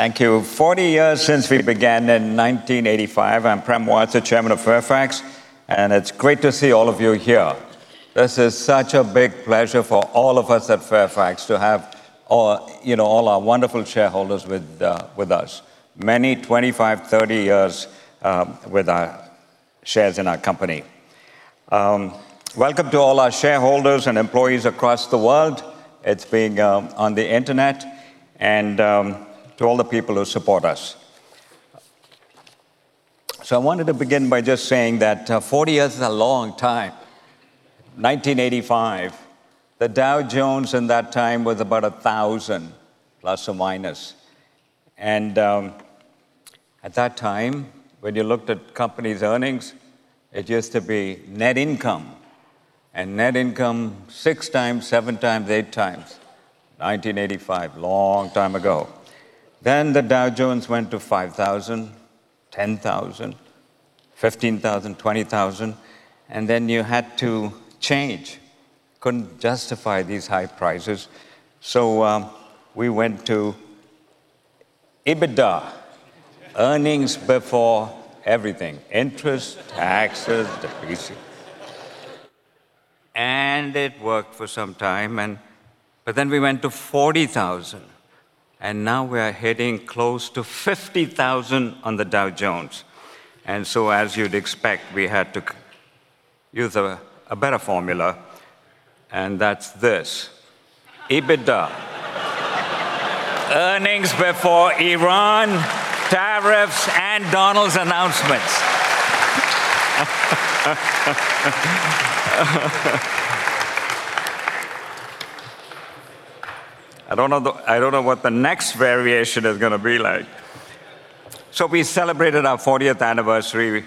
Thank you. 40 years since we began in 1985. I'm Prem Watsa, Chairman of Fairfax, and it's great to see all of you here. This is such a big pleasure for all of us at Fairfax to have all our wonderful shareholders with us. Many 25 years, 30 years with our shares in our company. Welcome to all our shareholders and employees across the world, it's being on the internet, and to all the people who support us. I wanted to begin by just saying that 40 years is a long time. 1985, the Dow Jones in that time was about ±1000. Couldn't justify these high prices. We went to Adjusted EBITDA. Earnings before everything: interests, taxes, depreciation. It worked for some time, but then we went to 40,000, and now we're heading close to 50,000 on the Dow Jones. As you'd expect, we had to use a better formula. That's this, Adjusted EBITDA: earnings before Iran, tariffs, and Donald's announcements. I don't know what the next variation is going to be like. We celebrated our 40th anniversary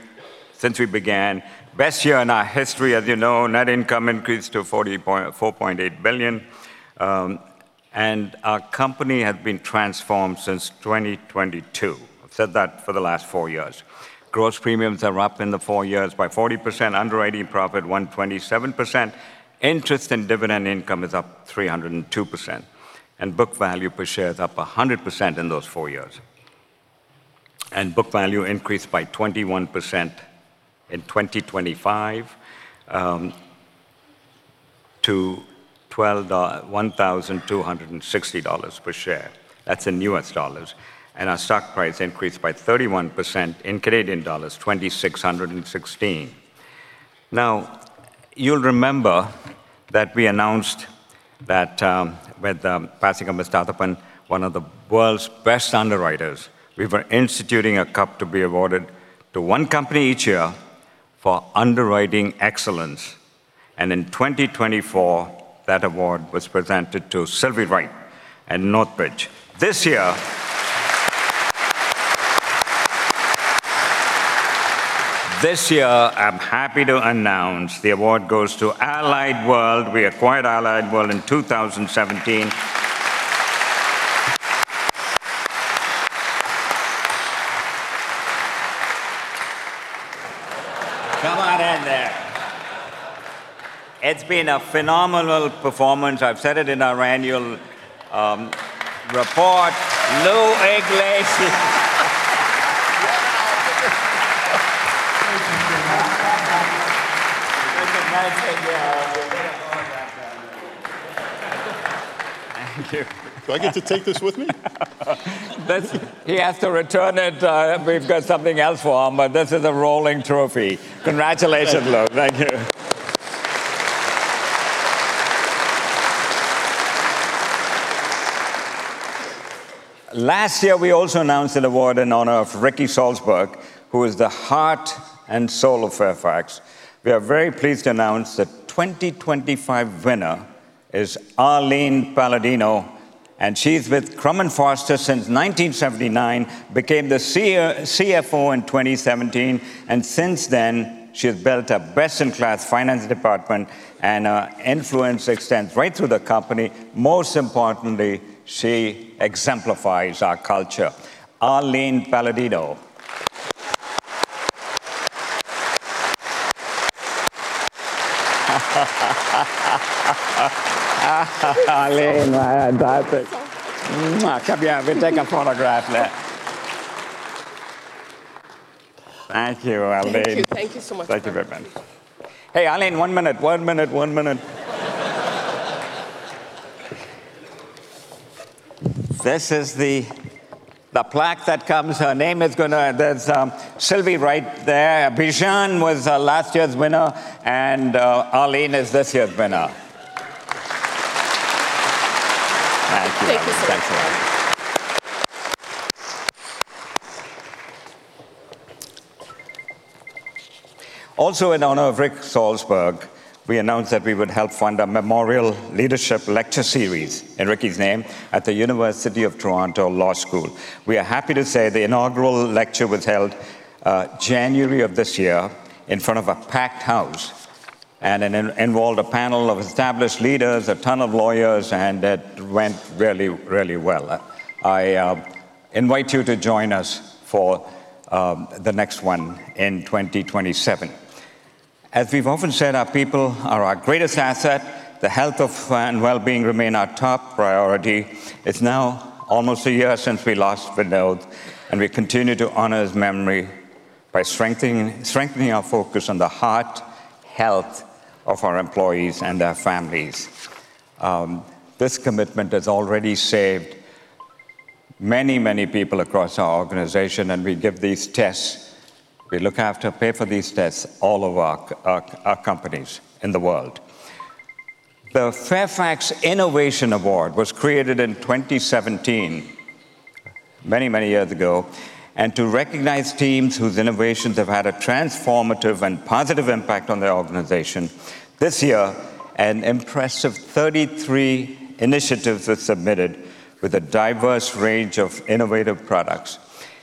since we began. Best year in our history, as you know. Net income increased to $4.8 billion. Our company has been transformed since 2022. I've said that for the last four years. Gross premiums are up in the four years by 40%. Underwriting profit, 127%. Interest and dividend income is up 302%. Book value per share is up 100% in those four years. Book value increased by 21% in 2025 to $1,260 per share. That's in U.S. dollars. Our stock price increased by 31% in Canadian dollars 2,616. Now, you'll remember that we announced that with passing of Mr. Athappan, one of the world's best underwriters, we were instituting a cup to be awarded to one company each year for underwriting excellence. In 2024, that award was presented to Silvy Wright and Northbridge. This year I'm happy to announce the award goes to Allied World. We acquired Allied World in 2017. Come on in there. It's been a phenomenal performance. I've said it in our annual report. Lou Iglesias. Thank you very much. It's amazing. Yeah. Thank you. Do I get to take this with me? He has to return it. We've got something else for him, but this is a rolling trophy. Congratulations, Lou. Thank you. Last year, we also announced an award in honor of Eric Salsberg, who is the heart and soul of Fairfax. We are very pleased to announce the 2025 winner is Arleen Paladino, and she's with Crum & Forster since 1979, became the CFO in 2017, and since then, she has built a best-in-class finance department, and her influence extends right through the company. Most importantly, she exemplifies our culture. Arleen Paladino. Arleen, fantastic. Come here. We take a photograph now. Thank you, Arleen. Thank you. Thank you so much. Thank you very much. Hey, Arleen, one minute. This is the plaque that comes. Her name is going to. There's Silvy right there. Bijan was last year's winner, and Arleen is this year's winner. Thank you. Thank you. Thank you. Also in honor of Rick Salzberg, we announced that we would help fund a memorial leadership lecture series in Ricky's name at the University of Toronto Law School. We are happy to say the inaugural lecture was held January of this year in front of a packed house, and it involved a panel of established leaders, a ton of lawyers, and it went really, really well. I invite you to join us for the next one in 2027. As we've often said, our people are our greatest asset. The health and wellbeing remain our top priority. It's now almost a year since we lost Vinod, and we continue to honor his memory by strengthening our focus on the heart health of our employees and their families. This commitment has already saved many people across our organization, and we give these tests. We look after, pay for these tests all over our companies in the world. The Fairfax Presidents' Innovation Award was created in 2017, many years ago, and to recognize teams whose innovations have had a transformative and positive impact on their organization. This year, an impressive 33 initiatives were submitted with a diverse range of innovative products.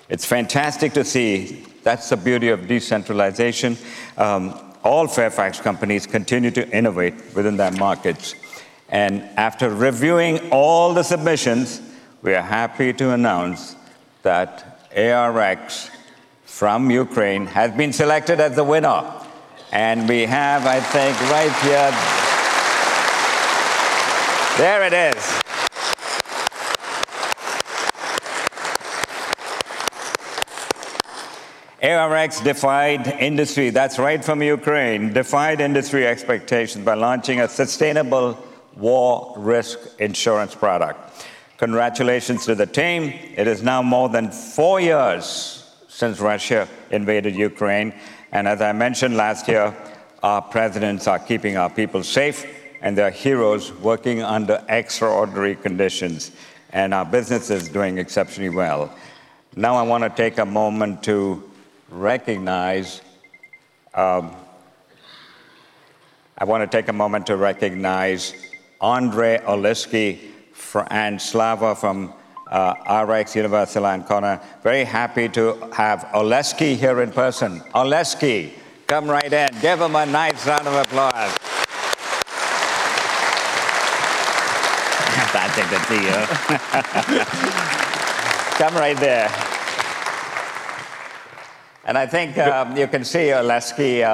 It's fantastic to see. That's the beauty of decentralization. All Fairfax companies continue to innovate within their markets. After reviewing all the submissions, we are happy to announce that ARX from Ukraine has been selected as the winner. We have, I think, right here. There it is. ARX defied industry. That's right, from Ukraine, defied industry expectations by launching a sustainable war risk insurance product. Congratulations to the team. It is now more than four years since Russia invaded Ukraine, and as I mentioned last year, our presidents are keeping our people safe, and they are heroes working under extraordinary conditions, and our business is doing exceptionally well. Now I want to take a moment to recognize Andriy Oleksiy and Slava from ARX and Connor. Very happy to have Oleksiy here in person. Oleksiy, come right in. Give him a nice round of applause. Thank you. Good to see you. Come right there. And I think you can see Oleksiy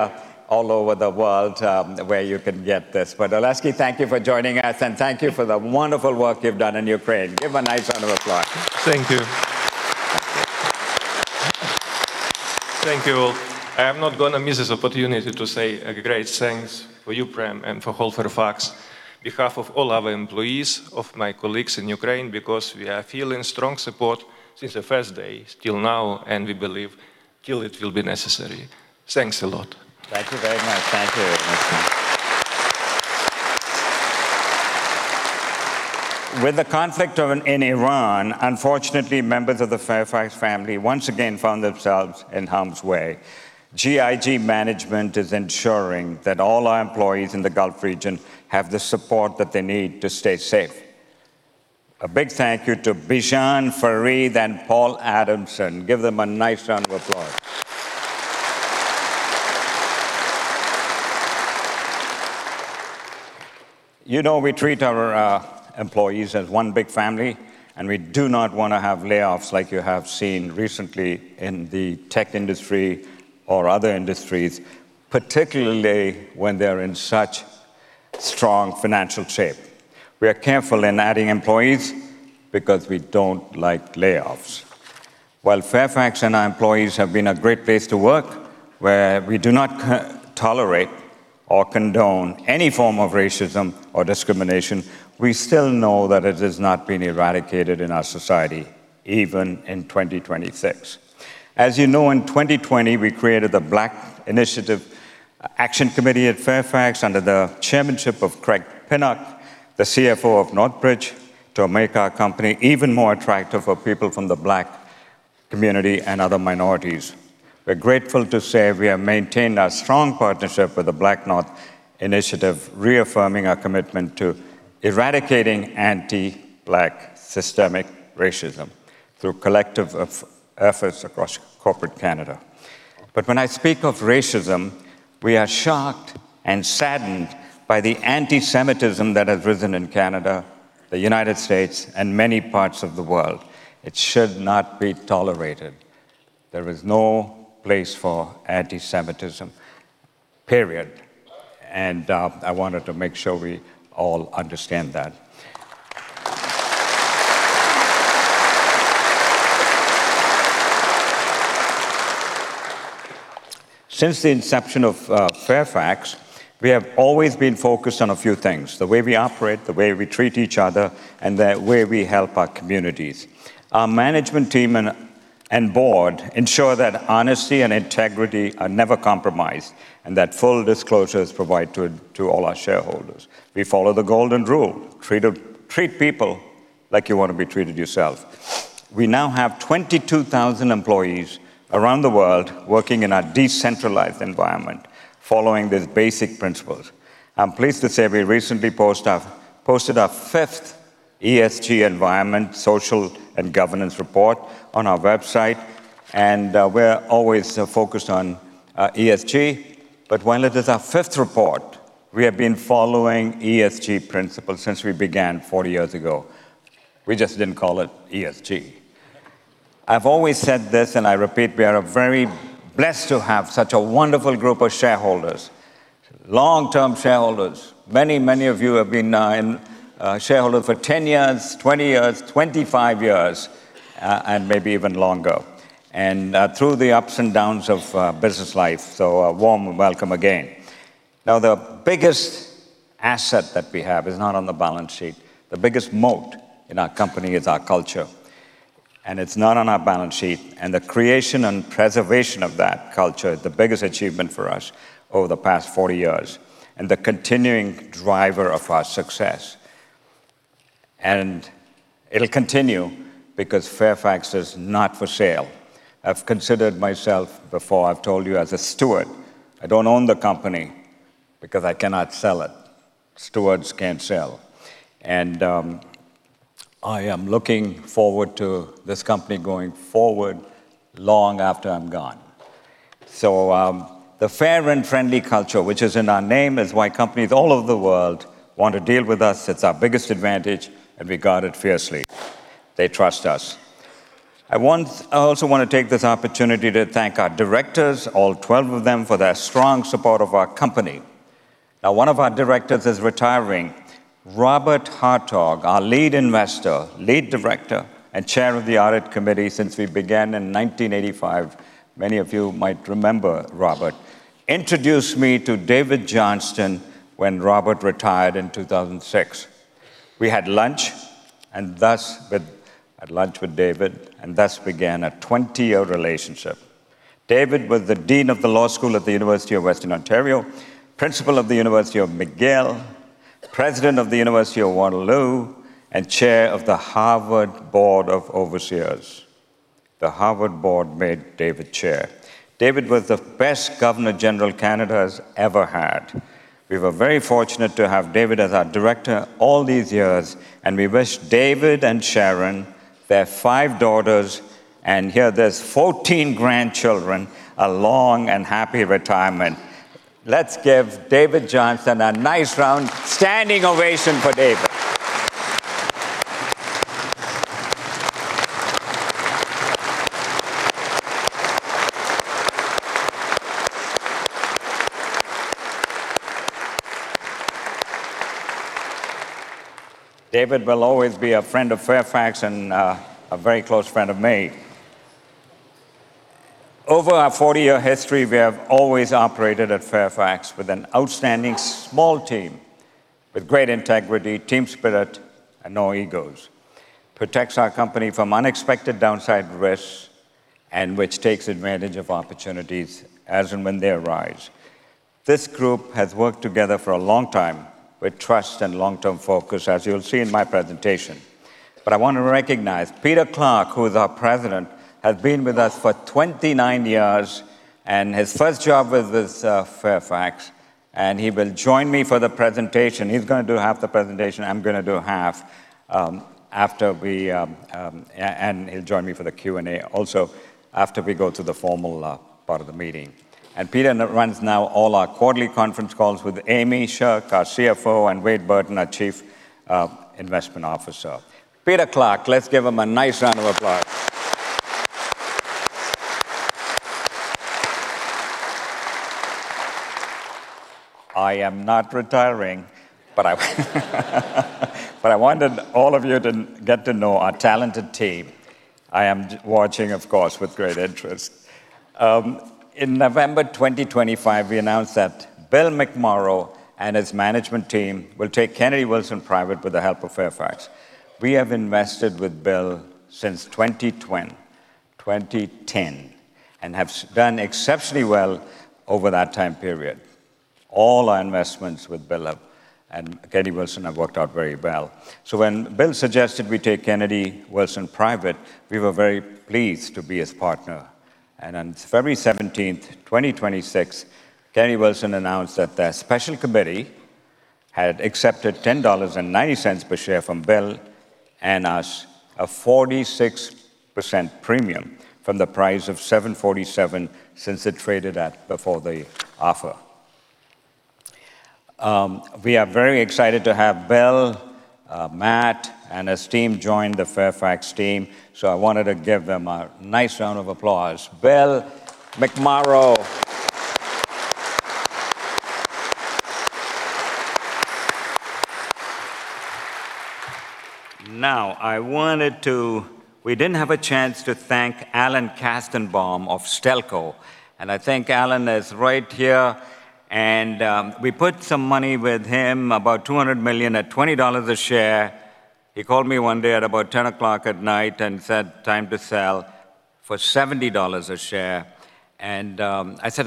all over the world where you can get this. Oleksiy, thank you for joining us, and thank you for the wonderful work you've done in Ukraine. Give a nice round of applause. Thank you. Thank you all. I am not going to miss this opportunity to say a great thanks to you, Prem, and to the whole Fairfax, on behalf of all our employees and my colleagues in Ukraine, because we are feeling strong support since the first day till now, and we believe till it will be necessary. Thanks a lot. Thank you very much. Thank you, Oleksiy. With the conflict in Iran, unfortunately, members of the Fairfax family once again found themselves in harm's way. GIG management is ensuring that all our employees in the Gulf region have the support that they need to stay safe. A big thank you to Bijan, Farid, and Paul Adamson. Give them a nice round of applause. You know we treat our employees as one big family, and we do not want to have layoffs like you have seen recently in the tech industry or other industries, particularly when they're in such strong financial shape. We are careful in adding employees because we don't like layoffs. While Fairfax and our employees have been a great place to work, where we do not tolerate or condone any form of racism or discrimination, we still know that it has not been eradicated in our society, even in 2026. As you know, in 2020, we created the Fairfax Black Initiatives Action Committee under the Chairmanship of Craig Pinnock, the CFO of Northbridge, to make our company even more attractive for people from the Black community and other minorities. We're grateful to say we have maintained our strong partnership with the BlackNorth Initiative, reaffirming our commitment to eradicating anti-Black systemic racism through collective efforts across corporate Canada. When I speak of racism, we are shocked and saddened by the antisemitism that has risen in Canada, the United States, and many parts of the world. It should not be tolerated. There is no place for antisemitism, period. I wanted to make sure we all understand that. Since the inception of Fairfax, we have always been focused on a few things, the way we operate, the way we treat each other, and the way we help our communities. Our management team and board ensure that honesty and integrity are never compromised and that full disclosures provide to all our shareholders. We follow the golden rule, treat people like you want to be treated yourself. We now have 22,000 employees around the world working in a decentralized environment following these basic principles. I'm pleased to say we recently posted our fifth ESG environment, social, and governance report on our website, and we're always focused on ESG. While it is our fifth report, we have been following ESG principles since we began 40 years ago. We just didn't call it ESG. I've always said this, and I repeat, we are very blessed to have such a wonderful group of shareholders, long-term shareholders. Many of you have been shareholders for 10 years, 20 years, 25 years, and maybe even longer, and through the ups and downs of business life. A warm welcome again. Now, the biggest asset that we have is not on the balance sheet. The biggest moat in our company is our culture, and it's not on our balance sheet. The creation and preservation of that culture is the biggest achievement for us over the past 40 years and the continuing driver of our success. It'll continue because Fairfax is not for sale. I've considered myself, before, I've told you, as a steward. I don't own the company because I cannot sell it. Stewards can't sell. I am looking forward to this company going forward long after I'm gone. The fair and friendly culture, which is in our name, is why companies all over the world want to deal with us. It's our biggest advantage, and we guard it fiercely. They trust us. I also want to take this opportunity to thank our directors, all 12 of them, for their strong support of our company. Now, one of our directors is retiring. Robert Hartog, our Lead Director and Chair of the Audit Committee since we began in 1985. Many of you might remember Robert. He introduced me to David Johnston when Robert retired in 2006. We had lunch with David, and thus began a 20-year relationship. David was the dean of the law school at the University of Western Ontario, Principal of McGill University, President of the University of Waterloo, and chair of the Harvard Board of Overseers. The Harvard board made David chair. David was the best governor general Canada has ever had. We were very fortunate to have David as our director all these years, and we wish David and Sharon, their five daughters, and hear there's 14 grandchildren, a long and happy retirement. Let's give David Johnston a nice round standing ovation for David. David will always be a friend of Fairfax and a very close friend of me. Over our 40-year history, we have always operated at Fairfax with an outstanding small team with great integrity, team spirit, and no egos. Protects our company from unexpected downside risks and which takes advantage of opportunities as and when they arise. This group has worked together for a long time with trust and long-term focus, as you'll see in my presentation. I want to recognize Peter Clarke, who is our President, has been with us for 29 years, and his first job was with Fairfax, and he will join me for the presentation. He's going to do half the presentation, I'm going to do half, and he'll join me for the Q&A also after we go through the formal part of the meeting. Peter runs now all our quarterly conference calls with Amy Sherk, our CFO, and Wade Burton, our Chief Investment Officer. Peter Clarke, let's give him a nice round of applause. I am not retiring, but I wanted all of you to get to know our talented team. I am watching, of course, with great interest. In November 2025, we announced that Bill McMorrow and his management team will take Kennedy Wilson private with the help of Fairfax. We have invested with Bill since 2010 and have done exceptionally well over that time period. All our investments with Bill and Kennedy Wilson have worked out very well. When Bill suggested we take Kennedy Wilson private, we were very pleased to be his partner. On February 17th, 2026, Kennedy Wilson announced that their special committee had accepted $10.90 per share from Bill and us, a 46% premium from the price of $7.47 since it traded at before the offer. We are very excited to have Bill, Matt, and his team join the Fairfax team. I wanted to give them a nice round of applause. Bill McMorrow. Now, we didn't have a chance to thank Alan Kestenbaum of Stelco, and I think Alan is right here. We put some money with him, about $200 million at $20 a share. He called me one day at about 10:00 P.M. and said, "Time to sell for $70 a share." I said,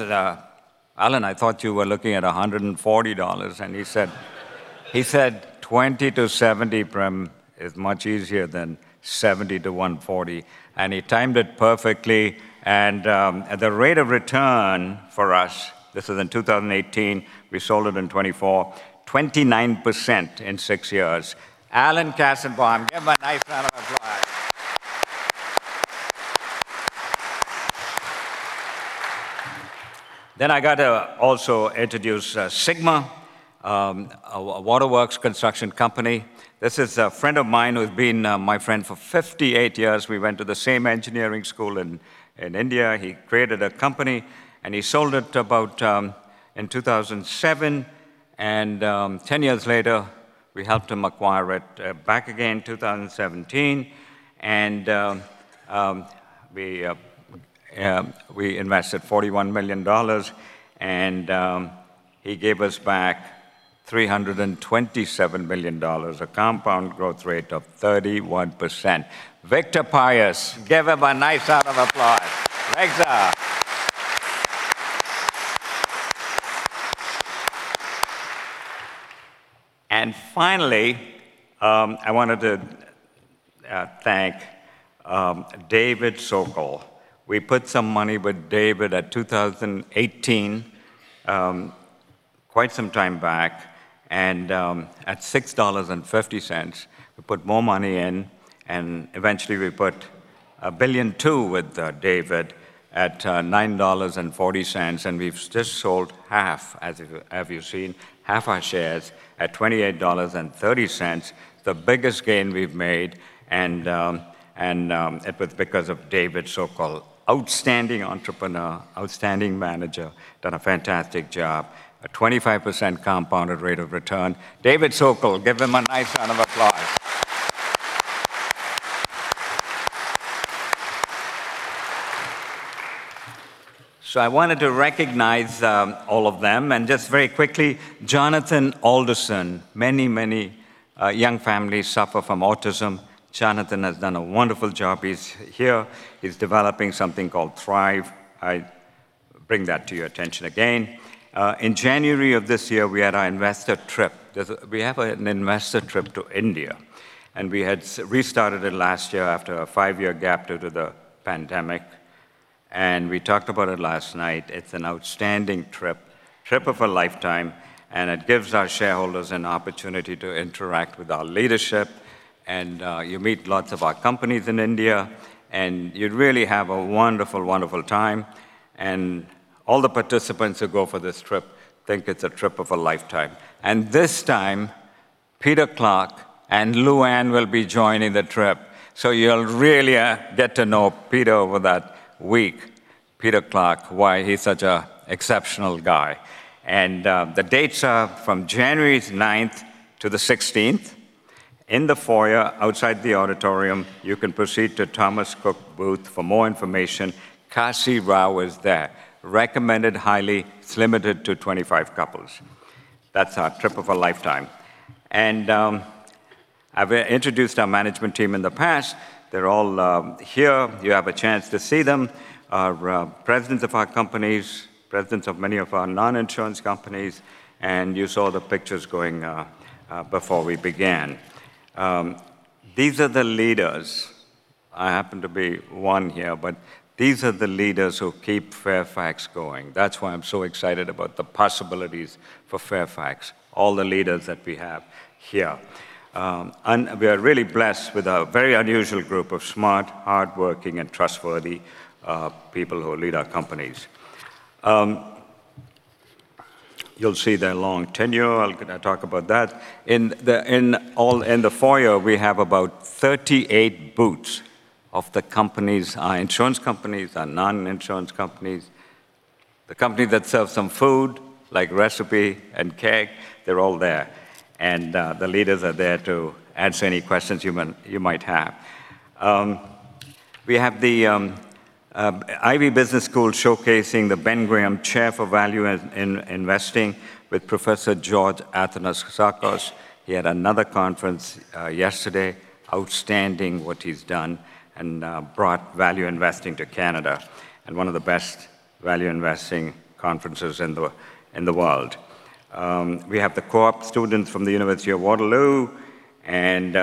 "Alan, I thought you were looking at $140." He said, "$20 - $70, Prem, is much easier than $70 - $140." He timed it perfectly. At the rate of return for us, this is in 2018, we sold it in 2024, 29% in six years. Alan Kestenbaum, give him a nice round of applause. I got to also introduce SIGMA, a waterworks construction company. This is a friend of mine who's been my friend for 58 years. We went to the same engineering school in India. He created a company and he sold it in 2007, and 10 years later, we helped him acquire it back again in 2017. We invested $41 million, and he gave us back $327 million, a compound growth rate of 31%. Victor Pais. Give him a nice round of applause. Victor. Finally, I wanted to thank David Sokol. We put some money with David in 2018, quite some time back, and at $6.50. We put more money in, and eventually we put $1 billion too with David at $9.40. We've just sold half, as you've seen, half our shares at $28.30. The biggest gain we've made and it was because of David Sokol. Outstanding entrepreneur, outstanding manager, done a fantastic job. A 25% compounded rate of return. David Sokol, give him a nice round of applause. I wanted to recognize all of them. Just very quickly, Jonathan Alderson. Many young families suffer from autism. Jonathan has done a wonderful job. He's here. He's developing something called Thrive. I bring that to your attention again. In January of this year, we had our investor trip. We have an investor trip to India, and we restarted it last year after a five-year gap due to the pandemic. We talked about it last night. It's an outstanding trip. Trip of a lifetime, and it gives our shareholders an opportunity to interact with our leadership. You meet lots of our companies in India, and you really have a wonderful time. All the participants who go for this trip think it's a trip of a lifetime. This time, Peter Clarke and Luanne will be joining the trip. You'll really get to know Peter over that week. Peter Clarke, why he's such an exceptional guy. The dates are from January 9th to the January 16th. In the foyer outside the auditorium, you can proceed to Thomas Cook booth for more information. Kashi Rao is there. Recommended highly. It's limited to 25 couples. That's our trip of a lifetime. I've introduced our management team in the past. They're all here. You have a chance to see them. Our presidents of our companies, presidents of many of our non-insurance companies, and you saw the pictures going before we began. These are the leaders. I happen to be one here, but these are the leaders who keep Fairfax going. That's why I'm so excited about the possibilities for Fairfax, all the leaders that we have here. We are really blessed with a very unusual group of smart, hardworking, and trustworthy people who lead our companies. You'll see their long tenure. I'm going to talk about that. In the foyer, we have about 38 booths of the companies, our insurance companies, our non-insurance companies. The company that sells some food, like Recipe and Keg, they're all there. The leaders are there to answer any questions you might have. We have the Ivey Business School showcasing the Ben Graham Chair in Value Investing with Professor George Athanassakos. He had another conference yesterday. Outstanding what he's done and brought value investing to Canada, and one of the best value investing conferences in the world. We have the co-op students from the University of Waterloo. Then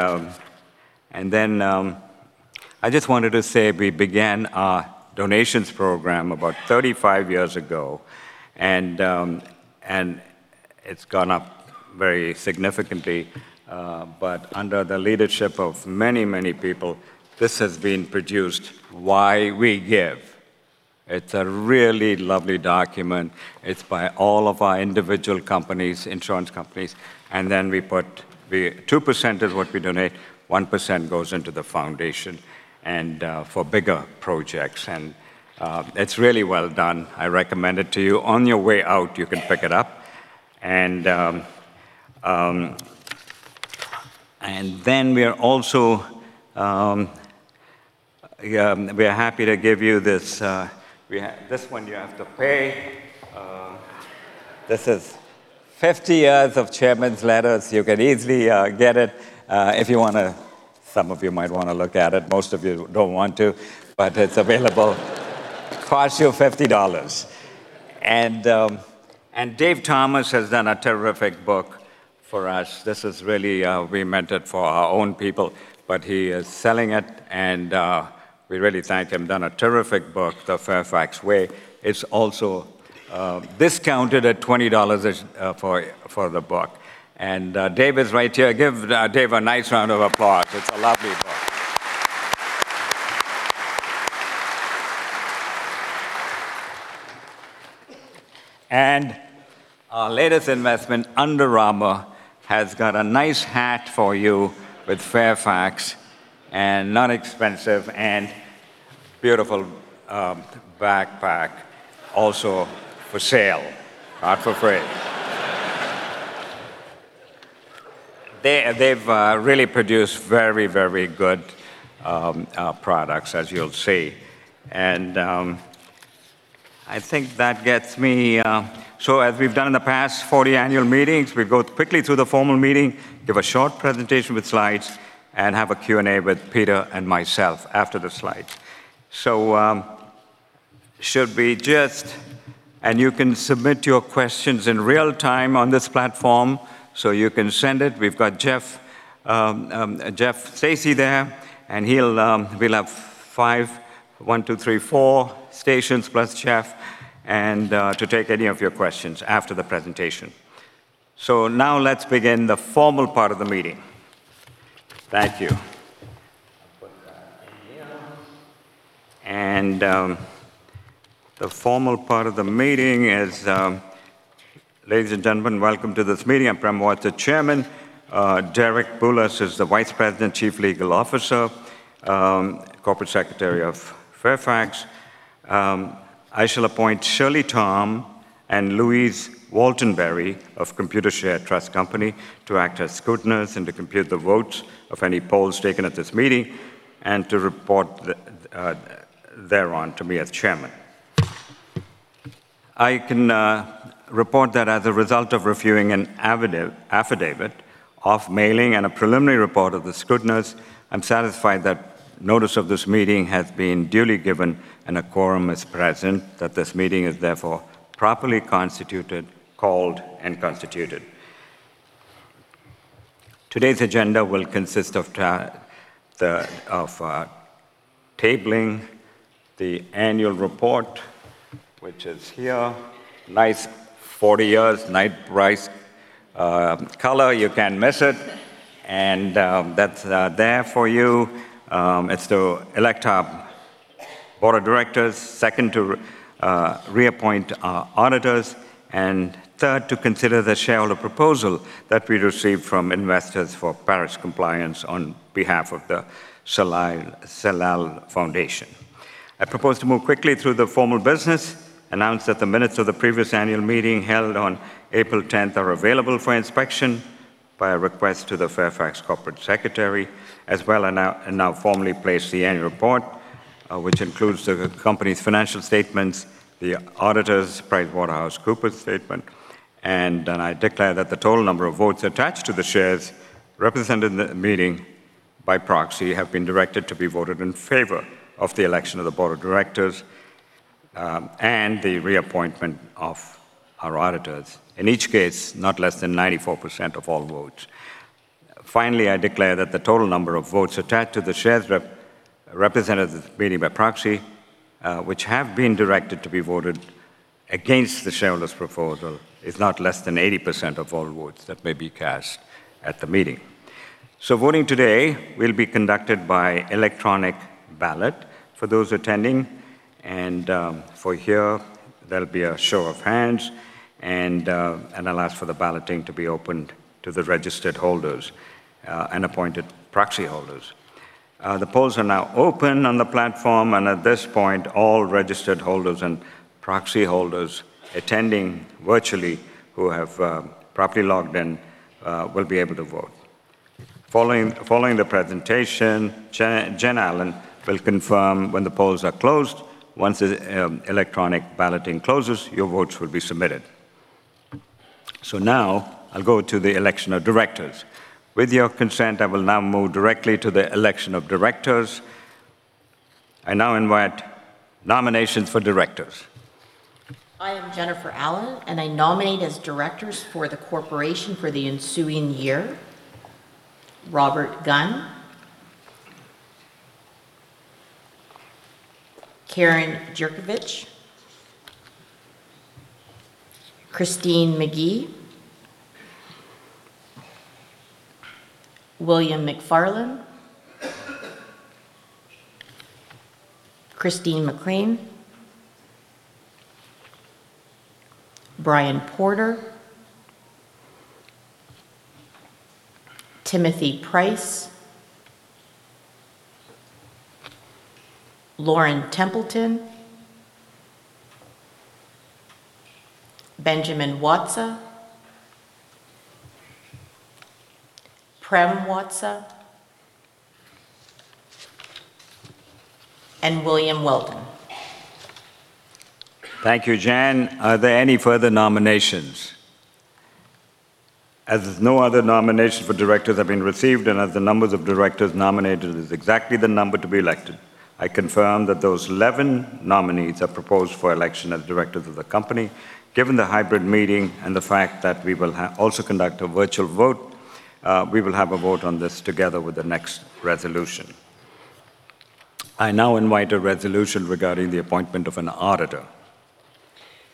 I just wanted to say we began our donations program about 35 years ago, and it's gone up very significantly. Under the leadership of many people, this has been produced. "Why We Give." It's a really lovely document. It's by all of our individual companies, insurance companies. Then we put the 2% of what we donate, 1% goes into the foundation and for bigger projects. It's really well done. I recommend it to you. On your way out, you can pick it up. Then we are happy to give you this. This one you have to pay. This is 50 years of Chairman's letters. You can easily get it if you want to. Some of you might want to look at it. Most of you don't want to, but it's available. Cost you $50. Dave Thomas has done a terrific book for us. This is really we meant it for our own people, but he is selling it and we really thank him. Done a terrific book, "The Fairfax Way." It's also discounted at $20 for the book. Dave is right here. Give Dave a nice round of applause. It's a lovely book. Our latest investment, Under Armour, has got a nice hat for you with Fairfax, and not expensive, and beautiful backpack also for sale, not for free. They've really produced very good products, as you'll see. I think that gets me. As we've done in the past 40 annual meetings, we'll go quickly through the formal meeting, give a short presentation with slides, and have a Q&A with Peter and myself after the slides. Should we just. You can submit your questions in real time on this platform. You can send it. We've got Jeff Stacy there, and we'll have five, one, two, three, four stations plus Jeff, and to take any of your questions after the presentation. Now let's begin the formal part of the meeting. Thank you. I'll put that in here. The formal part of the meeting is, ladies and gentlemen, welcome to this meeting. I'm Prem Watsa, Chairman. Derek Bulas is the Vice President, Chief Legal Officer, Corporate Secretary of Fairfax. I shall appoint Shirley Tom and Louise Waltenbury of Computershare Trust Company to act as scrutineers and to compute the votes of any polls taken at this meeting, and to report there on to me as Chairman. I can report that as a result of reviewing an affidavit of mailing and a preliminary report of the scrutineers, I'm satisfied that notice of this meeting has been duly given and a quorum is present, that this meeting is therefore properly constituted, called, and constituted. Today's agenda will consist of tabling the annual report, which is here. Nice 40 years nice, bright color. You can't miss it. That's there for you. It's to elect our Board of Directors, second, to reappoint our auditors, and third, to consider the shareholder proposal that we received from Investors for Paris Compliance on behalf of The Salal Foundation. I propose to move quickly through the formal business, announce that the minutes of the previous annual meeting held on April 10th are available for inspection by a request to the Fairfax corporate secretary, as well, and now formally place the annual report, which includes the company's financial statements, the auditors, PricewaterhouseCoopers statement. I declare that the total number of votes attached to the shares represented in the meeting by proxy have been directed to be voted in favor of the election of the board of directors, and the reappointment of our auditors. In each case, not less than 94% of all votes. Finally, I declare that the total number of votes attached to the shares represented at this meeting by proxy, which have been directed to be voted against the shareholders' proposal, is not less than 80% of all votes that may be cast at the meeting. Voting today will be conducted by electronic ballot for those attending. For here, that'll be a show of hands, and I'll ask for the balloting to be opened to the registered holders and appointed proxy holders. The polls are now open on the platform, and at this point, all registered holders and proxy holders attending virtually who have properly logged in will be able to vote. Following the presentation, Jen Allen will confirm when the polls are closed. Once the electronic balloting closes, your votes will be submitted. Now I'll go to the election of directors. With your consent, I will now move directly to the election of directors. I now invite nominations for directors. I am Jennifer Allen, and I nominate as directors for the corporation for the ensuing year, Robert Gunn, Karen Jurjevich, Christine Magee, William McFarland, Christine McLean, Brian Porter, Timothy Price, Lauren Templeton, Benjamin Watsa, Prem Watsa, and William Weldon. Thank you, Jen. Are there any further nominations? As no other nominations for directors have been received and as the number of directors nominated is exactly the number to be elected, I confirm that those 11 nominees are proposed for election as directors of the company. Given the hybrid meeting and the fact that we will also conduct a virtual vote, we will have a vote on this together with the next resolution. I now invite a resolution regarding the appointment of an auditor.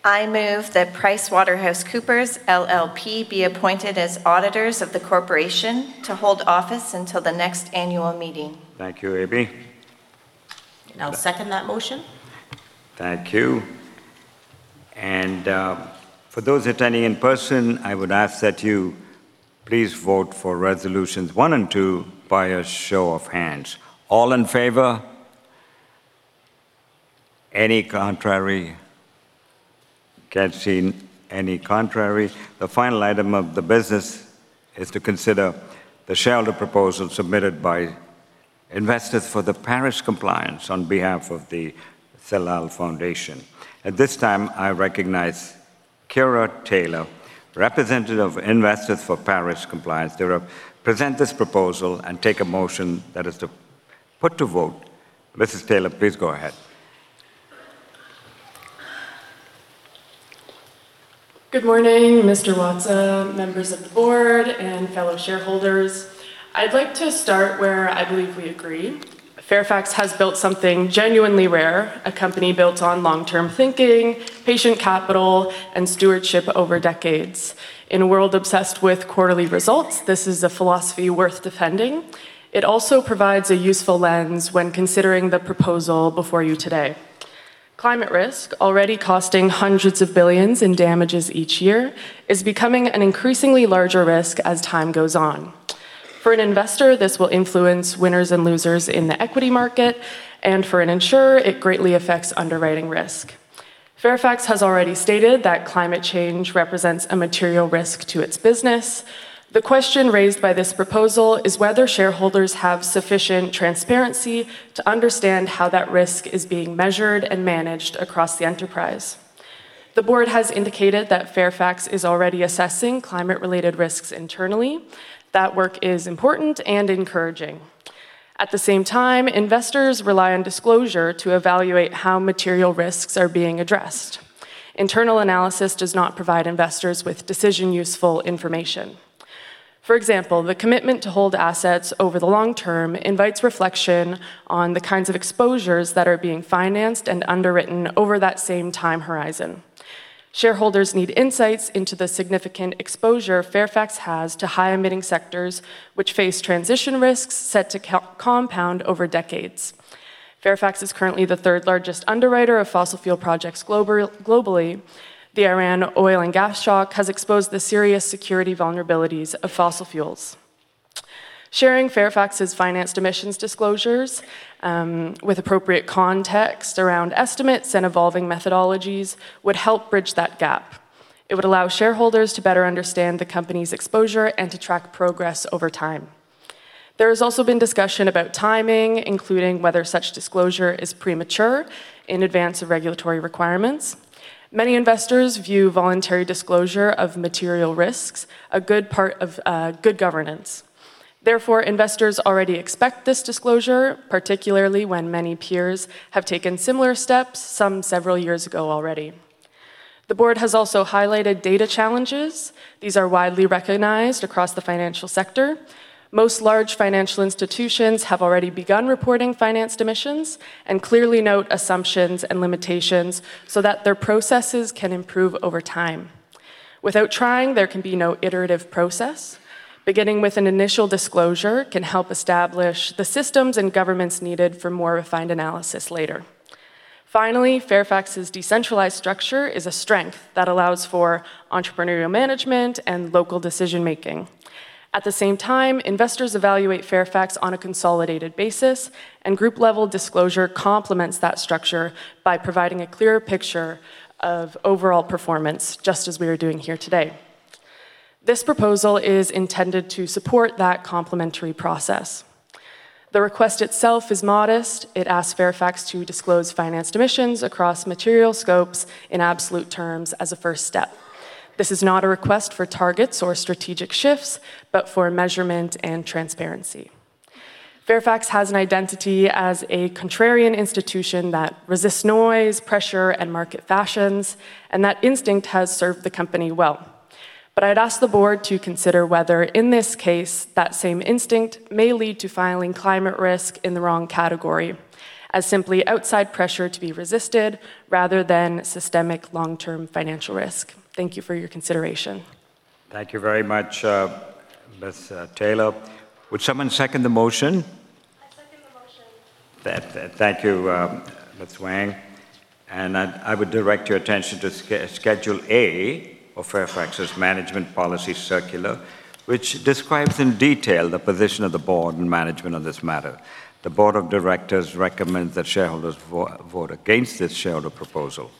I move that PricewaterhouseCoopers LLP be appointed as auditors of the corporation to hold office until the next annual meeting. Thank you, Amy. I'll second that motion. Thank you. For those attending in person, I would ask that you please vote for resolutions one and two by a show of hands. All in favor? Any contrary? Can't see any contrary. The final item of the business is to consider the shareholder proposal submitted by Investors for Paris Compliance on behalf of the Salal Foundation. At this time, I recognize Kiera Taylor, representative of Investors for Paris Compliance to present this proposal and take a motion that is to put to vote. Mrs. Taylor, please go ahead. Good morning, Mr. Watsa, members of the board, and fellow shareholders. I'd like to start where I believe we agree. Fairfax has built something genuinely rare, a company built on long-term thinking, patient capital, and stewardship over decades. In a world obsessed with quarterly results, this is a philosophy worth defending. It also provides a useful lens when considering the proposal before you today. Climate risk, already costing hundreds of billions in damages each year, is becoming an increasingly larger risk as time goes on. For an investor, this will influence winners and losers in the equity market, and for an insurer, it greatly affects underwriting risk. Fairfax has already stated that climate change represents a material risk to its business. The question raised by this proposal is whether shareholders have sufficient transparency to understand how that risk is being measured and managed across the enterprise. The board has indicated that Fairfax is already assessing climate-related risks internally. That work is important and encouraging. At the same time, investors rely on disclosure to evaluate how material risks are being addressed. Internal analysis does not provide investors with decision-useful information. For example, the commitment to hold assets over the long term invites reflection on the kinds of exposures that are being financed and underwritten over that same time horizon. Shareholders need insights into the significant exposure Fairfax has to high-emitting sectors, which face transition risks set to compound over decades. Fairfax is currently the third-largest underwriter of fossil fuel projects globally. The Iran oil and gas shock has exposed the serious security vulnerabilities of fossil fuels. Sharing Fairfax's financed emissions disclosures with appropriate context around estimates and evolving methodologies would help bridge that gap. It would allow shareholders to better understand the company's exposure and to track progress over time. There has also been discussion about timing, including whether such disclosure is premature in advance of regulatory requirements. Many investors view voluntary disclosure of material risks a good part of good governance. Therefore, investors already expect this disclosure, particularly when many peers have taken similar steps, some several years ago already. The board has also highlighted data challenges. These are widely recognized across the financial sector. Most large financial institutions have already begun reporting financed emissions and clearly note assumptions and limitations so that their processes can improve over time. Without trying, there can be no iterative process. Beginning with an initial disclosure can help establish the systems and governance needed for more refined analysis later. Finally, Fairfax's decentralized structure is a strength that allows for entrepreneurial management and local decision-making. At the same time, investors evaluate Fairfax on a consolidated basis, and group-level disclosure complements that structure by providing a clearer picture of overall performance, just as we are doing here today. This proposal is intended to support that complementary process. The request itself is modest. It asks Fairfax to disclose financed emissions across material scopes in absolute terms as a first step. This is not a request for targets or strategic shifts, but for measurement and transparency. Fairfax has an identity as a contrarian institution that resists noise, pressure, and market fashions, and that instinct has served the company well. I'd ask the board to consider whether, in this case, that same instinct may lead to filing climate risk in the wrong category as simply outside pressure to be resisted rather than systemic long-term financial risk. Thank you for your consideration. Thank you very much, Ms. Taylor. Would someone second the motion? I second the motion. Thank you, Ms. Wang. I would direct your attention to Schedule A of Fairfax's management policy circular, which describes in detail the position of the board and management on this matter. The board of directors recommend that shareholders vote against this shareholder proposal.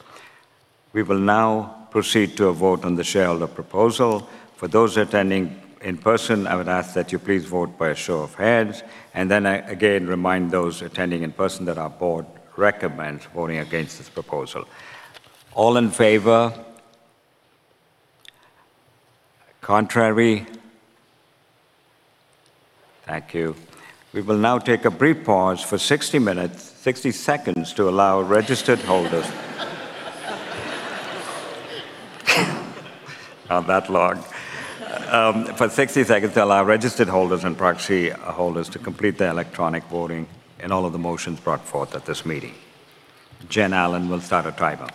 We will now proceed to a vote on the shareholder proposal. For those attending in person, I would ask that you please vote by a show of hands, and then I, again, remind those attending in person that our board recommends voting against this proposal. All in favor? Contrary? Thank you. We will now take a brief pause for 60 seconds to allow registered holders and proxy holders to complete their electronic voting in all of the motions brought forth at this meeting. Jen Allen will start a timer.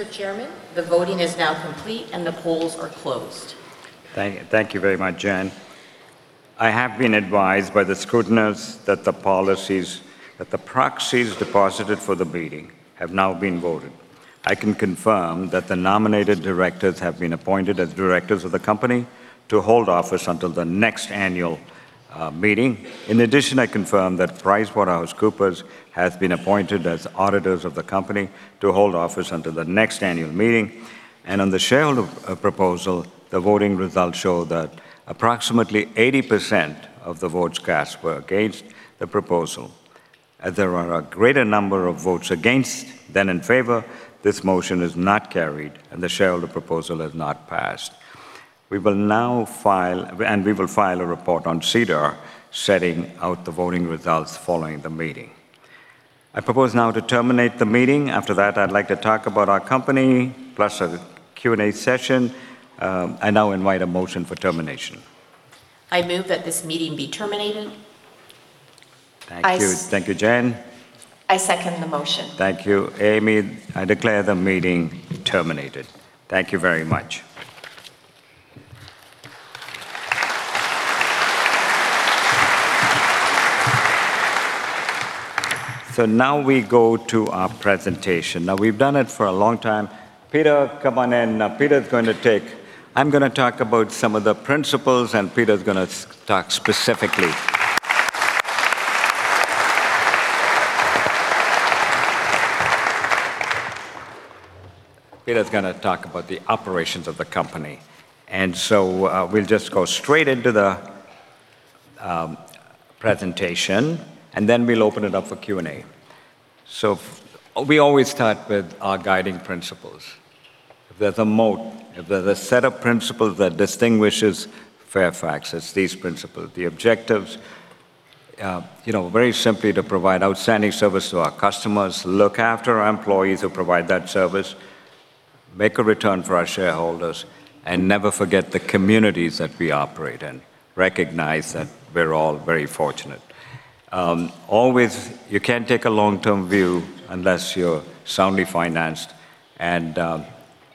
Mr. Chairman, the voting is now complete, and the polls are closed. Thank you very much, Jen. I have been advised by the scrutineers that the proxies deposited for the meeting have now been voted. I can confirm that the nominated directors have been appointed as directors of the company to hold office until the next annual meeting. In addition, I confirm that PricewaterhouseCoopers has been appointed as auditors of the company to hold office until the next annual meeting. On the shareholder proposal, the voting results show that approximately 80% of the votes cast were against the proposal. As there are a greater number of votes against than in favor, this motion is not carried, and the shareholder proposal has not passed. We will file a report on SEDAR setting out the voting results following the meeting. I propose now to terminate the meeting. After that, I'd like to talk about our company, plus a Q&A session. I now invite a motion for termination. I move that this meeting be terminated. Thank you, Jen. I second the motion. Thank you, Amy. I declare the meeting terminated. Thank you very much. Now we go to our presentation. Now, we've done it for a long time. Peter, come on in. I'm going to talk about some of the principles, and Peter's going to talk specifically. Peter's going to talk about the operations of the company, and so we'll just go straight into the presentation, and then we'll open it up for Q&A. We always start with our guiding principles. They're the moat. They're the set of principles that distinguishes Fairfax. It's these principles. The objectives, very simply, to provide outstanding service to our customers, look after our employees who provide that service, make a return for our shareholders, and never forget the communities that we operate in. Recognize that we're all very fortunate. You can't take a long-term view unless you're soundly financed and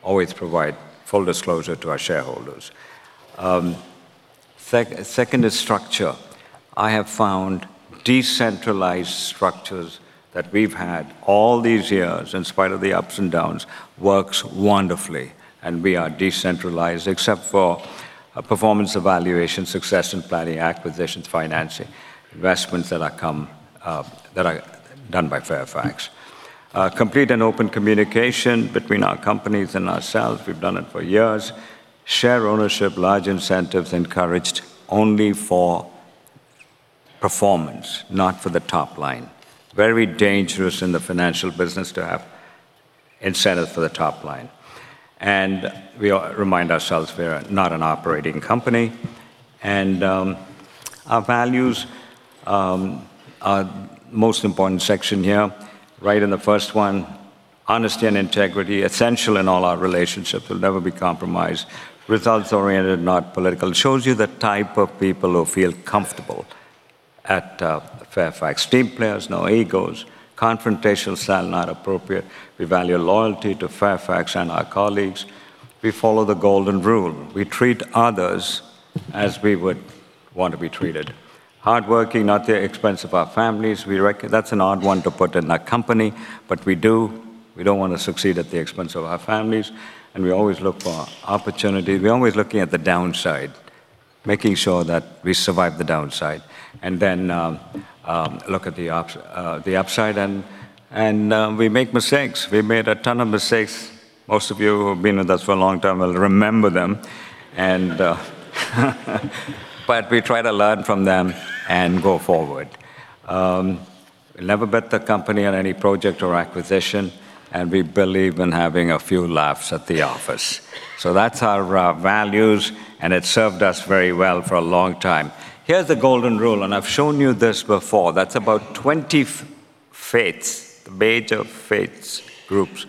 always provide full disclosure to our shareholders. Second is structure. I have found decentralized structures that we've had all these years, in spite of the ups and downs, works wonderfully. We are decentralized except for performance evaluation, succession planning, acquisitions, financing, investments that are done by Fairfax. Complete and open communication between our companies and ourselves. We've done it for years. Share ownership, large incentives encouraged only for performance, not for the top line. Very dangerous in the financial business to have incentive for the top line. We remind ourselves we're not an operating company. Our values are most important section here, right in the first one. Honesty and integrity, essential in all our relationships, will never be compromised. Results-oriented, not political. Shows you the type of people who feel comfortable at Fairfax. Team players, no egos. Confrontational style not appropriate. We value loyalty to Fairfax and our colleagues. We follow the golden rule. We treat others as we would want to be treated. Hardworking, not at the expense of our families. That's an odd one to put in a company, but we do. We don't want to succeed at the expense of our families. We always look for opportunity. We're always looking at the downside, making sure that we survive the downside, and then look at the upside and we make mistakes. We made a ton of mistakes. Most of you who've been with us for a long time will remember them. We try to learn from them and go forward. We never bet the company on any project or acquisition, and we believe in having a few laughs at the office. That's our values, and it served us very well for a long time. Here's the golden rule, and I've shown you this before. That's about 20 faiths, the major faith groups.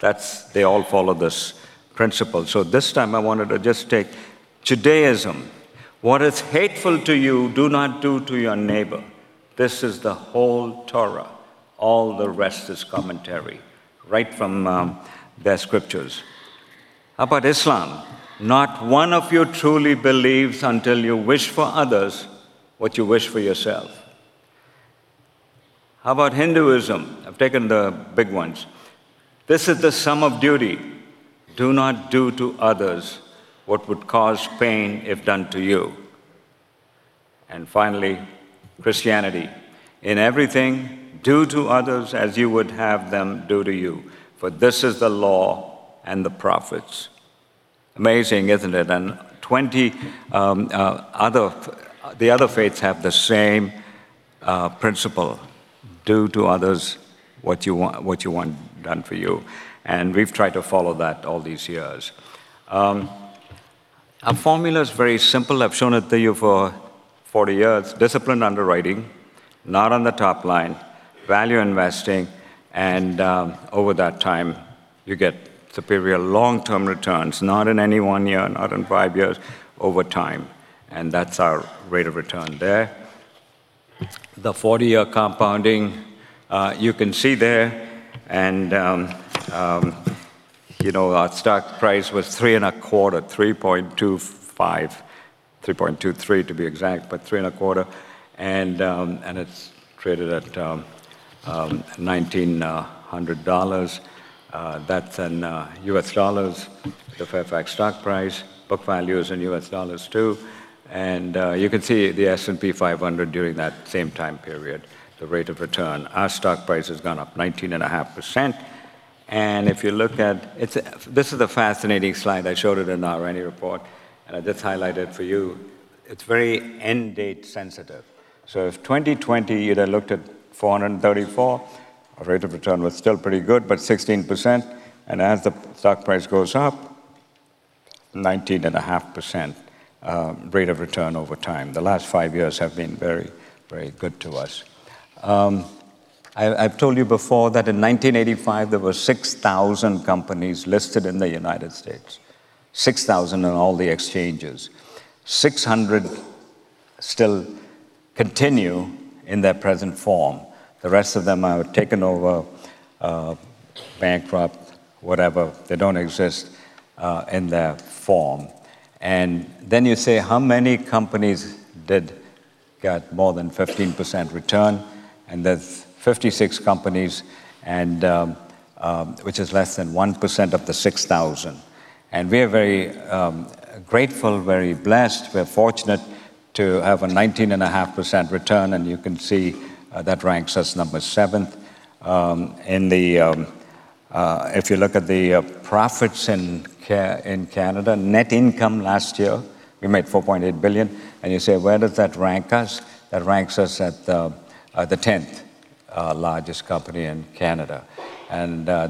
They all follow this principle. This time I wanted to just take Judaism. "What is hateful to you, do not do to your neighbor. This is the whole Torah. All the rest is commentary." Right from their scriptures. How about Islam? "Not one of you truly believes until you wish for others what you wish for yourself." How about Hinduism? I've taken the big ones. "This is the sum of duty. Do not do to others what would cause pain if done to you." Finally, Christianity. "In everything, do to others as you would have them do to you, for this is the law and the prophets." Amazing, isn't it? Too, the other faiths have the same principle. Do to others what you want done for you, and we've tried to follow that all these years. Our formula is very simple. I've shown it to you for 40 years. Disciplined underwriting, not on the top line, value investing, and over that time, you get superior long-term returns, not in any one year, not in five years, over time, and that's our rate of return there. The 40-year compounding, you can see there. Our stock price was 3.25, 3.23 to be exact, but 3.25, and it's traded at $1,900 million. That's in U.S. dollars, the Fairfax stock price. Book value is in U.S. dollars too. You can see the S&P 500 during that same time period, the rate of return. Our stock price has gone up 19.5%. If you look at... This is a fascinating slide. I showed it in our annual report, and I just highlight it for you. It's very end date sensitive. If 2020 you'd have looked at 434, our rate of return was still pretty good, but 16%, and as the stock price goes up, 19.5% rate of return over time. The last five years have been very good to us. I've told you before that in 1985, there were 6,000 companies listed in the United States on all the exchanges. 600 still continue in their present form. The rest of them are taken over, bankrupt, whatever. They don't exist in their form. Then you say, how many companies did get more than 15% return? That's 56 companies, which is less than 1% of the 6,000. We are very grateful, very blessed. We're fortunate to have a 19.5% return, and you can see that ranks us number seventh. If you look at the profits in Canada, net income last year, we made $4.8 billion, and you say, where does that rank us? That ranks us at the 10th largest company in Canada.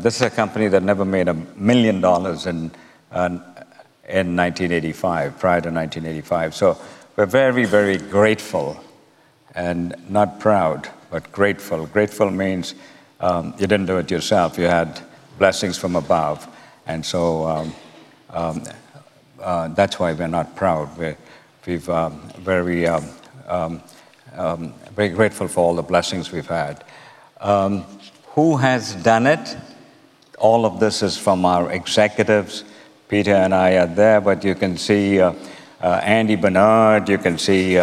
This is a company that never made a $1 million in 1985, prior to 1985. We're very grateful and not proud, but grateful. Grateful means you didn't do it yourself. You had blessings from above. That's why we're not proud. We're very grateful for all the blessings we've had. Who has done it? All of this is from our executives. Peter and I are there, but you can see Andy Barnard. You can see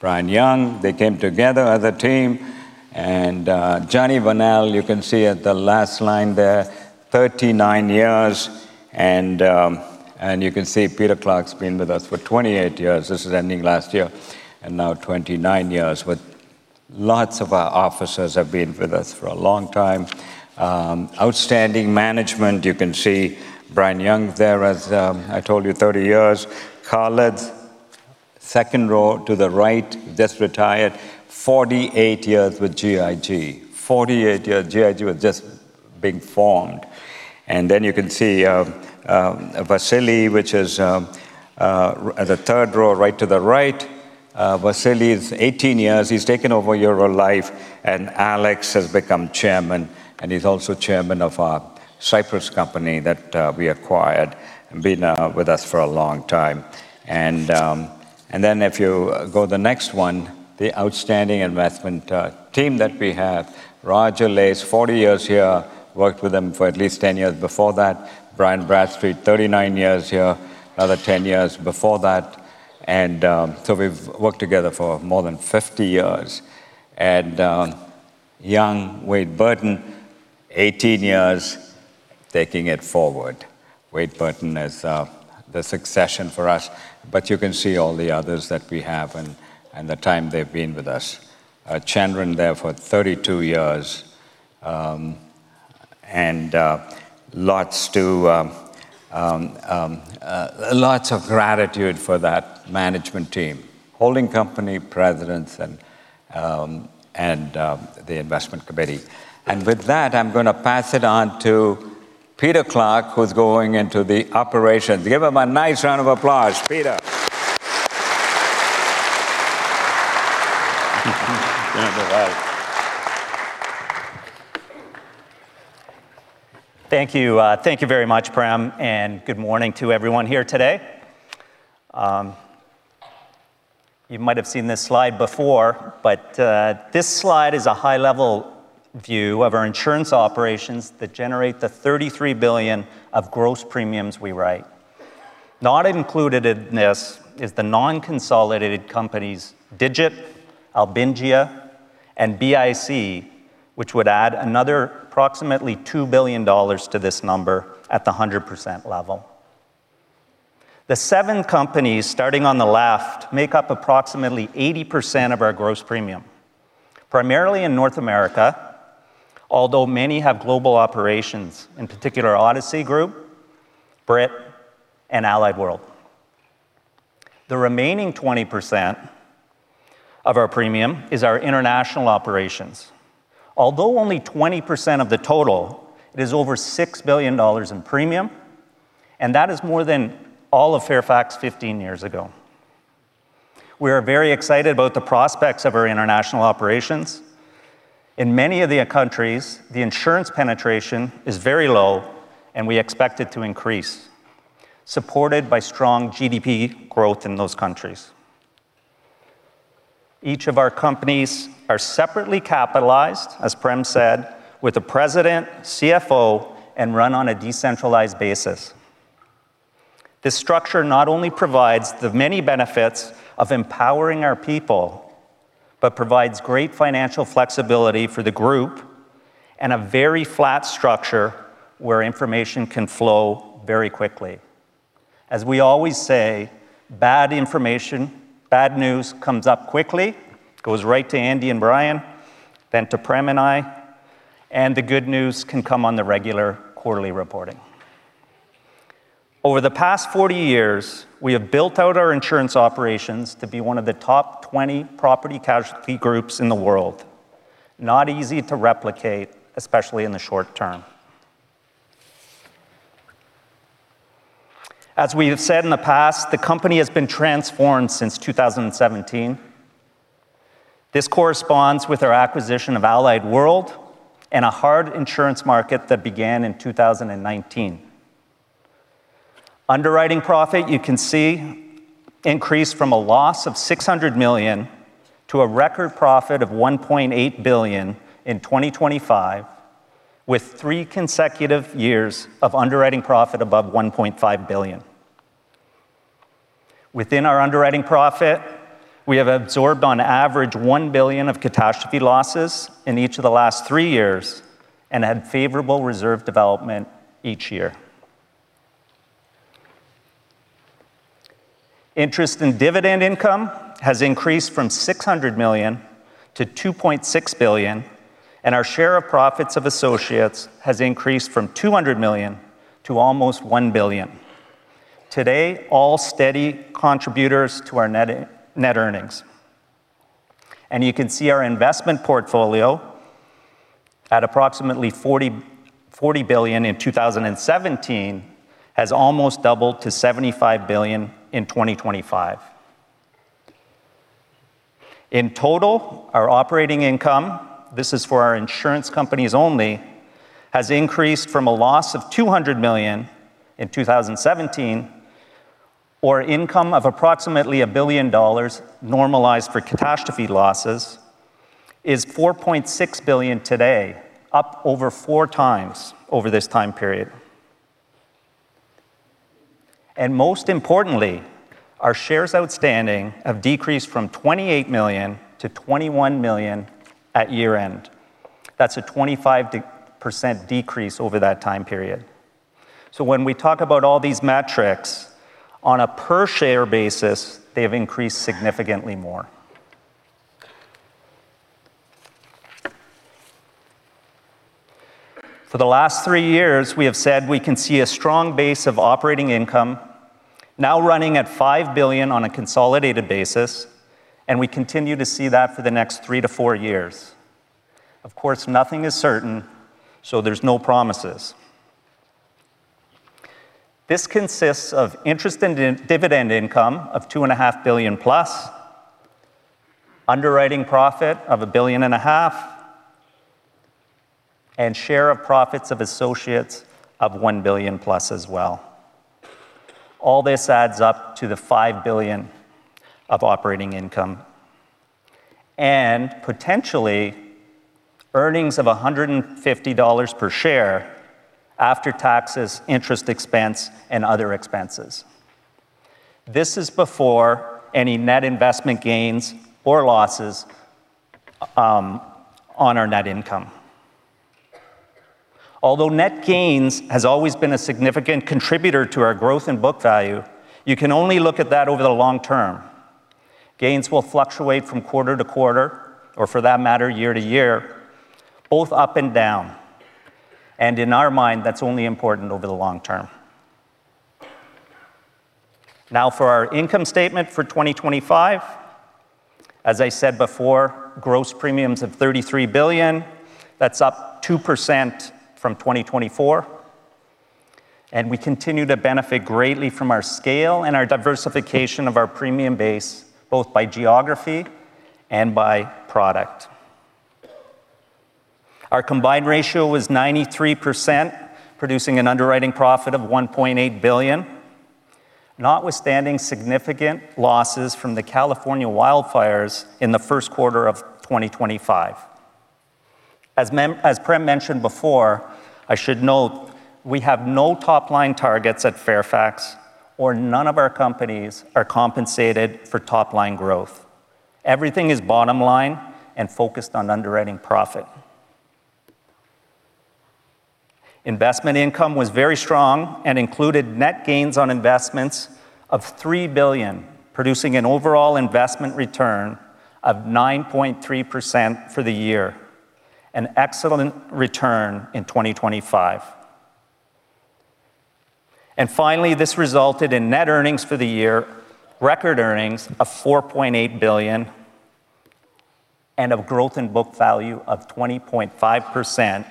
Brian Young. They came together as a team. John Varnell, you can see at the last line there, 39 years. You can see Peter Clarke's been with us for 28 years. This is ending last year, and now 29 years, with lots of our officers have been with us for a long time. Outstanding management. You can see Brian Young there, as I told you, 30 years. Khaled, second row to the right, just retired, 48 years with GIG. 48 years. GIG was just being formed. You can see Vasily, which is at the third row, right to the right. Vasily is 18 years. He's taken over Eurolife, and Alex has become chairman, and he's also chairman of our Cyprus company that we acquired. Been with us for a long time. If you go the next one, the outstanding investment team that we have. Roger Leigh is 40 years here, worked with him for at least 10 years before that. Brian Blaser, 39 years here, another 10 years before that. We've worked together for more than 50 years. Young Wade Burton, 18 years, taking it forward. Wade Burton is the succession for us. You can see all the others that we have and the time they've been with us. Chandran there for 32 years. Lots of gratitude for that management team, holding company presidents, and the investment committee. With that, I'm going to pass it on to Peter Clarke, who's going into the operations. Give him a nice round of applause. Peter. Thank you. Thank you very much, Prem, and good morning to everyone here today. You might have seen this slide before, but this slide is a high-level view of our insurance operations that generate the $33 billion of gross premiums we write. Not included in this is the non-consolidated companies Digit, Albingia, and BIC, which would add another approximately $2 billion to this number at the 100% level. The seven companies starting on the left make up approximately 80% of our gross premium, primarily in North America, although many have global operations. In particular, Odyssey Group, Brit, and Allied World. The remaining 20% of our premium is our international operations. Although only 20% of the total, it is over $6 billion in premium, and that is more than all of Fairfax 15 years ago. We are very excited about the prospects of our international operations. In many of the countries, the insurance penetration is very low, and we expect it to increase, supported by strong GDP growth in those countries. Each of our companies are separately capitalized, as Prem said, with a President, CFO, and run on a decentralized basis. This structure not only provides the many benefits of empowering our people, but provides great financial flexibility for the group and a very flat structure where information can flow very quickly. As we always say, bad information, bad news, comes up quickly, goes right to Andy and Brian, then to Prem and I, and the good news can come on the regular quarterly reporting. Over the past 40 years, we have built out our insurance operations to be one of the top 20 property casualty groups in the world. Not easy to replicate, especially in the short term. As we have said in the past, the company has been transformed since 2017. This corresponds with our acquisition of Allied World and a hard insurance market that began in 2019. Underwriting profit, you can see, increased from a loss of $600 million to a record profit of $1.8 billion in 2025, with three consecutive years of underwriting profit above $1.5 billion. Within our underwriting profit, we have absorbed on average $1 billion of catastrophe losses in each of the last three years and had favorable reserve development each year. Interest and dividend income has increased from $600 million to $2.6 billion, and our share of profits of associates has increased from $200 million to almost $1 billion. Today, all steady contributors to our net earnings. You can see our investment portfolio at approximately $40 billion in 2017 has almost doubled to $75 billion in 2025. In total, our operating income, this is for our insurance companies only, has increased from a loss of $200 million in 2017, or income of approximately $1 billion normalized for catastrophe losses, is $4.6 billion today, up over four times over this time period. Most importantly, our shares outstanding have decreased from $28 million - $21 million at year-end. That's a 25% decrease over that time period. When we talk about all these metrics on a per share basis, they've increased significantly more. For the last three years, we have said we can see a strong base of operating income now running at $5 billion on a consolidated basis, and we continue to see that for the next three to four years. Of course, nothing is certain, so there's no promises. This consists of interest and dividend income of +$2.5 billion, underwriting profit of $1.5 billion, and share of profits of associates of +$1 billion as well. All this adds up to the $5 billion of operating income and potentially $150 EPS after taxes, interest expense, and other expenses. This is before any net investment gains or losses on our net income. Although net gains has always been a significant contributor to our growth and book value, you can only look at that over the long term. Gains will fluctuate from quarter to quarter, or for that matter, year to year, both up and down. In our mind, that's only important over the long term. Now for our income statement for 2025. As I said before, gross premiums of $33 billion. That's up 2% from 2024. We continue to benefit greatly from our scale and our diversification of our premium base, both by geography and by product. Our combined ratio was 93%, producing an underwriting profit of $1.8 billion, notwithstanding significant losses from the California wildfires in the first quarter of 2025. As Prem mentioned before, I should note, we have no top-line targets at Fairfax or none of our companies are compensated for top-line growth. Everything is bottom line and focused on underwriting profit. Investment income was very strong and included net gains on investments of $3 billion, producing an overall investment return of 9.3% for the year, an excellent return in 2025. Finally, this resulted in net earnings for the year, record earnings of $4.8 billion and of growth in book value of 20.5%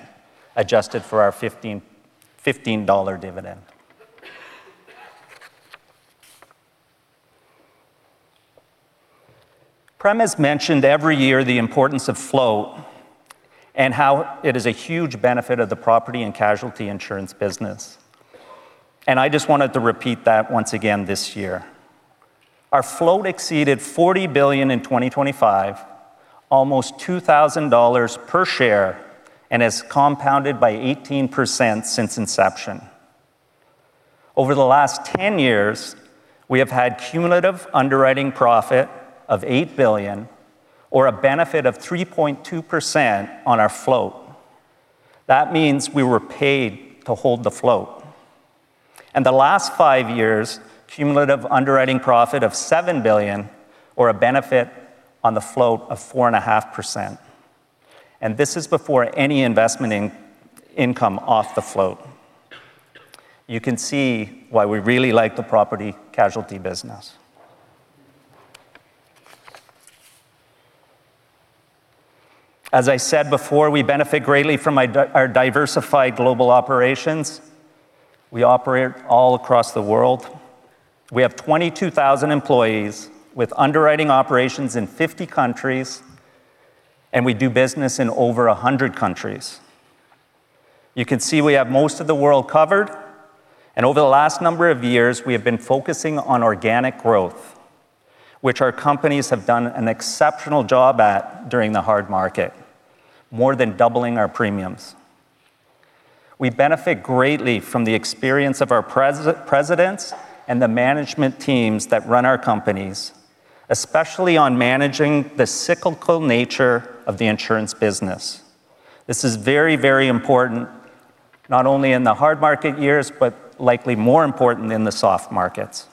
adjusted for our $15 million dividend. Prem has mentioned every year the importance of float and how it is a huge benefit of the property and casualty insurance business, and I just wanted to repeat that once again this year. Our float exceeded $40 billion in 2025, almost $2,000 per share, and has compounded by 18% since inception. Over the last 10 years, we have had cumulative underwriting profit of $8 billion or a benefit of 3.2% on our float. That means we were paid to hold the float. In the last five years, cumulative underwriting profit of $7 billion or a benefit on the float of 4.5%. This is before any investment income off the float. You can see why we really like the property casualty business. As I said before, we benefit greatly from our diversified global operations. We operate all across the world. We have 22,000 employees with underwriting operations in 50 countries, and we do business in over 100 countries. You can see we have most of the world covered, and over the last number of years, we have been focusing on organic growth, which our companies have done an exceptional job at during the hard market, more than doubling our premiums. We benefit greatly from the experience of our presidents and the management teams that run our companies, especially on managing the cyclical nature of the insurance business. This is very, very important, not only in the hard market years, but likely more important in the soft markets.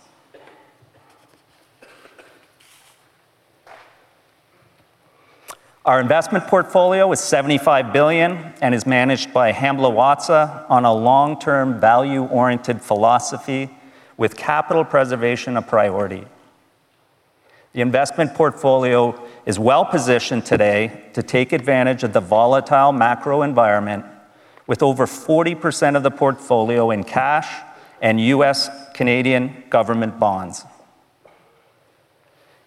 Our investment portfolio is $75 billion and is managed by Hamblin Watsa on a long-term, value-oriented philosophy with capital preservation a priority. The investment portfolio is well-positioned today to take advantage of the volatile macro environment with over 40% of the portfolio in cash and U.S., Canadian government bonds.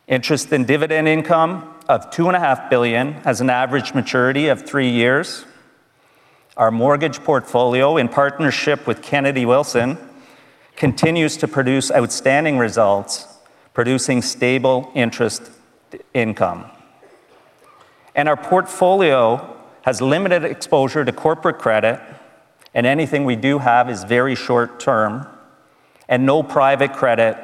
Interest and dividend income of $2.5 billion has an average maturity of three years. Our mortgage portfolio, in partnership with Kennedy Wilson, continues to produce outstanding results, producing stable interest income. Our portfolio has limited exposure to corporate credit, and anything we do have is very short-term and no private credit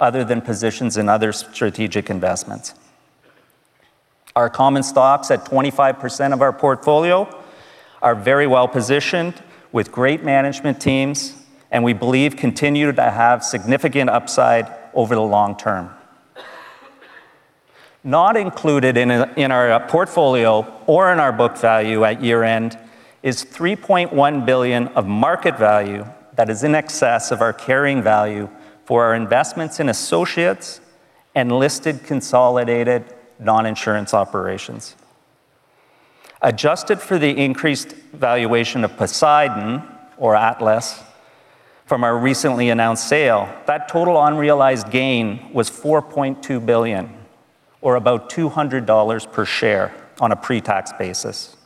other than positions in other strategic investments. Our common stocks, at 25% of our portfolio, are very well-positioned with great management teams and we believe continue to have significant upside over the long term. Not included in our portfolio or in our book value at year-end is $3.1 billion of market value that is in excess of our carrying value for our investments in associates and listed consolidated non-insurance operations. Adjusted for the increased valuation of Poseidon or Atlas from our recently announced sale, that total unrealized gain was $4.2 billion, or about $200 per share on a pre-tax basis.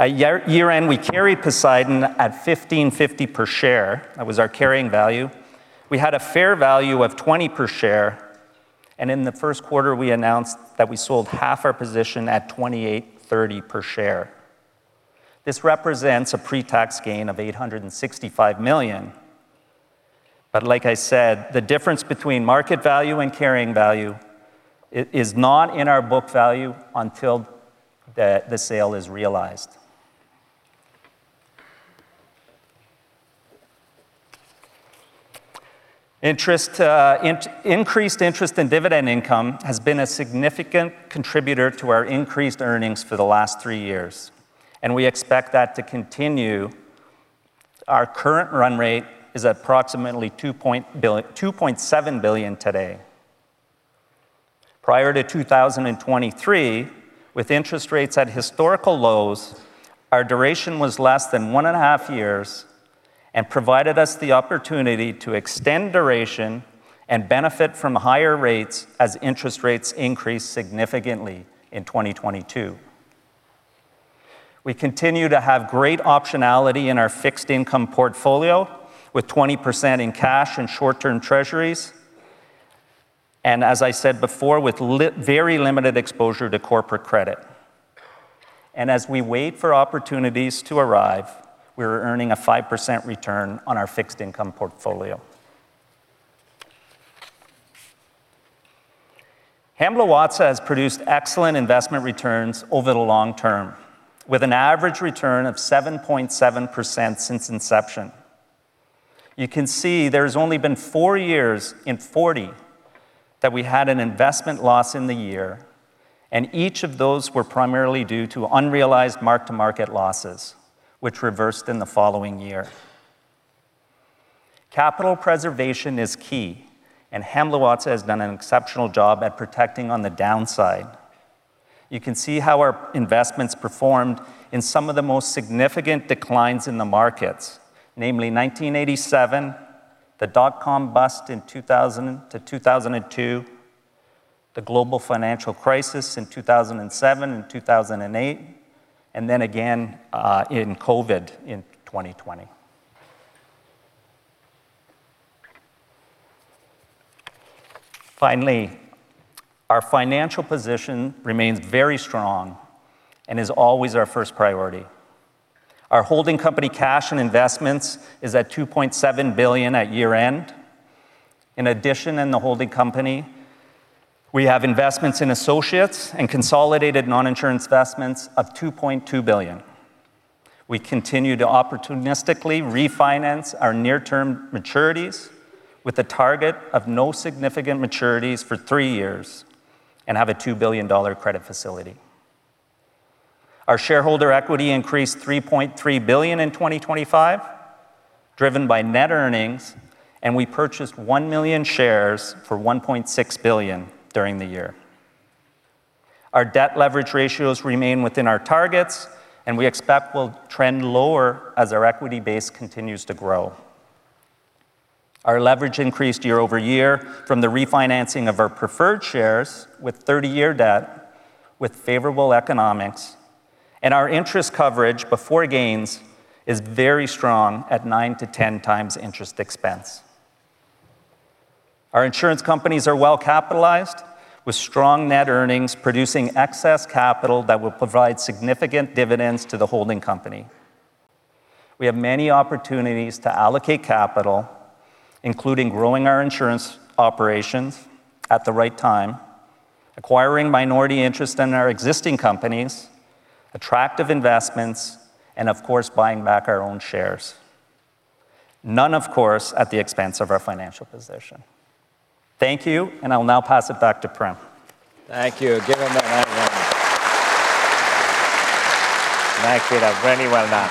At year-end, we carried Poseidon at $15.50 per share. That was our carrying value. We had a fair value of $20 per share, and in the first quarter, we announced that we sold half our position at $28.30 per share. This represents a pre-tax gain of $865 million. Like I said, the difference between market value and carrying value is not in our book value until the sale is realized. Increased interest in dividend income has been a significant contributor to our increased earnings for the last three years, and we expect that to continue. Our current run rate is approximately $2.7 billion today. Prior to 2023, with interest rates at historical lows, our duration was less than one and a half years and provided us the opportunity to extend duration and benefit from higher rates as interest rates increase significantly in 2022. We continue to have great optionality in our fixed income portfolio with 20% in cash and short-term treasuries, and as I said before, with very limited exposure to corporate credit. As we wait for opportunities to arrive, we're earning a 5% return on our fixed income portfolio. Hamblin Watsa has produced excellent investment returns over the long term, with an average return of 7.7% since inception. You can see there's only been four years in 40 that we had an investment loss in the year, and each of those were primarily due to unrealized mark-to-market losses, which reversed in the following year. Capital preservation is key, and Hamblin Watsa has done an exceptional job at protecting on the downside. You can see how our investments performed in some of the most significant declines in the markets, namely 1987, the dot-com bust in 2000 - 2002, the global financial crisis in 2007 and 2008, and then again in COVID in 2020. Finally, our financial position remains very strong and is always our first priority. Our holding company cash and investments is at $2.7 billion at year-end. In addition, in the holding company, we have investments in associates and consolidated non-insurance investments of $2.2 billion. We continue to opportunistically refinance our near-term maturities with a target of no significant maturities for three years and have a 2 billion dollar credit facility. Our shareholder equity increased 3.3 billion in 2025, driven by net earnings, and we purchased 1 million shares for 1.6 billion during the year. Our debt leverage ratios remain within our targets, and we expect they will trend lower as our equity base continues to grow. Our leverage increased year over year from the refinancing of our preferred shares with 30-year debt, with favorable economics, and our interest coverage before gains is very strong at 9-10 times interest expense. Our insurance companies are well-capitalized with strong net earnings producing excess capital that will provide significant dividends to the holding company. We have many opportunities to allocate capital, including growing our insurance operations at the right time, acquiring minority interest in our existing companies, attractive investments, and of course, buying back our own shares. None of course at the expense of our financial position. Thank you, and I'll now pass it back to Prem. Thank you. Give him a round of applause. Thank you, Peter. Very well done.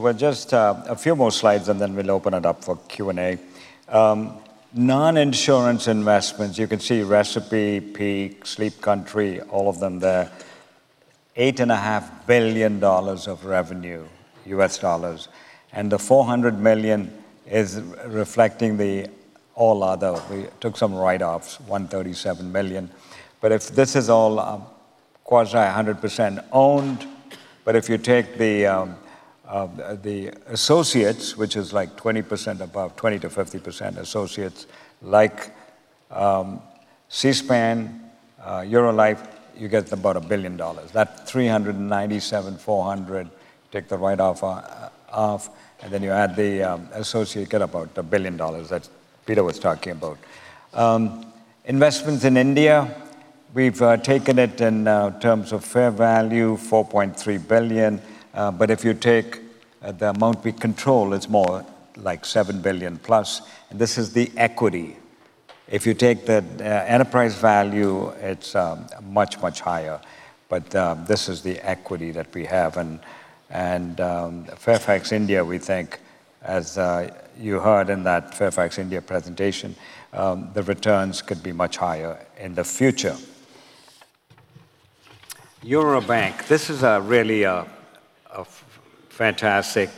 We're just a few more slides, and then we'll open it up for Q&A. Non-insurance investments, you can see Recipe, Peak, Sleep Country Canada, all of them there. $8.5 billion of revenue, U.S. dollars, and the $400 million is reflecting the all other. We took some write-offs, $137 million. If this is all quasi 100% owned, if you take the associates, which is like 20% or above, 20%-50% associates like Seaspan, Eurolife, you get about $1 billion. That $397.4 million, take the write-off off, and then you add the associate, get about $1 billion that Peter was talking about. Investments in India, we've taken it in terms of fair value $4.3 billion. If you take the amount we control, it's more like +$7 billion, and this is the equity. If you take the enterprise value, it's much, much higher. This is the equity that we have, and Fairfax India, we think as you heard in that Fairfax India presentation, the returns could be much higher in the future. Eurobank, this is really a fantastic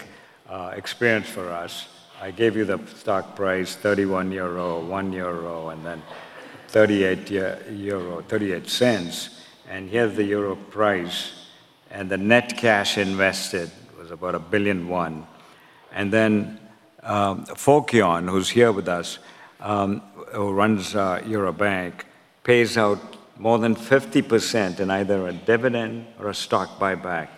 experience for us. I gave you the stock price 31 euro, 1 euro, and then 38.38 euro. Here's the euro price and the net cash invested was about 1 billion. Then Fokion Karavias, who's here with us, who runs Eurobank, pays out more than 50% in either a dividend or a stock buyback.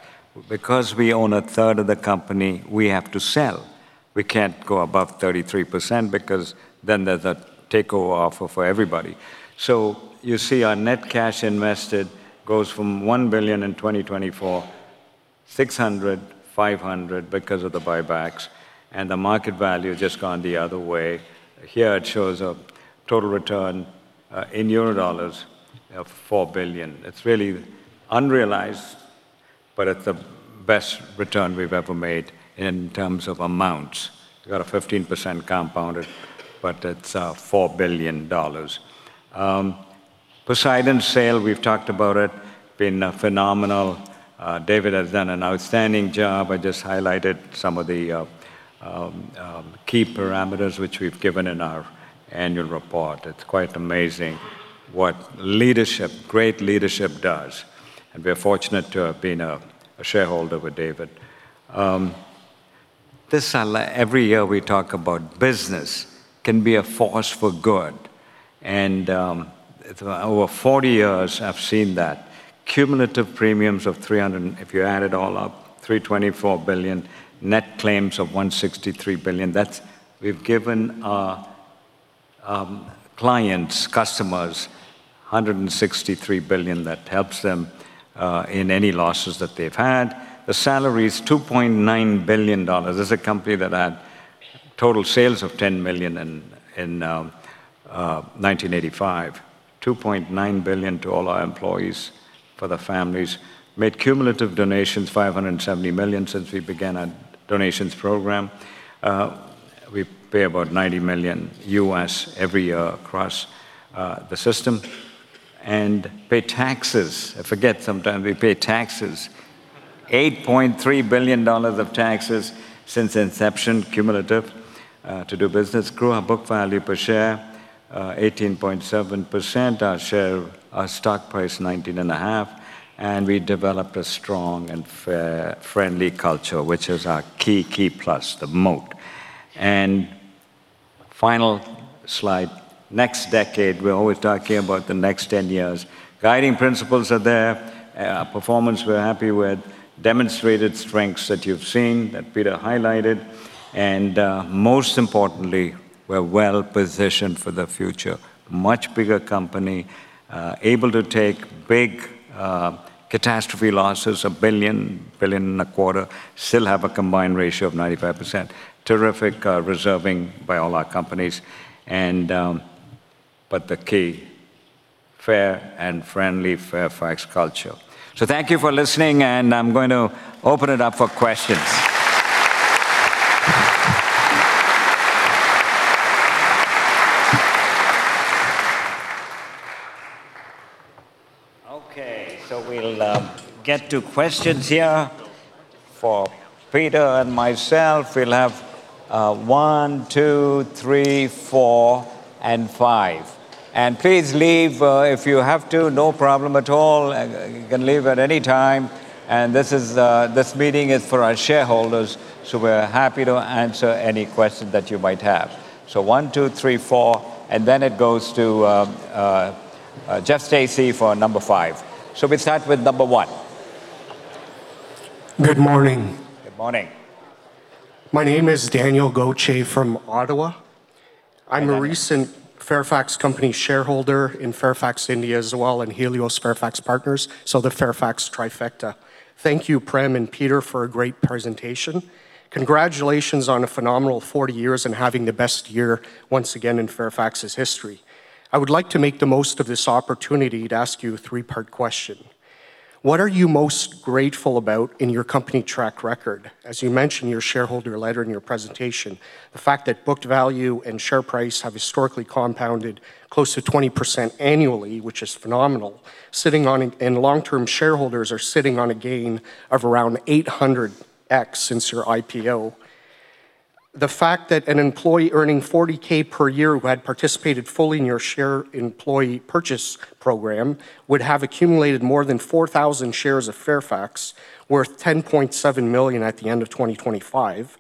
Because we own a third of the company, we have to sell. We can't go above 33% because then there's a takeover offer for everybody. You see our net cash invested goes from $1 billion in 2024, $600 million, $500 million because of the buybacks, and the market value just gone the other way. Here it shows a total return in euros of EUR 4 billion. It's really unrealized, but it's the best return we've ever made in terms of amounts. We got a 15% compounded, but it's $4 billion. Poseidon sale, we've talked about it, been phenomenal. David has done an outstanding job. I just highlighted some of the key parameters which we've given in our annual report. It's quite amazing what great leadership does, and we're fortunate to have been a shareholder with David. Every year we talk about business can be a force for good, and over 40 years I've seen that. Cumulative premiums, if you add it all up, $324 billion. Net claims of $163 billion. We've given our clients, customers, $163 billion that helps them in any losses that they've had. The salary is $2.9 billion. This is a company that had total sales of $10 million in 1985. $2.9 billion to all our employees for their families. Made cumulative donations, $570 million, since we began our donations program. We pay about $90 million U.S. every year across the system. Pay taxes. I forget sometimes we pay taxes. $8.3 billion of taxes since inception, cumulative, to do business. Grew our book value per share, 18.7%. Our stock price, 19.5%. We developed a strong and fair, friendly culture, which is our key plus, the moat. Final slide. Next decade, we're always talking about the next 10 years. Guiding principles are there. Performance, we're happy with. Demonstrated strengths that you've seen, that Peter highlighted. Most importantly, we're well-positioned for the future. Much bigger company, able to take big catastrophe losses, 1 billion, 1.25 billion, still have a combined ratio of 95%. Terrific reserving by all our companies. The key, fair and friendly Fairfax culture. Thank you for listening, and I'm going to open it up for questions. Okay, we'll get to questions here for Peter and myself. We'll have one, two, three, four, and five. Please leave if you have to, no problem at all. You can leave at any time. This meeting is for our shareholders, so we're happy to answer any question that you might have. One, two, three, four, and then it goes to Jeff Stacy for number five. We start with number one. Good morning. Good morning. My name is Daniel Gauthier from Ottawa. Hi, Daniel. I'm a recent Fairfax company shareholder in Fairfax India as well, and Helios Fairfax Partners, so the Fairfax trifecta. Thank you, Prem and Peter, for a great presentation. Congratulations on a phenomenal 40 years and having the best year once again in Fairfax's history. I would like to make the most of this opportunity to ask you a three-part question. What are you most grateful about in your company track record? As you mentioned in your shareholder letter in your presentation, the fact that book value and share price have historically compounded close to 20% annually, which is phenomenal, and long-term shareholders are sitting on a gain of around 800x since your IPO.Sigma Corporation The fact that an employee earning $40,000 per year who had participated fully in your employee share purchase program would have accumulated more than 4,000 shares of Fairfax worth $10.7 million at the end of 2025,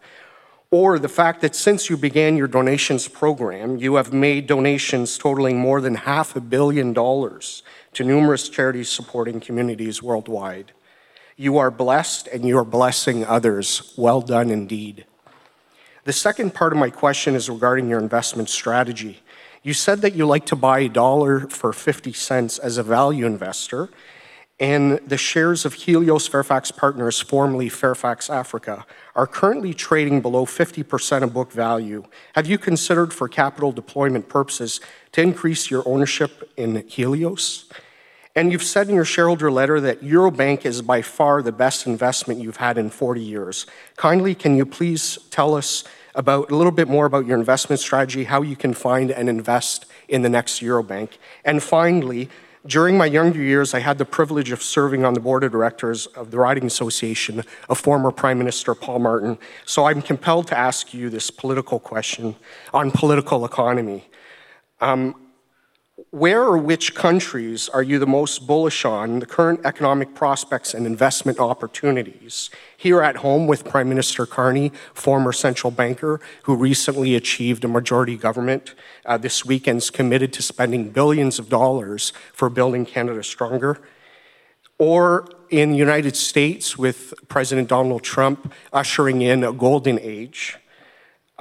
or the fact that since you began your donations program, you have made donations totaling more than half a billion dollars to numerous charities supporting communities worldwide. You are blessed and you are blessing others. Well done indeed. The second part of my question is regarding your investment strategy. You said that you like to buy a dollar for $50 as a value investor, and the shares of Helios Fairfax Partners (formerly Fairfax Africa) are currently trading below 50% of book value. Have you considered, for capital deployment purposes, to increase your ownership in Helios? You've said in your shareholder letter that Eurobank is by far the best investment you've had in 40 years. Kindly, can you please tell us a little bit more about your investment strategy, how you can find and invest in the next Eurobank? Finally, during my younger years, I had the privilege of serving on the board of directors of the Riding Association of former Prime Minister Paul Martin. I'm compelled to ask you this political question on political economy. Where or which countries are you the most bullish on the current economic prospects and investment opportunities? Here at home with Prime Minister Carney, former central banker, who recently achieved a majority government this weekend, is committed to spending billions of dollars for building Canada stronger. Or in the United States with President Donald Trump ushering in a golden age.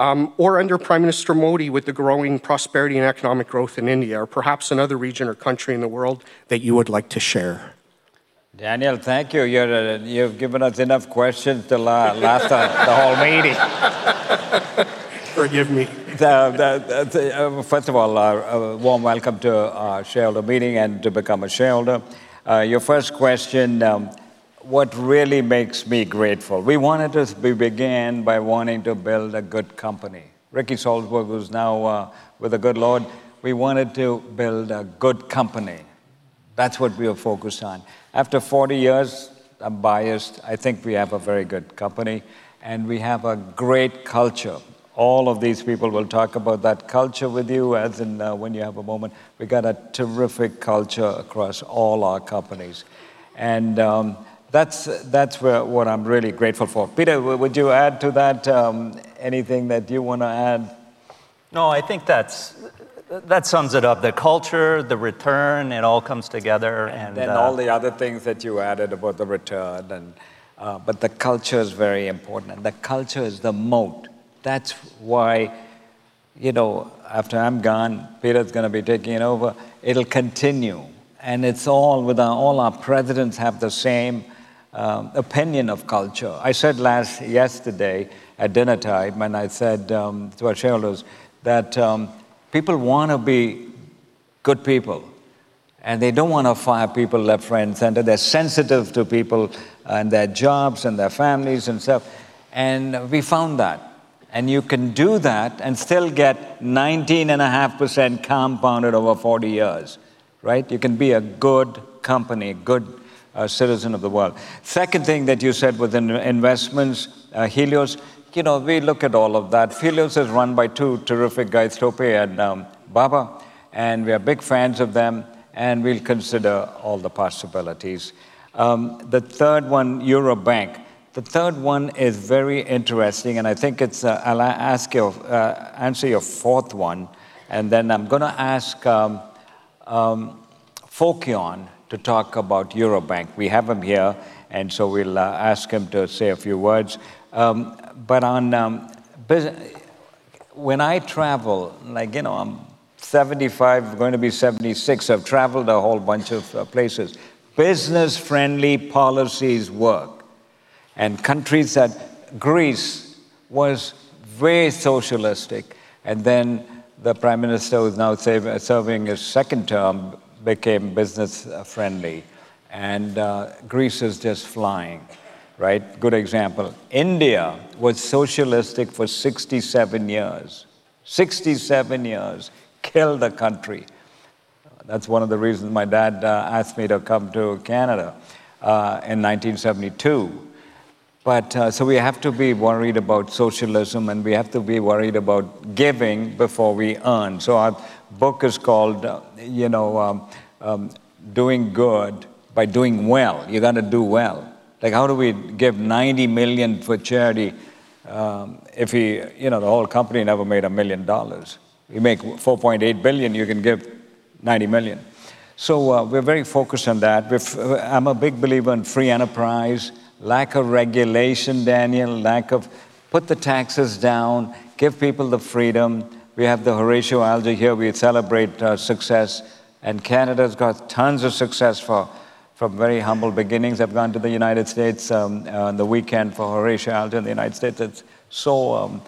Under Prime Minister Modi with the growing prosperity and economic growth in India, or perhaps another region or country in the world that you would like to share. Daniel, thank you. You've given us enough questions to last the whole meeting. Forgive me. First of all, a warm welcome to our shareholder meeting and to become a shareholder. Your first question. What really makes me grateful. We began by wanting to build a good company. Rick Saltzman, who's now with the good Lord, we wanted to build a good company. That's what we are focused on. After 40 years, I'm biased, I think we have a very good company, and we have a great culture. All of these people will talk about that culture with you when you have a moment. We've got a terrific culture across all our companies. That's what I'm really grateful for. Peter, would you add to that? Anything that you want to add? No, I think that sums it up. The culture, the return, it all comes together. All the other things that you added about the return and the culture is very important. The culture is the moat. That's why, after I'm gone, Peter's going to be taking over. It'll continue. All our Presidents have the same opinion of culture. I said yesterday at dinnertime, when I said to our shareholders that people want to be good people, and they don't want to fire people left, right, and center. They're sensitive to people and their jobs and their families and stuff. We found that. You can do that and still get 19.5% compounded over 40 years, right? You can be a good company, a good citizen of the world. Second thing that you said within investments, Helios. We look at all of that. Helios is run by two terrific guys, Tope and Baba, and we are big fans of them, and we'll consider all the possibilities. The third one, Eurobank. The third one is very interesting, and I think I'll ask you, answer your fourth one, and then I'm going to ask Fokion to talk about Eurobank. We have him here, and so we'll ask him to say a few words. When I travel, I'm 75, going to be 76. I've traveled a whole bunch of places. Business-friendly policies work. Countries that, Greece was very socialistic, and then the Prime Minister, who's now serving his second term, became business-friendly. Greece is just flying, right? Good example. India was socialistic for 67 years. 67 years. Killed the country. That's one of the reasons my dad asked me to come to Canada in 1972. We have to be worried about socialism, and we have to be worried about giving before we earn. Our book is called, "Doing Good by Doing Well." You got to do well. How do we give $90 million for charity if the whole company never made $1 million? You make $4.8 billion, you can give $90 million. We're very focused on that. I'm a big believer in free enterprise, lack of regulation, Daniel. Put the taxes down, give people the freedom. We have the Horatio Alger here. We celebrate success, and Canada's got tons of success from very humble beginnings. I've gone to the United States on the weekend for Horatio Alger in the United States. It's so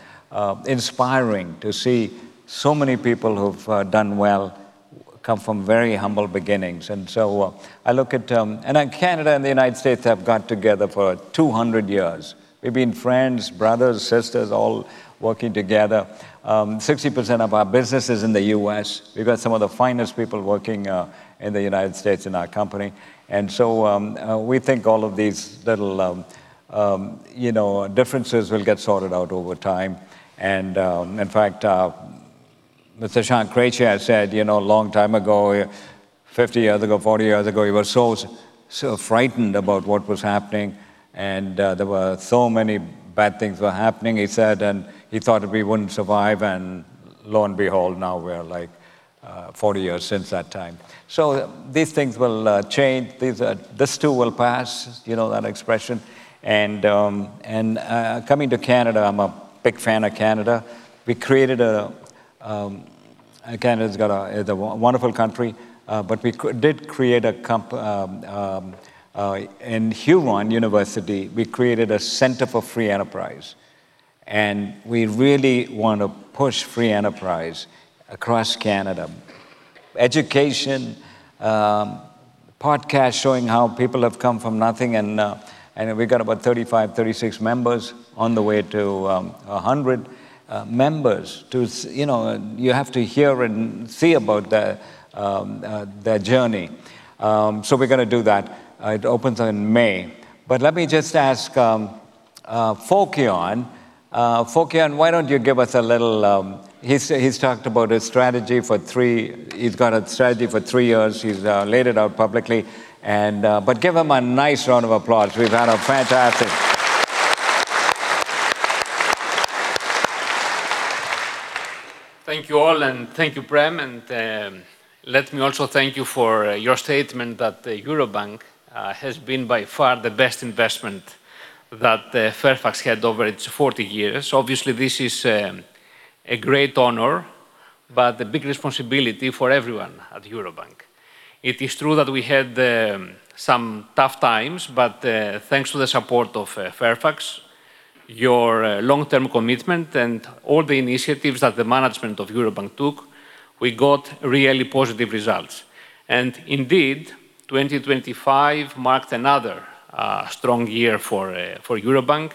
inspiring to see so many people who've done well, come from very humble beginnings. Canada and the United States have got together for 200 years. We've been friends, brothers, sisters, all working together. 60% of our business is in the U.S. We've got some of the finest people working in the United States in our company. We think all of these little differences will get sorted out over time. In fact, Mr. John Templeton has said a long time ago, 50 years ago, 40 years ago, he was so frightened about what was happening, and there were so many bad things were happening, he said, and he thought we wouldn't survive, and lo and behold, now we're 40 years since that time. These things will change. This too will pass. You know that expression. Coming to Canada, I'm a big fan of Canada. Canada's a wonderful country, but in Huron University, we created a center for free enterprise, and we really want to push free enterprise across Canada. Education, podcasts showing how people have come from nothing, and we've got about 35, 36 members on the way to 100 members. You have to hear and see about their journey. We're going to do that. It opens in May. Let me just ask Fokion. Fokion, why don't you give us a little. He's talked about his strategy for three years. He's laid it out publicly. Give him a nice round of applause. We've had a fantastic. Thank you all, and thank you, Prem, and let me also thank you for your statement that the Eurobank has been by far the best investment that Fairfax had over its 40 years. Obviously, this is a great honor, but a big responsibility for everyone at Eurobank. It is true that we had some tough times, but thanks to the support of Fairfax, your long-term commitment and all the initiatives that the management of Eurobank took, we got really positive results. Indeed, 2025 marked another strong year for Eurobank.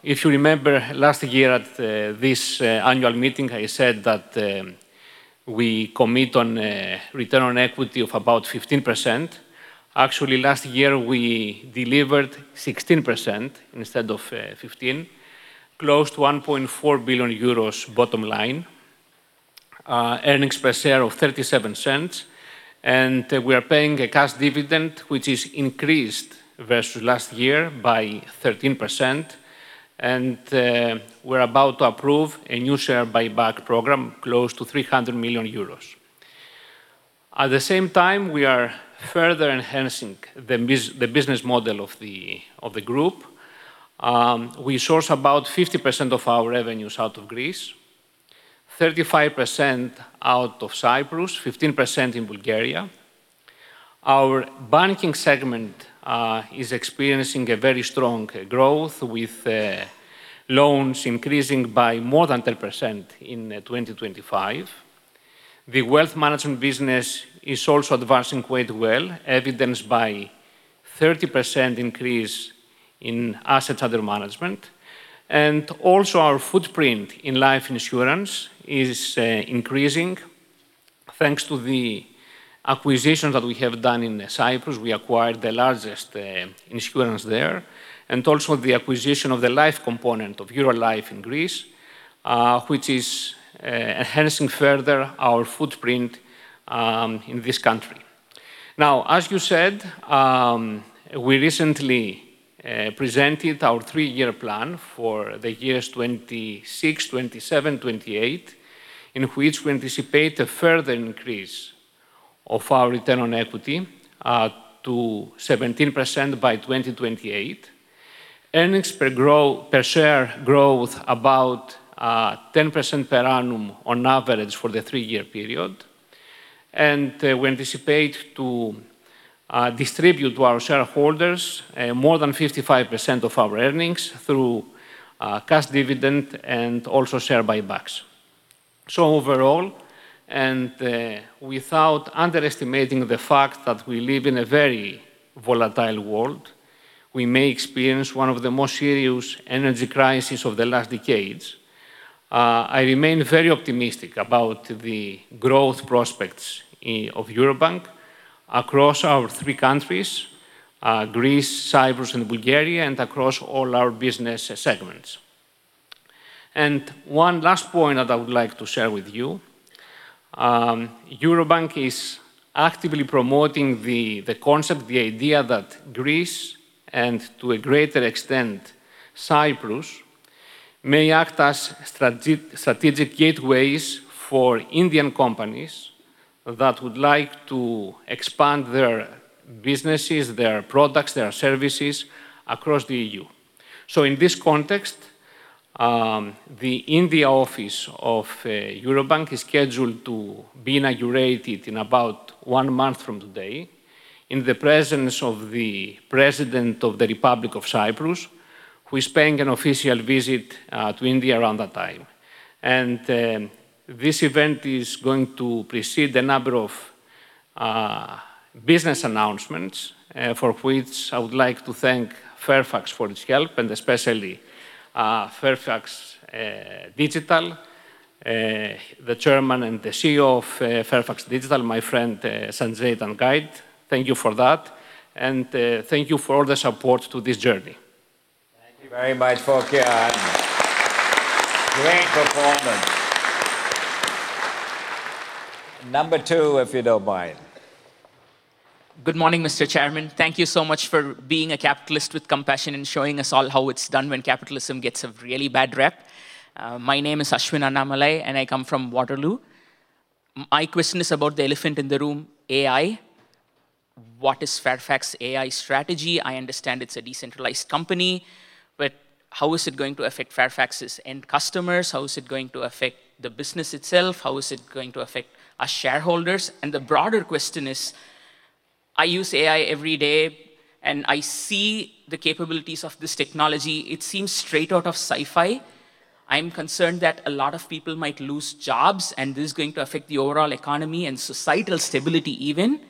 If you remember last year at this annual meeting, I said that we commit to a return on equity of about 15%. Actually, last year we delivered 16% instead of 15%, close to 1.4 billion euros bottom line, EPS of 0.37, and we are paying a cash dividend, which is increased versus last year by 13%, and we're about to approve a new share buyback program close to 300 million euros. At the same time, we are further enhancing the business model of the group. We source about 50% of our revenues out of Greece, 35% out of Cyprus, 15% in Bulgaria. Our banking segment is experiencing a very strong growth, with loans increasing by more than 10% in 2025. The wealth management business is also advancing quite well, evidenced by 30% increase in assets under management. Our footprint in life insurance is increasing, thanks to the acquisitions that we have done in Cyprus. We acquired the largest insurance there, and also the acquisition of the life component of Eurolife in Greece, which is enhancing further our footprint in this country. Now, as you said, we recently presented our three-year plan for the years 2026, 2027, 2028, in which we anticipate a further increase of our return on equity to 17% by 2028. EPS growth about 10% per annum on average for the three-year period. We anticipate to distribute to our shareholders more than 55% of our earnings through cash dividend and also share buybacks. Overall, and without underestimating the fact that we live in a very volatile world, we may experience one of the most serious energy crises of the last decades. I remain very optimistic about the growth prospects of Eurobank across our three countries, Greece, Cyprus, and Bulgaria, and across all our business segments. One last point that I would like to share with you. Eurobank is actively promoting the concept, the idea that Greece, and to a greater extent, Cyprus, may act as strategic gateways for Indian companies that would like to expand their businesses, their products, their services across the EU. In this context, the India office of Eurobank is scheduled to be inaugurated in about one month from today in the presence of the President of the Republic of Cyprus, who is paying an official visit to India around that time. This event is going to precede a number of business announcements, for which I would like to thank Fairfax for its help, and especially Fairfax Digital, the Chairman and the CEO of Fairfax Digital, my friend, Sanjaye Daangal. Thank you for that, and thank you for all the support to this journey. Thank you very much, Fokion. Great performance. Number two, if you don't mind. Good morning, Mr. Chairman. Thank you so much for being a capitalist with compassion and showing us all how it's done when capitalism gets a really bad rep. My name is Ashwin Annamalai, and I come from Waterloo. My question is about the elephant in the room, AI. What is Fairfax AI strategy? I understand it's a decentralized company, but how is it going to affect Fairfax's end customers? How is it going to affect the business itself? How is it going to affect us shareholders? The broader question is, I use AI every day, and I see the capabilities of this technology. It seems straight out of sci-fi. I'm concerned that a lot of people might lose jobs, and this is going to affect the overall economy and societal stability even.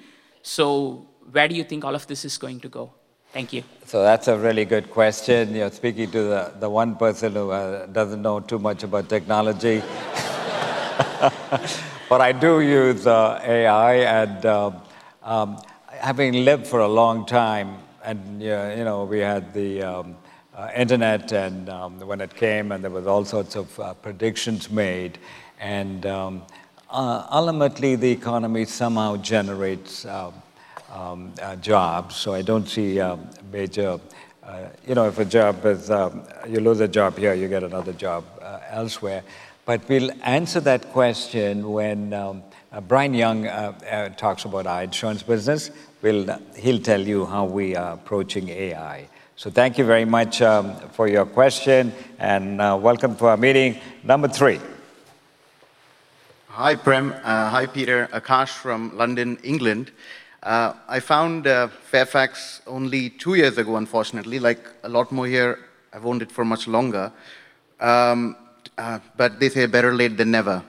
Where do you think all of this is going to go? Thank you. That's a really good question, speaking to the one person who doesn't know too much about technology. I do use AI, and having lived for a long time, and we had the internet and when it came, and there was all sorts of predictions made, and ultimately, the economy somehow generates jobs. I don't see a major if you lose a job here, you get another job elsewhere. We'll answer that question when Brian Young talks about our insurance business. He'll tell you how we are approaching AI. Thank you very much for your question, and welcome to our meeting. Number three. Hi, Prem. Hi, Peter. Akash from London, England. I found Fairfax only two years ago, unfortunately. Like a lot more here have owned it for much longer, but they say better late than never.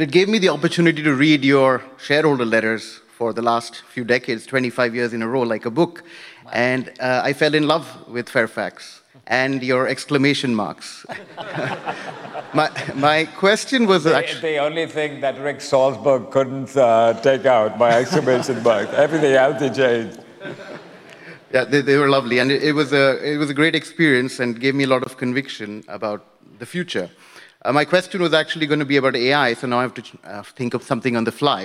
It gave me the opportunity to read your shareholder letters for the last few decades, 25 years in a row, like a book. Wow. I fell in love with Fairfax and your exclamation marks. My question was The only thing that Rick Salzberg couldn't take out, my exclamation marks. Everything else he changed. Yeah, they were lovely, and it was a great experience and gave me a lot of conviction about the future. My question was actually going to be about AI, so now I have to think of something on the fly.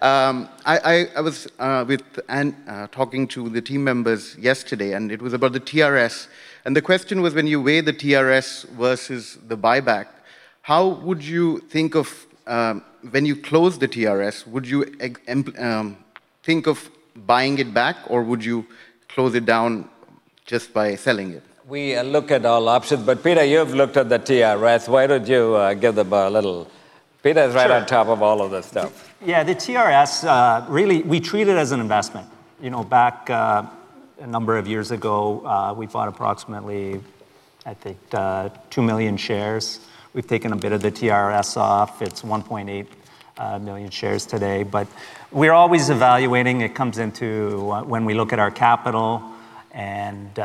I was with Anne talking to the team members yesterday, and it was about the TRS. The question was when you weigh the TRS versus the buyback, when you close the TRS, would you think of buying it back, or would you close it down just by selling it? We look at all options. Peter, you have looked at the TRS. Why don't you give them a little. Peter's right on top of all of this stuff. Sure Yeah. The TRS, really, we treat it as an investment. Back a number of years ago, we bought approximately, I think, $2 million shares. We've taken a bit of the TRS off. It's $1.8 million shares today, but we're always evaluating. It comes into when we look at our capital, and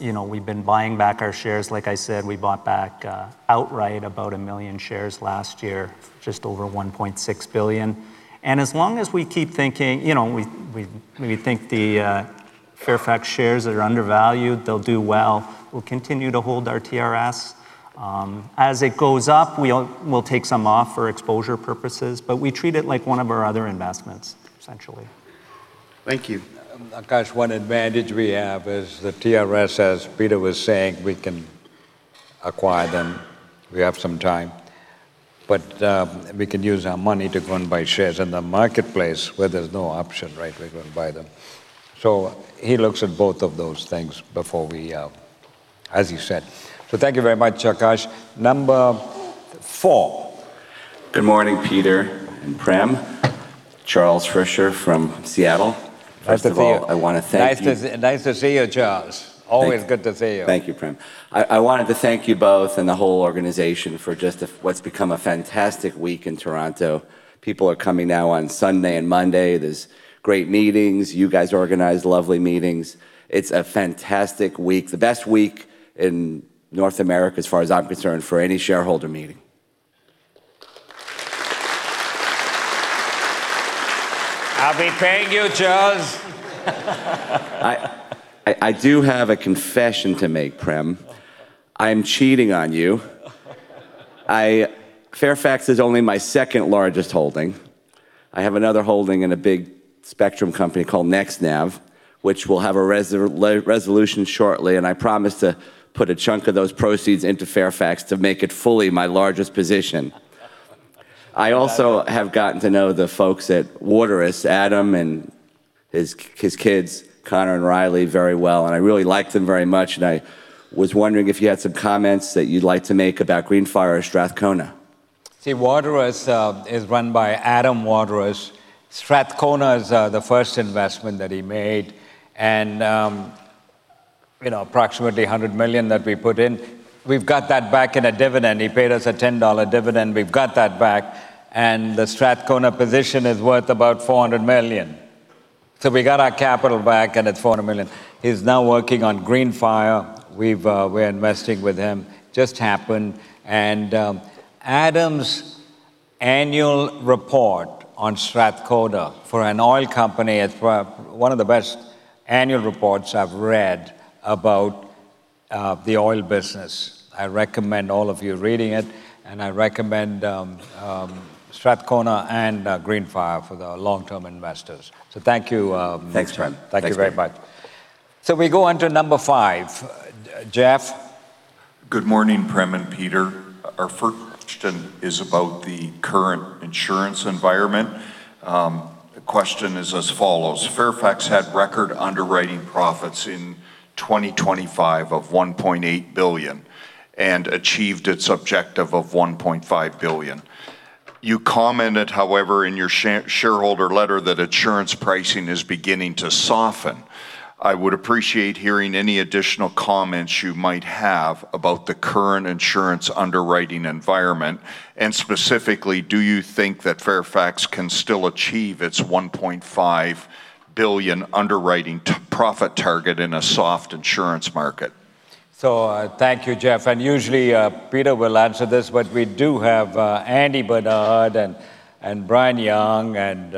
we've been buying back our shares. Like I said, we bought back outright about a million shares last year, just over $1.6 billion. As long as we think the Fairfax shares are undervalued, they'll do well, we'll continue to hold our TRS. As it goes up, we'll take some off for exposure purposes, but we treat it like one of our other investments, essentially. Thank you. Akash, one advantage we have is the TRS, as Peter was saying, we can acquire them. We have some time. We can use our money to go and buy shares in the marketplace where there's no option, right, we go and buy them. He looks at both of those things before we, as you said. Thank you very much, Akash. Number four. Good morning, Peter and Prem. Charles Frischer from Seattle. Nice to see you. First of all, I want to thank you. Nice to see you, Charles. Always good to see you. Thank you, Prem. I wanted to thank you both and the whole organization for just what's become a fantastic week in Toronto. People are coming now on Sunday and Monday. There's great meetings. You guys organize lovely meetings. It's a fantastic week, the best week in North America as far as I'm concerned for any shareholder meeting. I'll be paying you, Charles. I do have a confession to make, Prem. I'm cheating on you. Fairfax is only my second-largest holding. I have another holding in a big spectrum company called NextNav, which will have a resolution shortly, and I promise to put a chunk of those proceeds into Fairfax to make it fully my largest position. I also have gotten to know the folks at Waterous, Adam and his kids, Connor and Riley, very well, and I really like them very much. I was wondering if you had some comments that you'd like to make about Greenfire or Strathcona. See, Waterous is run by Adam Waterous. Strathcona is the first investment that he made and approximately $100 million that we put in. We've got that back in a dividend. He paid us a $10 dividend. We've got that back. The Strathcona position is worth about $400 million. We got our capital back, and it's $400 million. He's now working on Greenfire. We're investing with him. Just happened. Adam's annual report on Strathcona. For an oil company, it's one of the best annual reports I've read about the oil business. I recommend all of you reading it, and I recommend Strathcona and Greenfire for the long-term investors. Thank you. Thanks, Prem. Thank you very much. We go on to number five. Jeff? Good morning, Prem and Peter. Our first question is about the current insurance environment. The question is as follows. Fairfax had record underwriting profits in 2025 of $1.8 billion and achieved its objective of $1.5 billion. You commented, however, in your shareholder letter that insurance pricing is beginning to soften. I would appreciate hearing any additional comments you might have about the current insurance underwriting environment, and specifically, do you think that Fairfax can still achieve its $1.5 billion underwriting profit target in a soft insurance market? Thank you, Jeff. Usually Peter will answer this, but we do have Andy Barnard and Brian Young and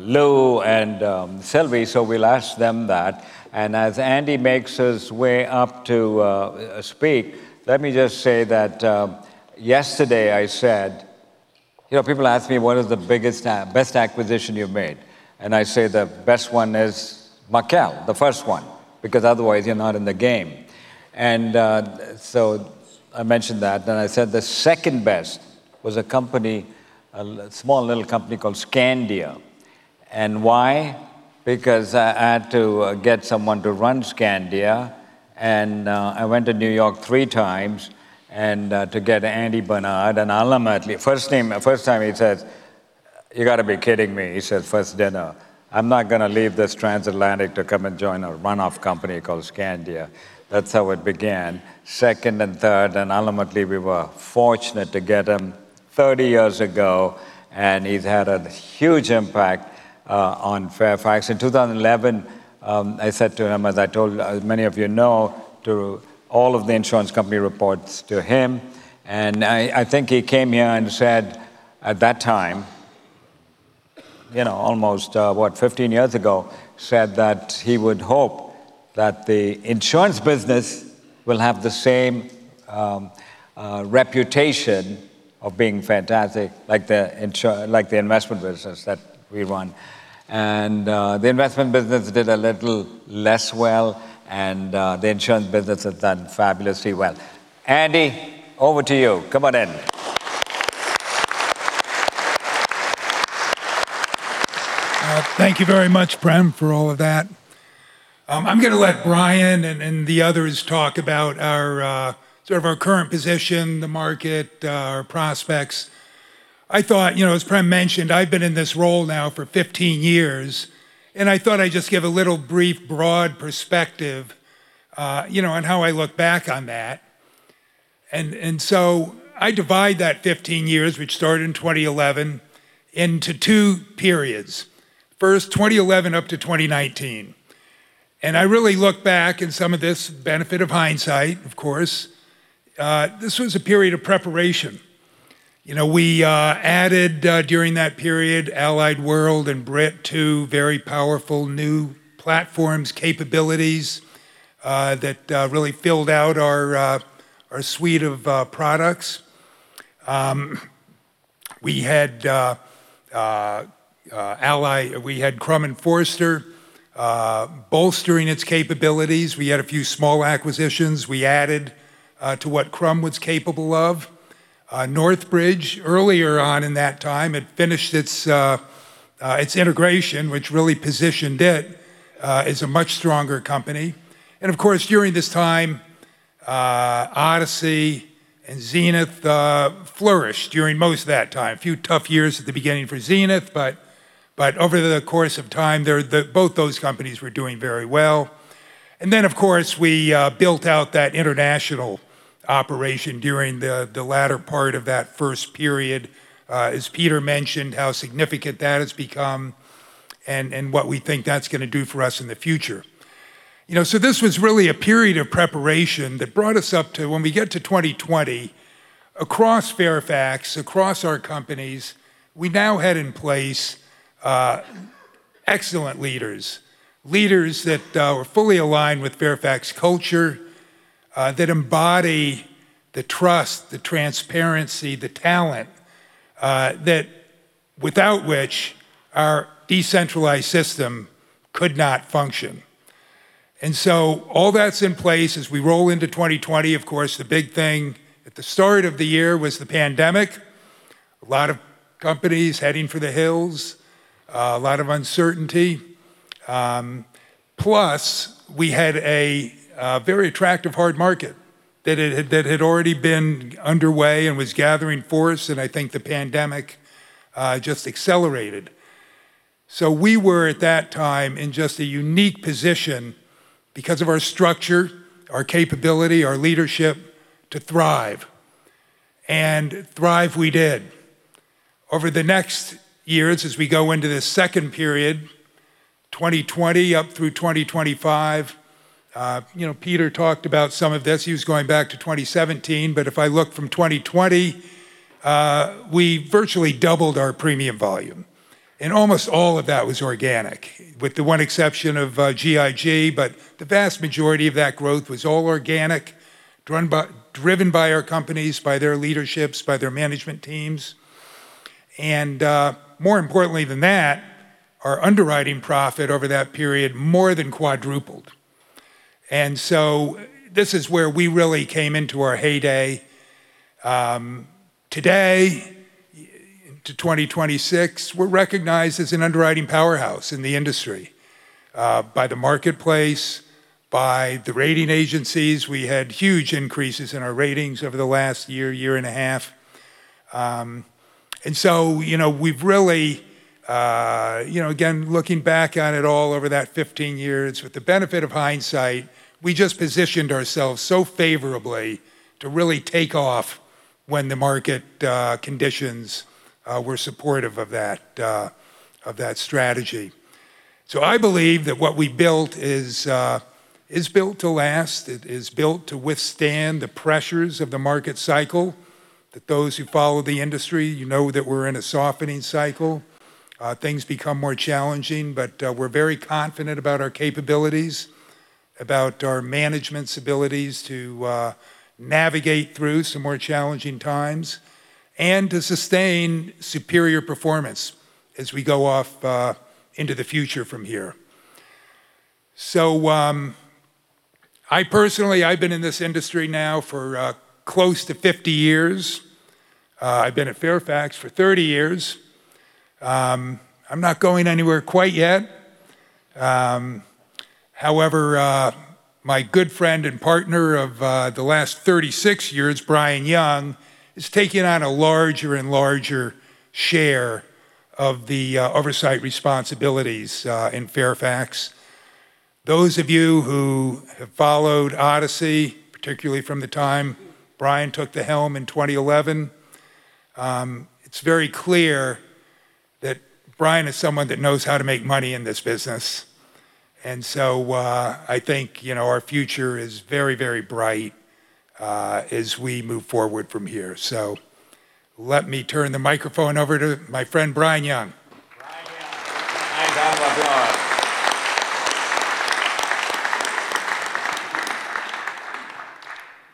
Lou and Silvy, so we'll ask them that. As Andy makes his way up to speak, let me just say that yesterday I said people ask me, "What is the best acquisition you've made?" And I say the best one is Markel, the first one, because otherwise you're not in the game. I mentioned that. I said the second best was a small little company called Skandia. Why? Because I had to get someone to run Skandia, and I went to New York three times to get Andy Barnard. Ultimately, first time he says, "You got to be kidding me." He said, "First dinner, I'm not going to leave this transatlantic to come and join a one-off company called Skandia." That's how it began. Second and third, and ultimately, we were fortunate to get him 30 years ago, and he's had a huge impact on Fairfax. In 2011, I said to him, as many of you know, all of the insurance companies report to him, and I think he came here and said at that time, almost 15 years ago, said that he would hope that the insurance business will have the same reputation of being fantastic like the investment business that we run. The investment business did a little less well, and the insurance business has done fabulously well. Andy, over to you. Come on in. Thank you very much, Prem, for all of that. I'm going to let Brian and the others talk about our current position, the market, our prospects. I thought, as Prem mentioned, I've been in this role now for 15 years, and I thought I'd just give a little brief, broad perspective on how I look back on that. I divide that 15 years, which started in 2011, into two periods. First, 2011 - 2019. I really look back, with the benefit of hindsight, of course. This was a period of preparation. We added, during that period, Allied World and Brit, two very powerful new platforms, capabilities, that really filled out our suite of products. We had Crum & Forster bolstering its capabilities. We had a few small acquisitions we added to what Crum was capable of. Northbridge, earlier on in that time, had finished its integration, which really positioned it as a much stronger company. Of course, during this time, Odyssey and Zenith flourished during most of that time. A few tough years at the beginning for Zenith, but over the course of time, both those companies were doing very well. Then, of course, we built out that international operation during the latter part of that first period. As Peter mentioned, how significant that has become and what we think that's going to do for us in the future. This was really a period of preparation that brought us up to when we get to 2020, across Fairfax, across our companies, we now had in place excellent leaders. Leaders that were fully aligned with Fairfax culture, that embody the trust, the transparency, the talent, without which our decentralized system could not function. All that's in place as we roll into 2020. Of course, the big thing at the start of the year was the pandemic. A lot of companies heading for the hills. A lot of uncertainty. Plus, we had a very attractive hard market that had already been underway and was gathering force, and I think the pandemic just accelerated. We were, at that time, in just a unique position because of our structure, our capability, our leadership, to thrive. Thrive we did. Over the next years, as we go into the second period, 2020 up through 2025. Peter talked about some of this. He was going back to 2017, but if I look from 2020, we virtually doubled our premium volume. Almost all of that was organic, with the one exception of GIG. The vast majority of that growth was all organic, driven by our companies, by their leaderships, by their management teams. More importantly than that, our underwriting profit over that period more than quadrupled. This is where we really came into our heyday. Today, to 2026, we're recognized as an underwriting powerhouse in the industry by the marketplace, by the rating agencies. We had huge increases in our ratings over the last year and a half. Again, looking back on it all over that 15 years with the benefit of hindsight, we just positioned ourselves so favorably to really take off when the market conditions were supportive of that strategy. I believe that what we built is built to last. It is built to withstand the pressures of the market cycle. That those who follow the industry, you know that we're in a softening cycle. Things become more challenging, but we're very confident about our capabilities, about our management's abilities to navigate through some more challenging times, and to sustain superior performance as we go off into the future from here. I personally have been in this industry now for close to 50 years. I've been at Fairfax for 30 years. I'm not going anywhere quite yet. However, my good friend and partner of the last 36 years, Brian Young, is taking on a larger and larger share of the oversight responsibilities in Fairfax. Those of you who have followed Odyssey, particularly from the time Brian took the helm in 2011, it's very clear that Brian is someone that knows how to make money in this business. I think our future is very bright as we move forward from here. Let me turn the microphone over to my friend, Brian Young. Brian Young. A round of applause.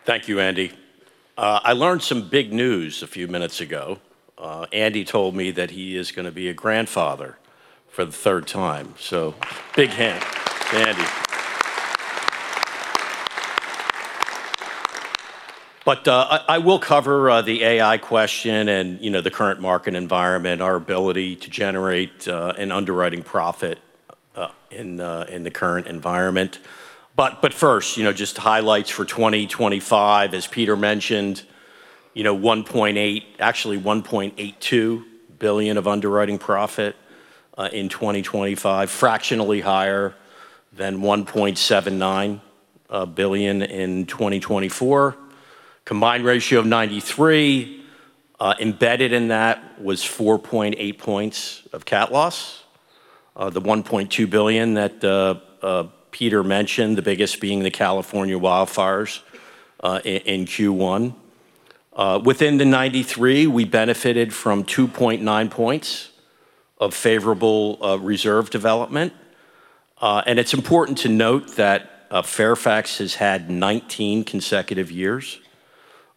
Thank you, Andy. I learned some big news a few minutes ago. Andy told me that he is going to be a grandfather for the third time. Big hand to Andy. I will cover the AI question and the current market environment, our ability to generate an underwriting profit in the current environment. First, just highlights for 2025. As Peter mentioned, actually $1.82 billion of underwriting profit in 2025. Fractionally higher than $1.79 billion in 2024. Combined ratio of 93%. Embedded in that was 4.8 points of CAT loss. The $1.2 billion that Peter mentioned, the biggest being the California wildfires in Q1. Within the 93%, we benefited from 2.9 points of favorable reserve development. It's important to note that Fairfax has had 19 consecutive years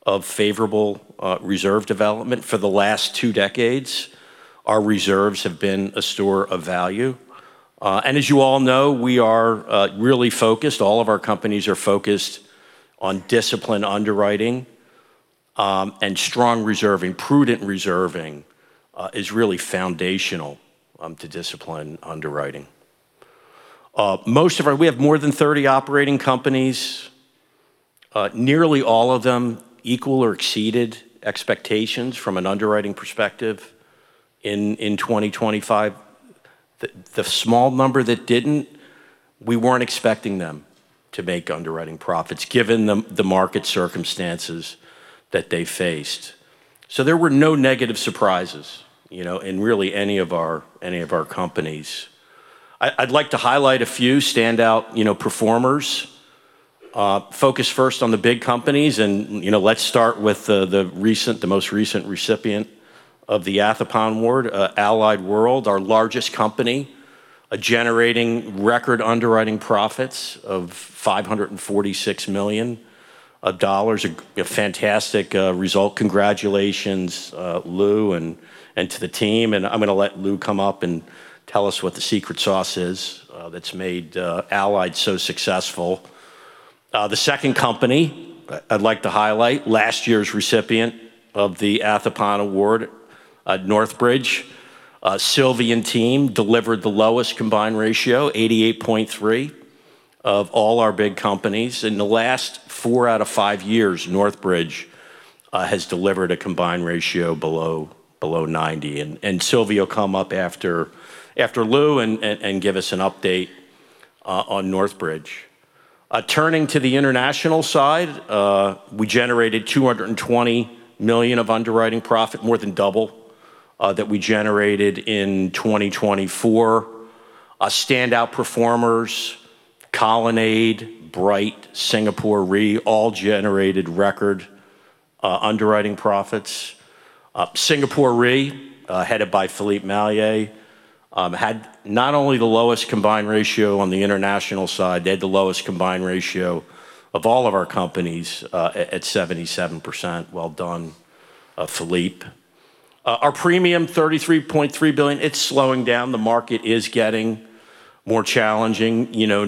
of favorable reserve development. For the last two decades, our reserves have been a store of value. As you all know, we are really focused, all of our companies are focused on discipline underwriting, and strong reserving. Prudent reserving is really foundational to discipline underwriting. We have more than 30 operating companies. Nearly all of them equal or exceeded expectations from an underwriting perspective in 2025. The small number that didn't, we weren't expecting them to make underwriting profits given the market circumstances that they faced. There were no negative surprises in really any of our companies. I'd like to highlight a few standout performers. Focus first on the big companies and let's start with the most recent recipient of the Athappan Award, Allied World, our largest company, generating record underwriting profits of $546 million. A fantastic result. Congratulations, Lou, and to the team. I'm going to let Lou come up and tell us what the secret sauce is that's made Allied so successful. The second company I'd like to highlight, last year's recipient of the Athappan Award, Northbridge. Silvy's team delivered the lowest combined ratio, 88.3%, of all our big companies. In the last four out of five years, Northbridge has delivered a combined ratio below 90%, and Silvy come up after Lou and give us an update on Northbridge. Turning to the international side, we generated $220 million of underwriting profit, more than double that we generated in 2024. Our standout performers, Colonnade, Bryte, Singapore Re, all generated record underwriting profits. Singapore Re, headed by Philippe Mallier, had not only the lowest combined ratio on the international side, they had the lowest combined ratio of all of our companies at 77%. Well done, Philippe. Our premiums, $33.3 billion. It's slowing down. The market is getting more challenging, no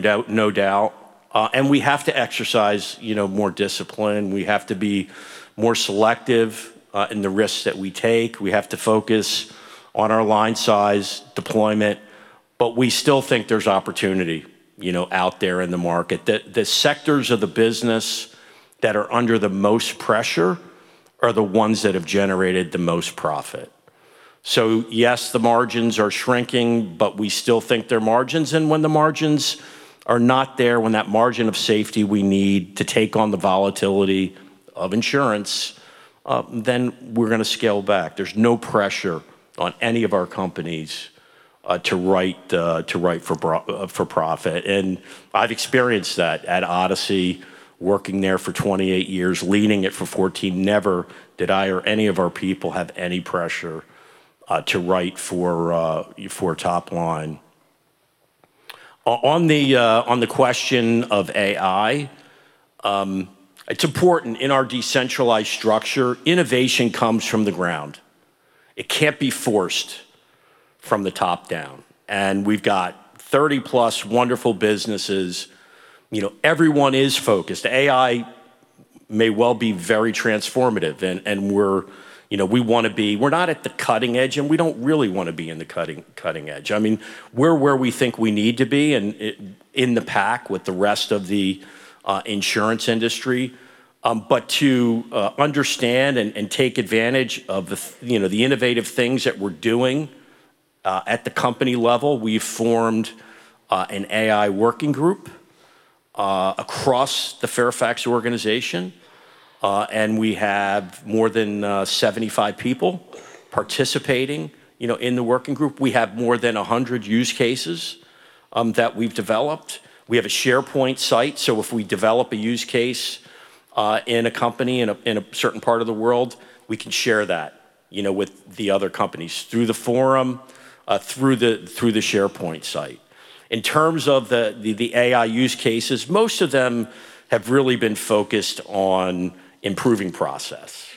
doubt. We have to exercise more discipline. We have to be more selective in the risks that we take. We have to focus on our line size deployment. We still think there's opportunity out there in the market. The sectors of the business that are under the most pressure are the ones that have generated the most profit. Yes, the margins are shrinking, but we still think they're margins. When the margins are not there, when that margin of safety we need to take on the volatility of insurance, then we're going to scale back. There's no pressure on any of our companies to write for profit, and I've experienced that at Odyssey, working there for 28 years, leading it for 14. Never did I or any of our people have any pressure to write for top line. On the question of AI, it's important in our decentralized structure, innovation comes from the ground. It can't be forced from the top down. We've got +30 wonderful businesses. Everyone is focused. AI may well be very transformative. We're not at the cutting edge, and we don't really want to be in the cutting edge. We're where we think we need to be, and in the pack with the rest of the insurance industry. To understand and take advantage of the innovative things that we're doing at the company level, we formed an AI working group across the Fairfax organization, and we have more than 75 people participating in the working group. We have more than 100 use cases that we've developed. We have a SharePoint site, so if we develop a use case in a company in a certain part of the world, we can share that with the other companies through the forum, through the SharePoint site. In terms of the AI use cases, most of them have really been focused on improving process.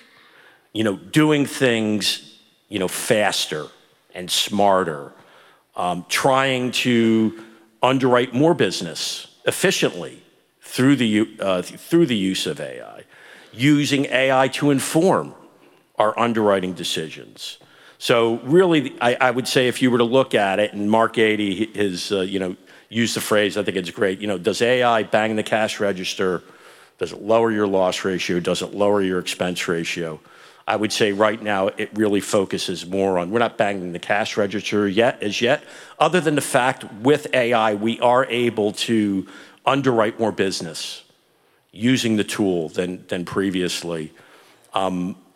Doing things faster and smarter. Trying to underwrite more business efficiently through the use of AI. Using AI to inform our underwriting decisions. Really, I would say if you were to look at it, and Mark Ade has used the phrase, I think it's great, "Does AI bang the cash register? Does it lower your loss ratio? Does it lower your expense ratio?" I would say right now it really focuses more on we're not banging the cash register as yet, other than the fact with AI, we are able to underwrite more business using the tool than previously.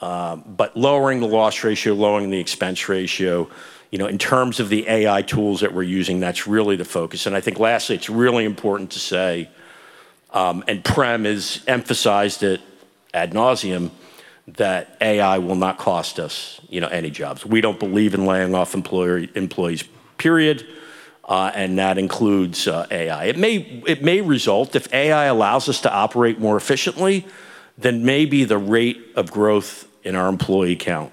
Lowering the loss ratio, lowering the expense ratio, in terms of the AI tools that we're using, that's really the focus. I think lastly, it's really important to say, and Prem has emphasized it ad nauseam, that AI will not cost us any jobs. We don't believe in laying off employees, period, and that includes AI. It may result, if AI allows us to operate more efficiently, then maybe the rate of growth in our employee count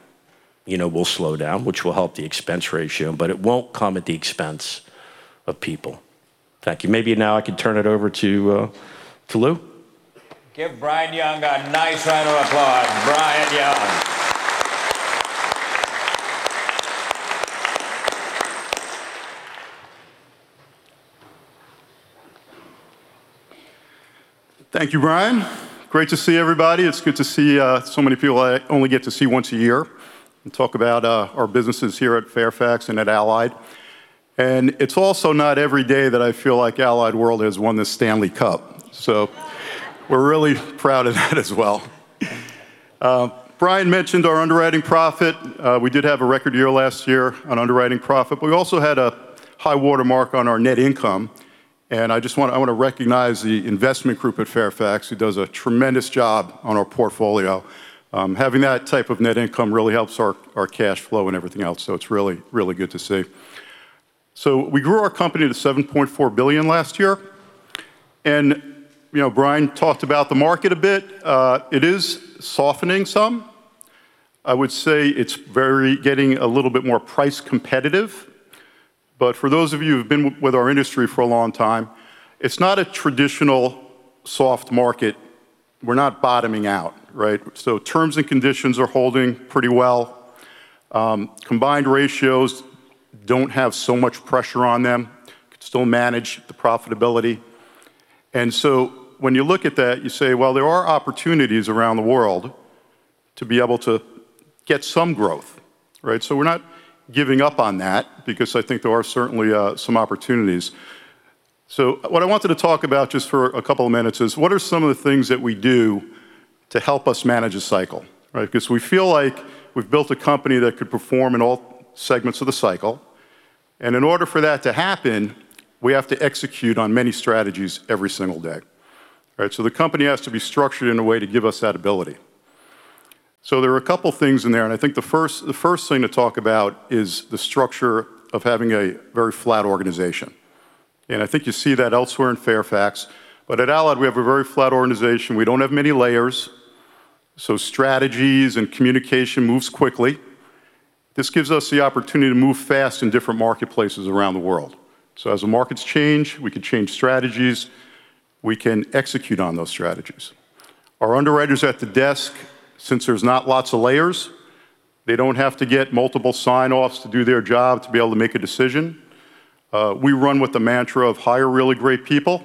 will slow down, which will help the expense ratio, but it won't come at the expense of people. Thank you. Maybe now I can turn it over to Lou. Give Brian Young a nice round of applause. Brian Young. Thank you, Brian. Great to see everybody. It's good to see so many people I only get to see once a year and talk about our businesses here at Fairfax and at Allied. It's also not every day that I feel like Allied World has won the Stanley Cup. We're really proud of that as well. Brian mentioned our underwriting profit. We did have a record year last year on underwriting profit, but we also had a high-water mark on our net income. I want to recognize the investment group at Fairfax, who does a tremendous job on our portfolio. Having that type of net income really helps our cash flow and everything else. It's really good to see. We grew our company to $7.4 billion last year. Brian talked about the market a bit. It is softening some. I would say it's getting a little bit more price competitive. For those of you who've been with our industry for a long time, it's not a traditional soft market. We're not bottoming out. Terms and conditions are holding pretty well. Combined ratios don't have so much pressure on them, could still manage the profitability. When you look at that, you say, well, there are opportunities around the world to be able to get some growth. We're not giving up on that because I think there are certainly some opportunities. What I wanted to talk about just for a couple of minutes is what are some of the things that we do to help us manage a cycle? Because we feel like we've built a company that could perform in all segments of the cycle, and in order for that to happen, we have to execute on many strategies every single day. The company has to be structured in a way to give us that ability. There are a couple things in there, and I think the first thing to talk about is the structure of having a very flat organization. I think you see that elsewhere in Fairfax. At Allied, we have a very flat organization. We don't have many layers, so strategies and communication moves quickly. This gives us the opportunity to move fast in different marketplaces around the world. As the markets change, we can change strategies, we can execute on those strategies. Our underwriters at the desk, since there's not lots of layers, they don't have to get multiple sign-offs to do their job to be able to make a decision. We run with the mantra of hire really great people,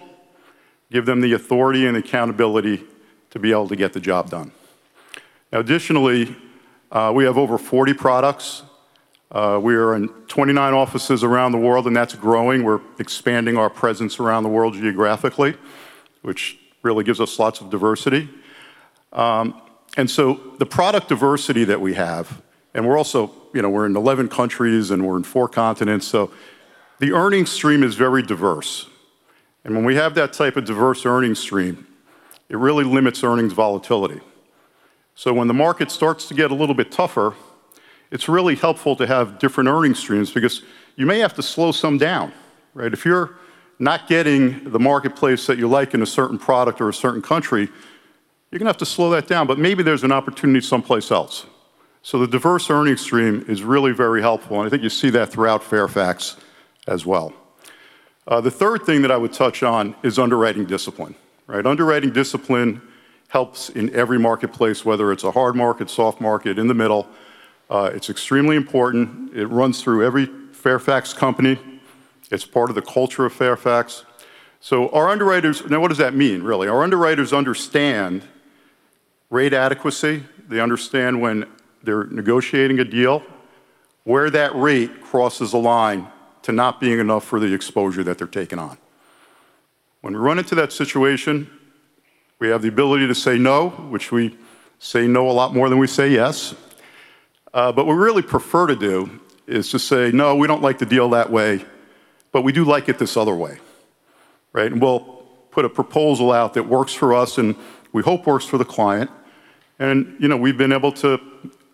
give them the authority and accountability to be able to get the job done. Additionally, we have over 40 products. We are in 29 offices around the world, and that's growing. We're expanding our presence around the world geographically, which really gives us lots of diversity. The product diversity that we have, and we're in 11 countries, and we're in four continents, so the earnings stream is very diverse. When we have that type of diverse earnings stream, it really limits earnings volatility. When the market starts to get a little bit tougher, it's really helpful to have different earnings streams because you may have to slow some down. If you're not getting the marketplace that you like in a certain product or a certain country, you're going to have to slow that down, but maybe there's an opportunity someplace else. The diverse earnings stream is really very helpful, and I think you see that throughout Fairfax as well. The third thing that I would touch on is underwriting discipline. Underwriting discipline helps in every marketplace, whether it's a hard market, soft market, in the middle. It's extremely important. It runs through every Fairfax company. It's part of the culture of Fairfax. Now, what does that mean, really? Our underwriters understand rate adequacy. They understand when they're negotiating a deal, where that rate crosses a line to not being enough for the exposure that they're taking on. When we run into that situation, we have the ability to say no, which we say no a lot more than we say yes. What we really prefer to do is to say, "No, we don't like the deal that way, but we do like it this other way." We'll put a proposal out that works for us and we hope works for the client. We've been able to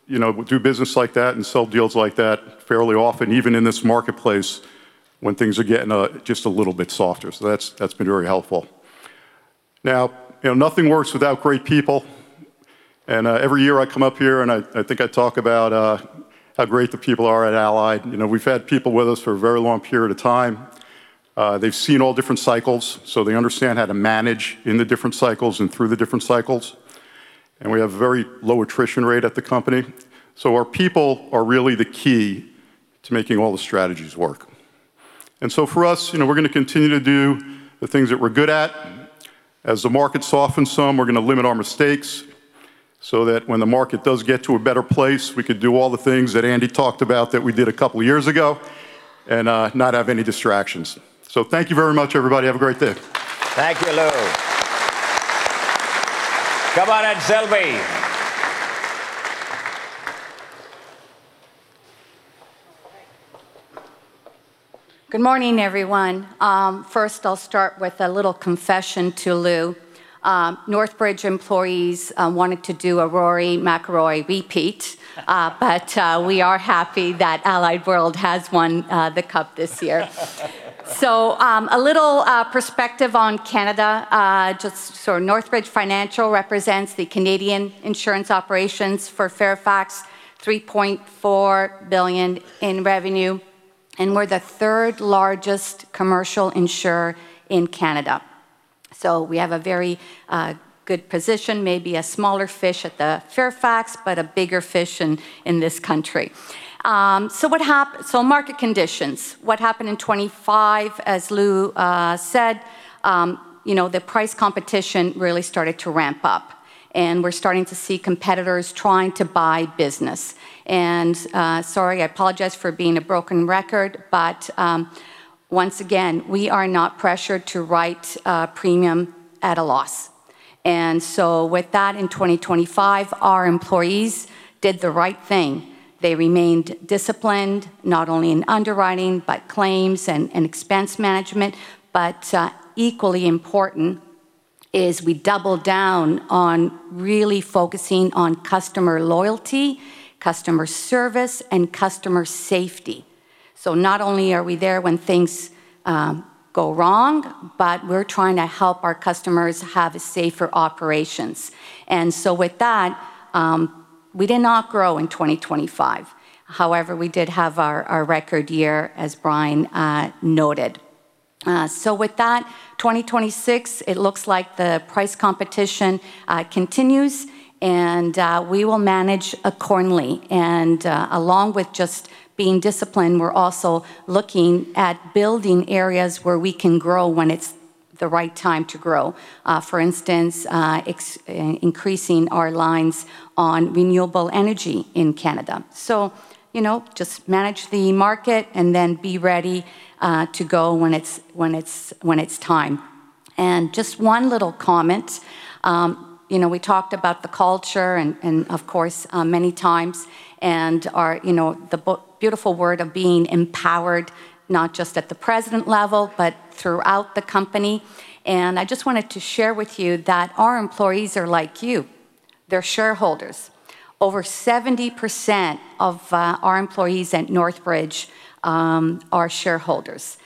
do business like that and sell deals like that fairly often, even in this marketplace when things are getting just a little bit softer. That's been very helpful. Now, nothing works without great people, and every year I come up here and I think I talk about how great the people are at Allied. We've had people with us for a very long period of time. They've seen all different cycles, so they understand how to manage in the different cycles and through the different cycles. We have a very low attrition rate at the company. Our people are really the key to making all the strategies work. For us, we're going to continue to do the things that we're good at. As the market softens some, we're going to limit our mistakes so that when the market does get to a better place, we can do all the things that Andy talked about that we did a couple of years ago and not have any distractions. Thank you very much, everybody. Have a great day. Thank you, Lou. Come on, Silvy. Good morning, everyone. First, I'll start with a little confession to Lou. Northbridge employees wanted to do a Rory McIlroy repeat. We are happy that Allied World has won the cup this year. A little perspective on Canada. Just so Northbridge Financial represents the Canadian insurance operations for Fairfax, $3.4 billion in revenue, and we're the third-largest commercial insurer in Canada. We have a very good position, may be a smaller fish at the Fairfax, but a bigger fish in this country. Market conditions. What happened in 2025, as Lou said, the price competition really started to ramp up. We're starting to see competitors trying to buy business. Sorry, I apologize for being a broken record, but once again, we are not pressured to write premium at a loss. With that, in 2025, our employees did the right thing. They remained disciplined, not only in underwriting, but claims and expense management. Equally important is we doubled down on really focusing on customer loyalty, customer service, and customer safety. Not only are we there when things go wrong, but we're trying to help our customers have safer operations. With that, we did not grow in 2025. However, we did have our record year, as Brian noted. With that, 2026, it looks like the price competition continues, and we will manage accordingly. Along with just being disciplined, we're also looking at building areas where we can grow when it's the right time to grow. For instance, increasing our lines on renewable energy in Canada. Just manage the market and then be ready to go when it's time. Just one little comment. We talked about the culture and of course, many times, and the beautiful word of being empowered, not just at the president level, but throughout the company. I just wanted to share with you that our employees are like you. They're shareholders. Over 70% of our employees at Northbridge are shareholders.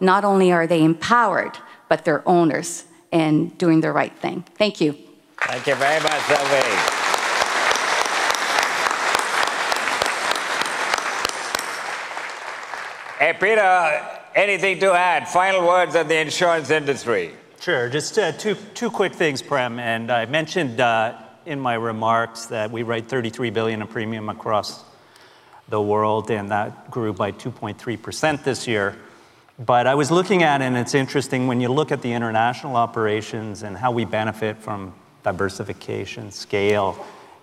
Not only are they empowered, but they're owners and doing the right thing. Thank you. Thank you very much, Silvy. Hey, Peter, anything to add? Final words on the insurance industry. Sure. Just two quick things, Prem. I mentioned in my remarks that we write 33 billion of premium across the world, and that grew by 2.3% this year. I was looking at, and it's interesting when you look at the international operations and how we benefit from diversification,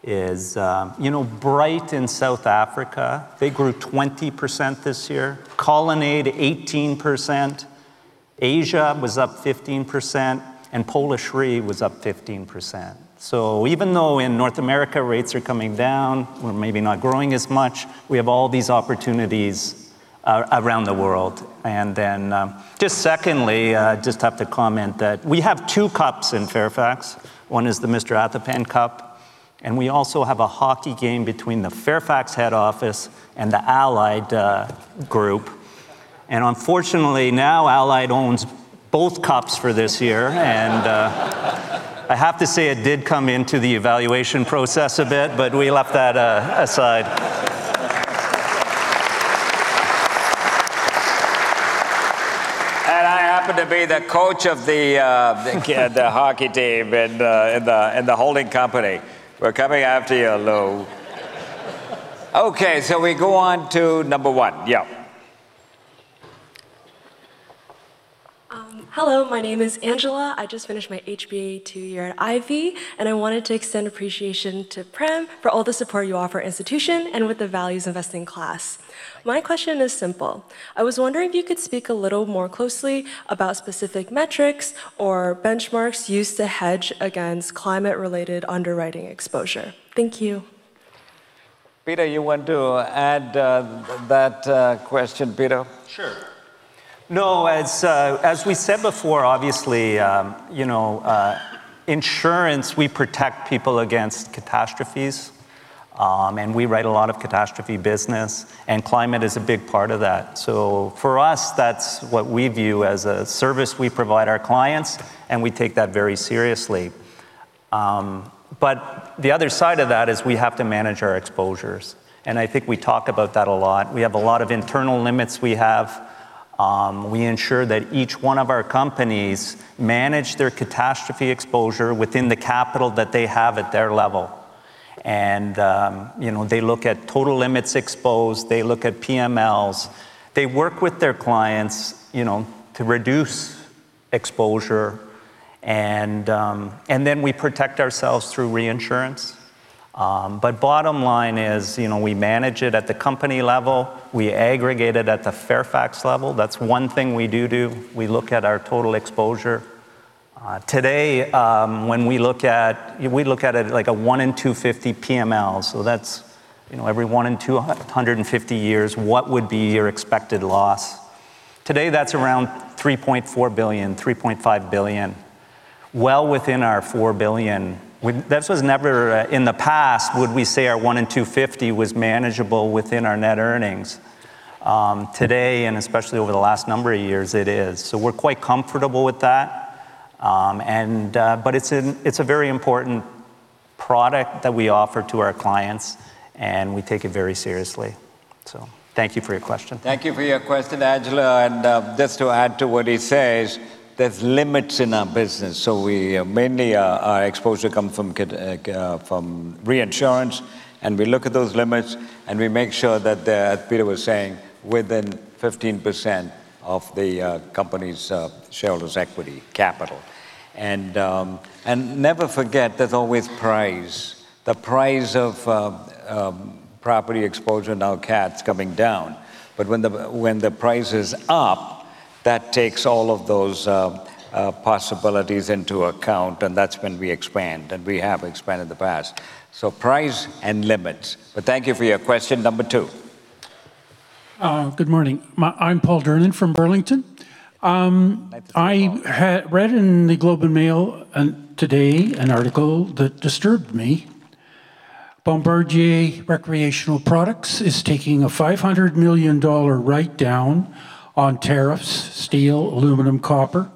Bryte in South Africa, they grew 20% this year. Colonnade, 18%, Asia was up 15%, and Polish Re was up 15%. Even though in North America, rates are coming down, we're maybe not growing as much, we have all these opportunities around the world. Then, just secondly, just have to comment that we have two cups in Fairfax. One is the Mr. Athappan Cup, and we also have a hockey game between the Fairfax head office and the Allied group. Unfortunately, now Allied owns both cups for this year. I have to say it did come into the evaluation process a bit, but we left that aside. I happen to be the coach of the hockey team in the holding company. We're coming after you, Lou. Okay. We go on to number one. Yeah. Hello, my name is Angela. I just finished my HBA two-year at Ivey, and I wanted to extend appreciation to Prem for all the support you offer to the institution and with the value investing class. My question is simple. I was wondering if you could speak a little more closely about specific metrics or benchmarks used to hedge against climate-related underwriting exposure. Thank you. Peter, you want to add that question, Peter? Sure. No, as we said before, obviously, insurance. We protect people against catastrophes. We write a lot of catastrophe business, and climate is a big part of that. For us, that's what we view as a service we provide our clients, and we take that very seriously. The other side of that is we have to manage our exposures, and I think we talk about that a lot. We have a lot of internal limits we have. We ensure that each one of our companies manage their catastrophe exposure within the capital that they have at their level. They look at total limits exposed. They look at PMLs. They work with their clients to reduce exposure. Then we protect ourselves through reinsurance. Bottom line is, we manage it at the company level. We aggregate it at the Fairfax level. That's one thing we do do. We look at our total exposure. Today, we look at it like a 1 in 250 PMLs, so that's every 1 in 250 years, what would be your expected loss? Today, that's around $3.4 billion-$3.5 billion. Well within our $4 billion. In the past, would we say our 1 in 250 was manageable within our net earnings. Today, and especially over the last number of years, it is. We're quite comfortable with that. But it's a very important product that we offer to our clients, and we take it very seriously. Thank you for your question. Thank you for your question, Angela. Just to add to what he says, there's limits in our business. Mainly our exposure comes from reinsurance. We look at those limits, and we make sure that, as Peter was saying, within 15% of the company's shareholder's equity capital. Never forget there's always price. The price of property exposure now CATs coming down. When the price is up, that takes all of those possibilities into account, and that's when we expand, and we have expanded in the past. Price and limits. Thank you for your question. Number two. Good morning. I'm Paul Durnin from Burlington. Mike Durnin. I read in "The Globe and Mail" today an article that disturbed me. Bombardier Recreational Products is taking a $500 million write-down on tariffs, steel, aluminum, copper,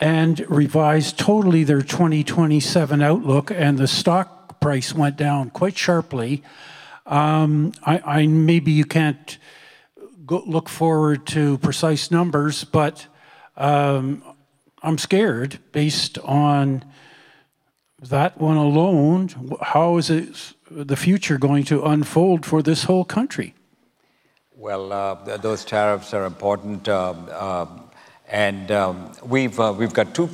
and revised totally their 2027 outlook, and the stock price went down quite sharply. Maybe you can't look forward to precise numbers, but I'm scared based on that one alone. How is the future going to unfold for this whole country? Well, those tariffs are important. We've got two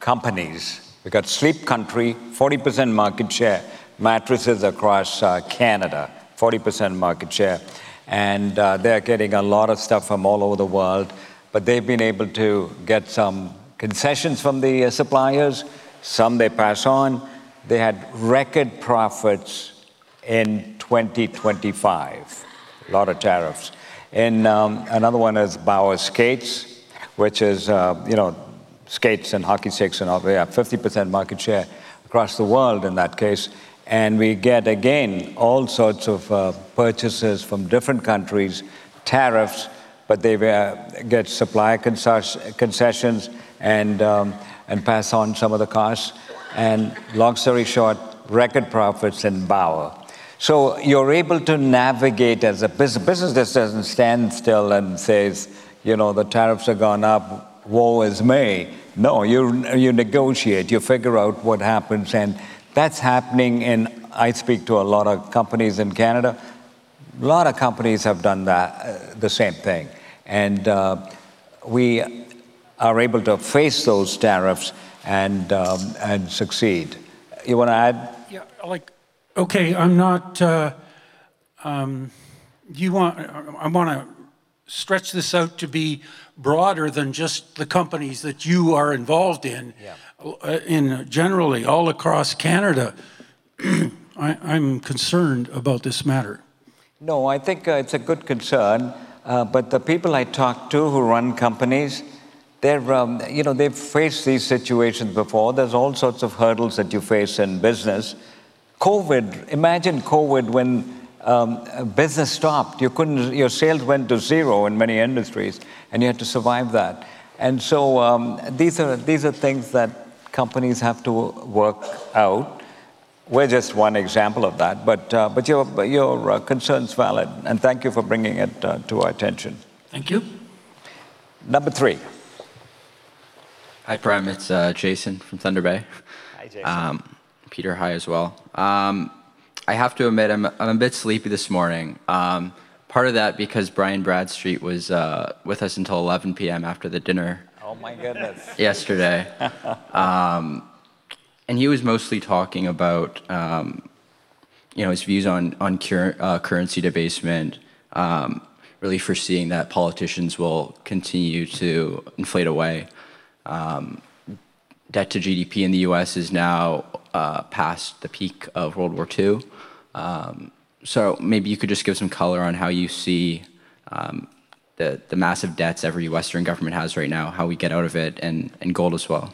companies. We've got Sleep Country, 40% market share mattresses across Canada. 40% market share. They're getting a lot of stuff from all over the world, but they've been able to get some concessions from the suppliers. Some they pass on. They had record profits in 2025. Lot of tariffs. Another one is Bauer Skates, which is skates and hockey sticks and all. They have 50% market share across the world in that case. We get, again, all sorts of purchases from different countries, tariffs, but they get supplier concessions and pass on some of the costs. Long story short, record profits in Bauer. You're able to navigate as a business. Business just doesn't stand still and says, "The tariffs have gone up. Woe is me." No, you negotiate. You figure out what happens. That's happening. I speak to a lot of companies in Canada. A lot of companies have done the same thing. We are able to face those tariffs and succeed. You want to add? Yeah. I want to stretch this out to be broader than just the companies that you are involved in. Yeah. Generally all across Canada, I'm concerned about this matter. No, I think it's a good concern. The people I talk to who run companies, they've faced these situations before. There's all sorts of hurdles that you face in business. COVID. Imagine COVID when business stopped. Your sales went to zero in many industries, and you had to survive that. These are things that companies have to work out. We're just one example of that. Your concern's valid, and thank you for bringing it to our attention. Thank you. Number three. Hi, Prem. It's Jason from Thunder Bay. Hi, Jason. Peter, hi as well. I have to admit, I'm a bit sleepy this morning. Part of that because Brian Blaser was with us until 11:00 P.M. after the dinner. Oh my goodness. He was mostly talking about his views on currency debasement, really foreseeing that politicians will continue to inflate away. Debt to GDP in the U.S. is now past the peak of World War II. Maybe you could just give some color on how you see the massive debts every Western government has right now, how we get out of it, and gold as well.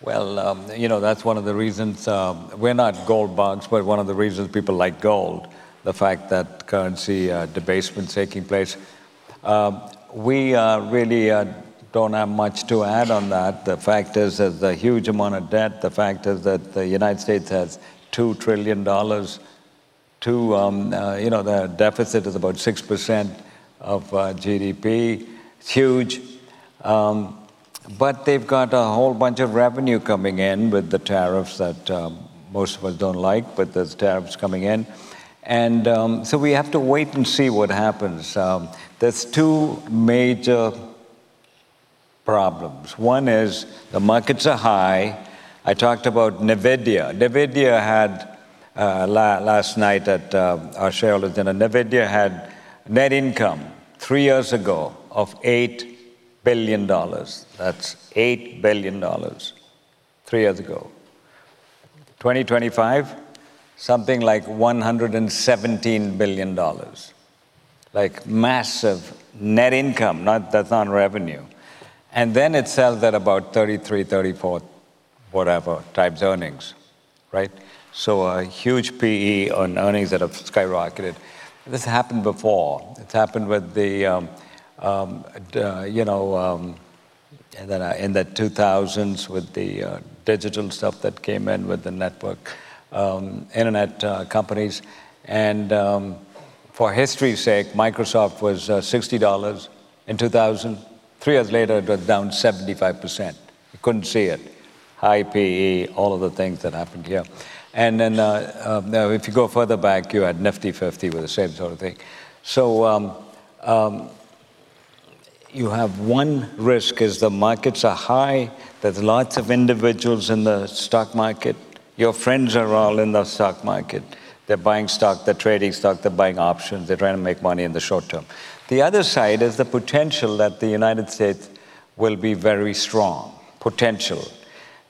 Well, that's one of the reasons we're not gold bugs, but one of the reasons people like gold, the fact that currency debasement's taking place. We really don't have much to add on that. The fact is the huge amount of debt, the fact is that the United States has $2 trillion. The deficit is about 6% of GDP. It's huge. They've got a whole bunch of revenue coming in with the tariffs that most of us don't like, but there's tariffs coming in. We have to wait and see what happens. There's two major problems. One is the markets are high. I talked about Nvidia. Last night at our shareholders' dinner, Nvidia had net income three years ago of $8 billion. That's $8 billion, three years ago. 2025, something like $117 billion. Massive net income. That's not revenue. It sells at about 33, 34, whatever times earnings. Right? A huge PE on earnings that have skyrocketed. This happened before. This happened in the 2000s with the digital stuff that came in with the network internet companies. For history's sake, Microsoft was $60million in 2000. Three years later, it was down 75%. You couldn't see it. High PE, all of the things that happened here. Now if you go further back, you had Nifty 50 was the same sort of thing. You have one risk is the markets are high. There's lots of individuals in the stock market. Your friends are all in the stock market. They're buying stock, they're trading stock, they're buying options. They're trying to make money in the short term. The other side is the potential that the United States will be very strong potential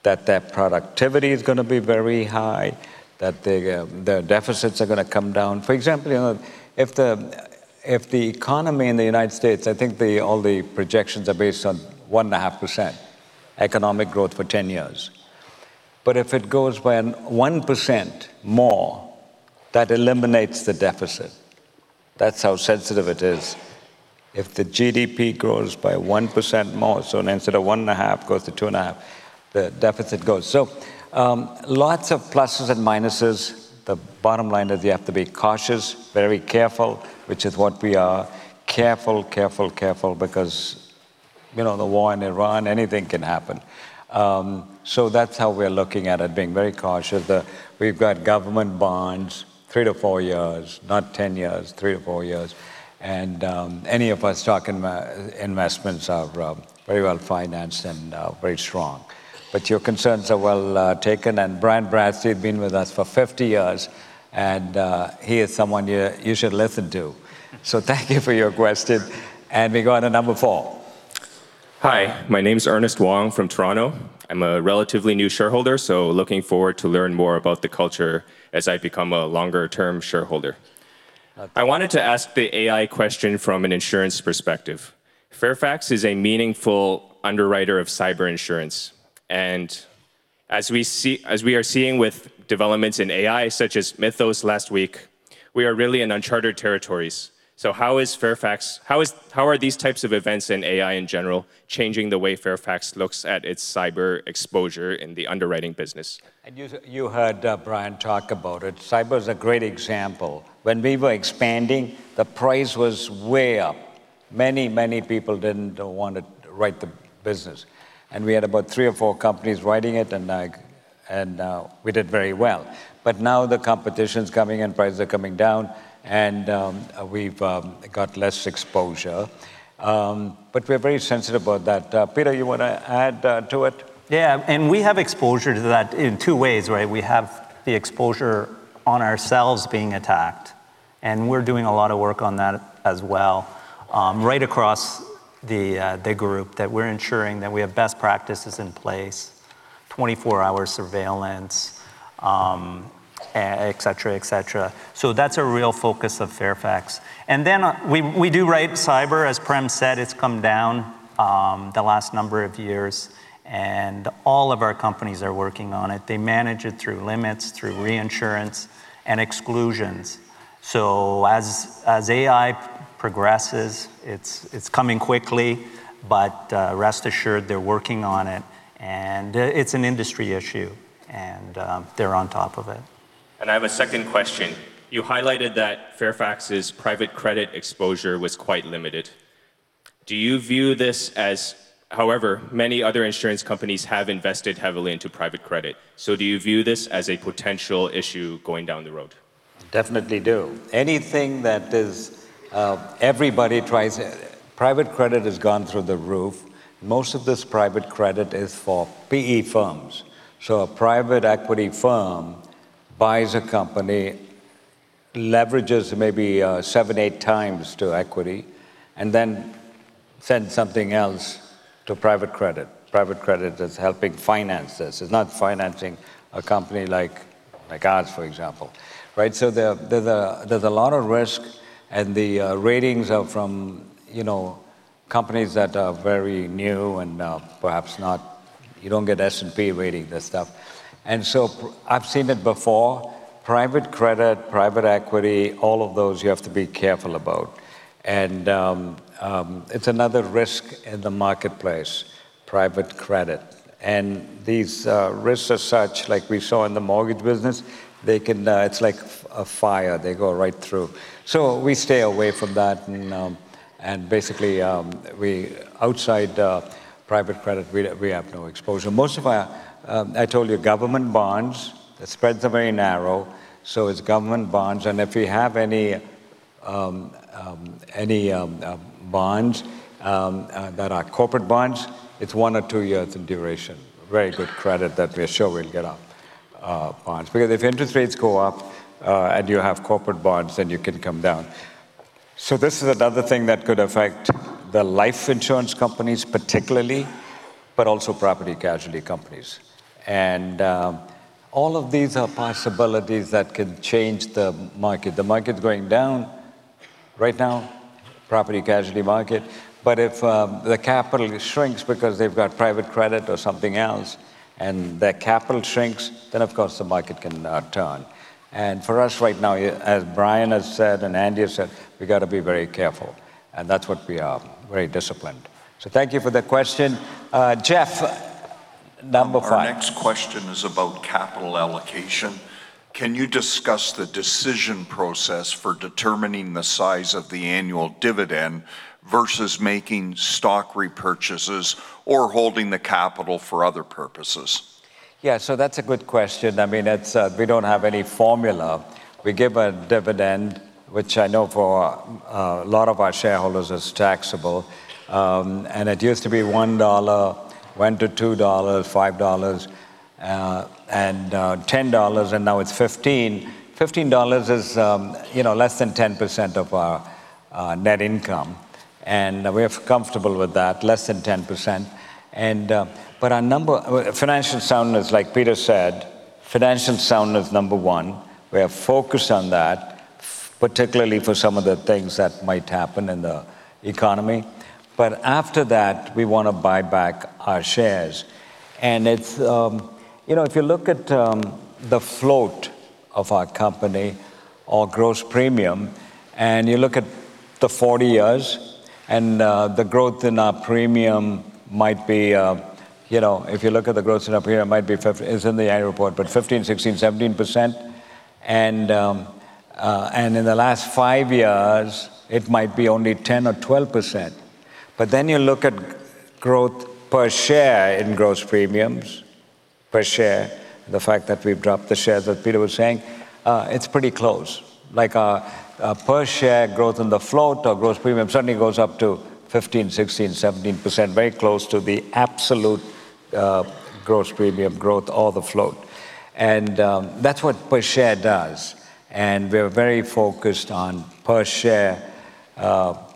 that their productivity is going to be very high, that their deficits are going to come down. For example, if the economy in the United States, I think all the projections are based on 1.5% economic growth for 10 years. If it goes by 1% more, that eliminates the deficit. That's how sensitive it is. If the GDP grows by 1% more, so instead of 1.5 - 2.5, the deficit goes. Lots of pluses and minuses. The bottom line is you have to be cautious, very careful, which is what we are, careful because the war in Iran. Anything can happen. That's how we're looking at it, being very cautious. We've got government bonds, 3 years - 4 years. Not 10 years, 3 years - 4 years. Any of our stock investments are very well-financed and very strong. Your concerns are well taken, and Brian Blaser's been with us for 50 years, and he is someone you should listen to. Thank you for your question, and we go on to number four. Hi, my name's Ernest Wong from Toronto. I'm a relatively new shareholder, so looking forward to learn more about the culture as I become a longer-term shareholder. Okay. I wanted to ask the AI question from an insurance perspective. Fairfax is a meaningful underwriter of cyber insurance, and as we are seeing with developments in AI such as Mythos last week, we are really in uncharted territories. How are these types of events, and AI in general, changing the way Fairfax looks at its cyber exposure in the underwriting business? You heard Brian talk about it. Cyber's a great example. When we were expanding, the price was way up. Many people didn't want to write the business. We had about three or four companies writing it, and we did very well. Now the competition's coming, and prices are coming down, and we've got less exposure. We're very sensitive about that. Peter, you want to add to it? Yeah. We have exposure to that in two ways, right? We have the exposure on ourselves being attacked, and we're doing a lot of work on that as well right across the group that we're ensuring that we have best practices in place, 24-hour surveillance, etc.. That's a real focus of Fairfax. Then we do write cyber, as Prem said, it's come down the last number of years and all of our companies are working on it. They manage it through limits, through reinsurance and exclusions. As AI progresses, it's coming quickly, but rest assured they're working on it and it's an industry issue and they're on top of it. I have a second question. You highlighted that Fairfax's private credit exposure was quite limited. However, many other insurance companies have invested heavily into private credit. Do you view this as a potential issue going down the road? Definitely do anything that is everybody tries it .Private credit has gone through the roof. Most of this private credit is for PE firms. A private equity firm buys a company, leverages maybe 7, 8 times to equity, and then sends something else to private credit. Private credit that's helping finance this. It's not financing a company like ours, for example. There's a lot of risk and the ratings are from companies that are very new and perhaps you don't get S&P rating this stuff. I've seen it before. Private credit, private equity, all of those you have to be careful about. It's another risk in the marketplace, private credit. These risks are such, like we saw in the mortgage business, it's like a fire. They go right through. We stay away from that. Basically outside private credit, we have no exposure. Most of our, I told you, government bonds, the spreads are very narrow. It's government bonds. If you have any bonds that are corporate bonds, it's one or two years in duration. Very good credit that we are sure we'll get our bonds. Because if interest rates go up, and you have corporate bonds, then you can come down. This is another thing that could affect the life insurance companies particularly, but also property casualty companies. All of these are possibilities that could change the market. The market's going down right now, property casualty market. If the capital shrinks because they've got private credit or something else and their capital shrinks, then of course the market can turn. For us right now, as Brian has said and Andy has said, we got to be very careful and that's what we are, very disciplined. Thank you for the question. Jeff, number five. Our next question is about capital allocation. Can you discuss the decision process for determining the size of the annual dividend versus making stock repurchases or holding the capital for other purposes? Yeah, that's a good question. We don't have any formula. We give a dividend, which I know for a lot of our shareholders is taxable. It used to be $1, went to $2, $5, and $10, and now it's $15. $15 is less than 10% of our net income, and we're comfortable with that, less than 10%. Financial soundness, like Peter said, financial soundness, number one, we are focused on that, particularly for some of the things that might happen in the economy. After that, we want to buy back our shares. If you look at the float of our company or gross premium and you look at the 40 years and the growth in our premium, if you look at the growth rate up here, it's in the annual report, but 15%, 16%, 17%. In the last five years it might be only 10% or 12%. Then you look at growth per share in gross premiums, per share, the fact that we've dropped the shares that Peter was saying, it's pretty close. Like our per share growth in the float or gross premium certainly goes up to 15%, 16%, 17%, very close to the absolute gross premium growth or the float. That's what per share does. We are very focused on per share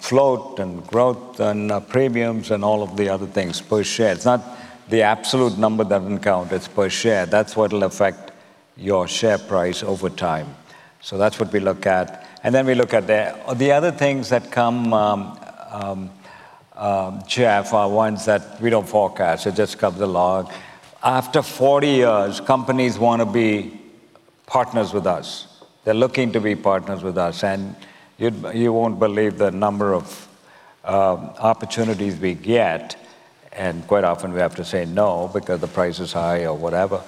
float and growth and premiums and all of the other things, per share. It's not the absolute number that will count, it's per share. That's what'll affect your share price over time. That's what we look at. Then we look at the other things that come, Jeff, are ones that we don't forecast. It just comes along. After 40 years, companies want to be partners with us. They're looking to be partners with us, and you won't believe the number of opportunities we get, and quite often we have to say no because the price is high or whatever.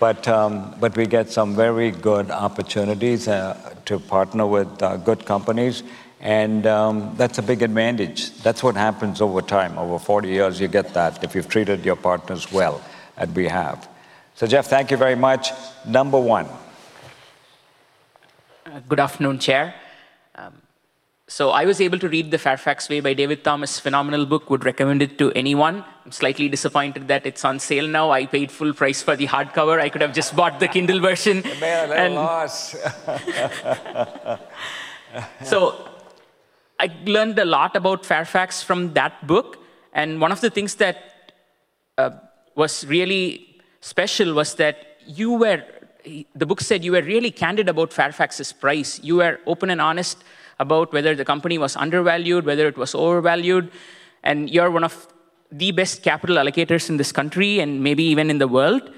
But we get some very good opportunities to partner with good companies and that's a big advantage. That's what happens over time. Over 40 years, you get that if you've treated your partners well, and we have. Jeff, thank you very much. Number one. Good afternoon, Chair. I was able to read "The Fairfax Way" by David Thomas. Phenomenal book, would recommend it to anyone. I'm slightly disappointed that it's on sale now. I paid full price for the hardcover. I could have just bought the Kindle version. Man, that loss. So- I learned a lot about Fairfax from that book. One of the things that was really special was that the book said you were really candid about Fairfax's price. You were open and honest about whether the company was undervalued, whether it was overvalued. You're one of the best capital allocators in this country and maybe even in the world.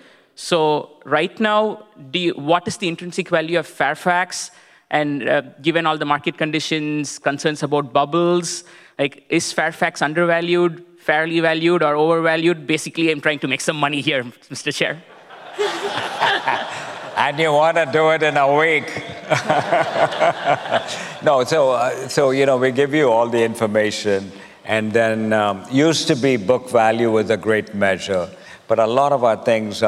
Right now, what is the intrinsic value of Fairfax? Given all the market conditions, concerns about bubbles, is Fairfax undervalued, fairly valued, or overvalued? Basically, I'm trying to make some money here, Mr. Chair. You want to do it in a week. No, we give you all the information. It used to be book value was a great measure, but a lot of our things,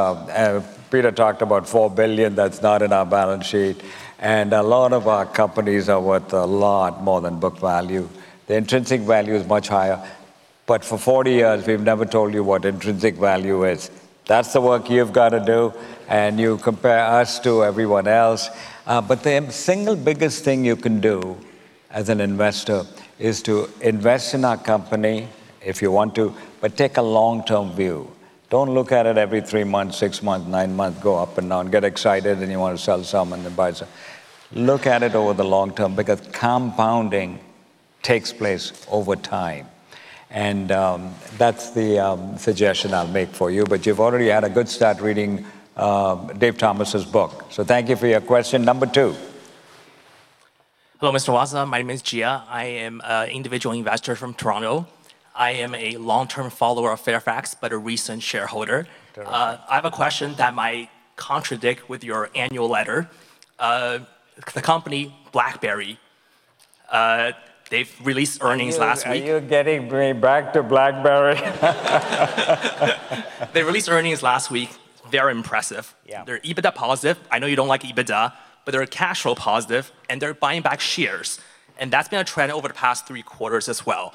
Peter talked about $4 billion that's not in our balance sheet. A lot of our companies are worth a lot more than book value. The intrinsic value is much higher. For 40 years, we've never told you what intrinsic value is. That's the work you've got to do, and you compare us to everyone else. The single biggest thing you can do as an investor is to invest in our company if you want to, but take a long-term view. Don't look at it every 3 months, 6 months, 9 months, go up and down, get excited, and you want to sell some and then buy some. Look at it over the long term, because compounding takes place over time. That's the suggestion I'll make for you. You've already had a good start reading David Thomas' book. Thank you for your question. Number two. Hello, Mr. Watsa. My name is Gia. I am a individual investor from Toronto. I am a long-term follower of Fairfax, but a recent shareholder. Toronto. I have a question that might contradict with your annual letter. The company BlackBerry, they've released earnings last week. I knew you're getting me back to BlackBerry. They released earnings last week. Very impressive. Yeah. They're Adjusted EBITDA positive. I know you don't like Adjusted EBITDA, but they're cash flow positive, and they're buying back shares. That's been a trend over the past three quarters as well.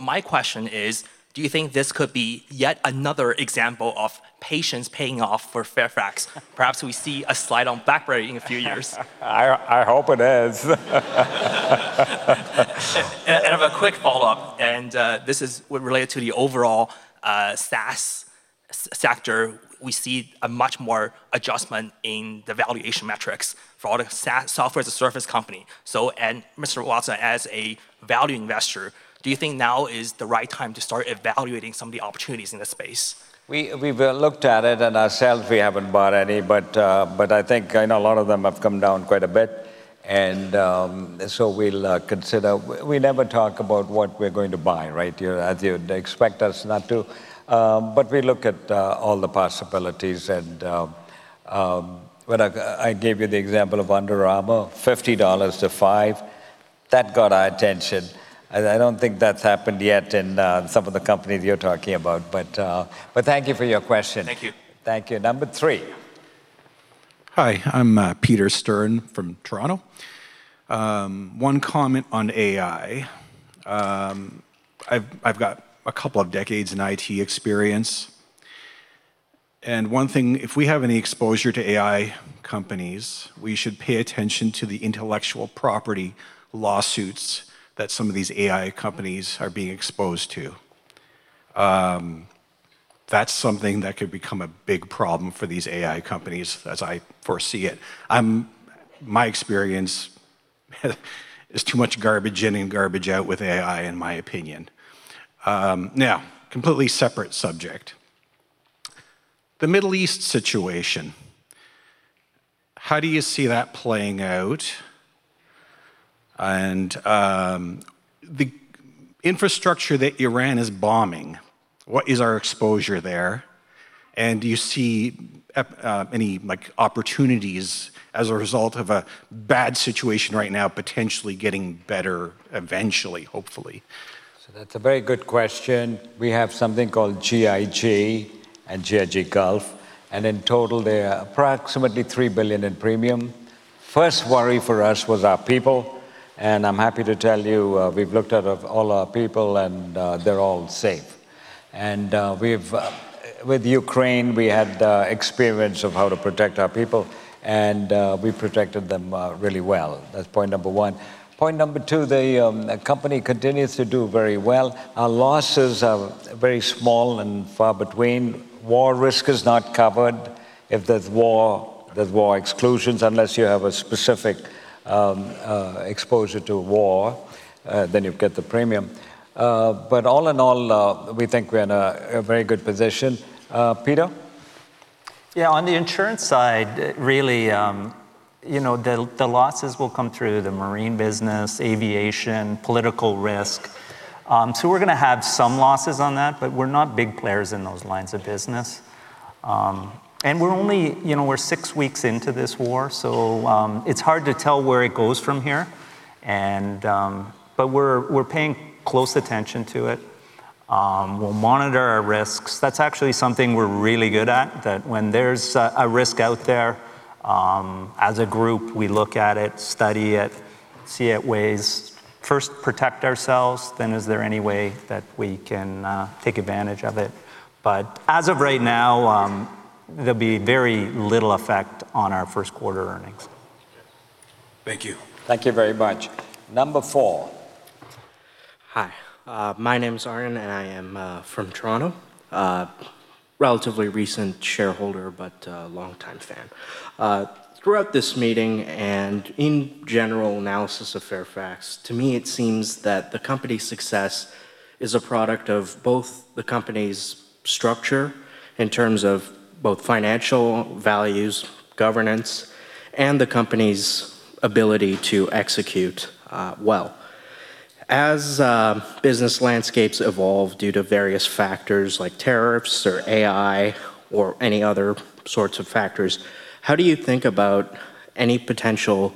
My question is, do you think this could be yet another example of patience paying off for Fairfax? Perhaps we see a slide on BlackBerry in a few years. I hope it is. I have a quick follow-up, and this is related to the overall SaaS sector. We see a much more adjustment in the valuation metrics for all the Software as a Service company. Mr. Watsa, as a value investor, do you think now is the right time to start evaluating some of the opportunities in this space? We've looked at it and ourselves, we haven't bought any. I think I know a lot of them have come down quite a bit. We'll consider. We never talk about what we're going to buy. You'd expect us not to. We look at all the possibilities and I gave you the example of Under Armour, $50 million-$5 million. That got our attention. I don't think that's happened yet in some of the companies you're talking about. Thank you for your question. Thank you. Thank you. Number three. Hi, I'm Peter Stern from Toronto. One comment on AI. I've got a couple of decades in IT experience. One thing, if we have any exposure to AI companies, we should pay attention to the intellectual property lawsuits that some of these AI companies are being exposed to. That's something that could become a big problem for these AI companies as I foresee it. My experience is too much garbage in and garbage out with AI, in my opinion. Now, completely separate subject. The Middle East situation, how do you see that playing out? And the infrastructure that Iran is bombing, what is our exposure there? And do you see any opportunities as a result of a bad situation right now, potentially getting better eventually, hopefully? That's a very good question. We have something called GIG and GIG Gulf, and in total they are approximately $3 billion in premium. First worry for us was our people, and I'm happy to tell you we've looked at all our people, and they're all safe. With Ukraine, we had the experience of how to protect our people, and we protected them really well. That's point number one. Point number two, the company continues to do very well. Our losses are very small and far between. War risk is not covered. If there's war, there's war exclusions. Unless you have a specific exposure to war, then you get the premium. All in all, we think we're in a very good position. Peter? Yeah, on the insurance side really the losses will come through the marine business, aviation, political risk. We're going to have some losses on that, but we're not big players in those lines of business. We're only six weeks into this war, so it's hard to tell where it goes from here. We're paying close attention to it. We'll monitor our risks. That's actually something we're really good at, that when there's a risk out there, as a group, we look at it, study it, see ways, first protect ourselves, then is there any way that we can take advantage of it. As of right now there'll be very little effect on our first quarter earnings. Thank you. Thank you very much. Number four. Hi. My name's Aaron, and I am from Toronto. Relatively recent shareholder, but long time fan. Throughout this meeting and in general analysis of Fairfax, to me, it seems that the company's success is a product of both the company's structure in terms of both financial values, governance, and the company's ability to execute well. As business landscapes evolve due to various factors like tariffs or AI or any other sorts of factors, how do you think about any potential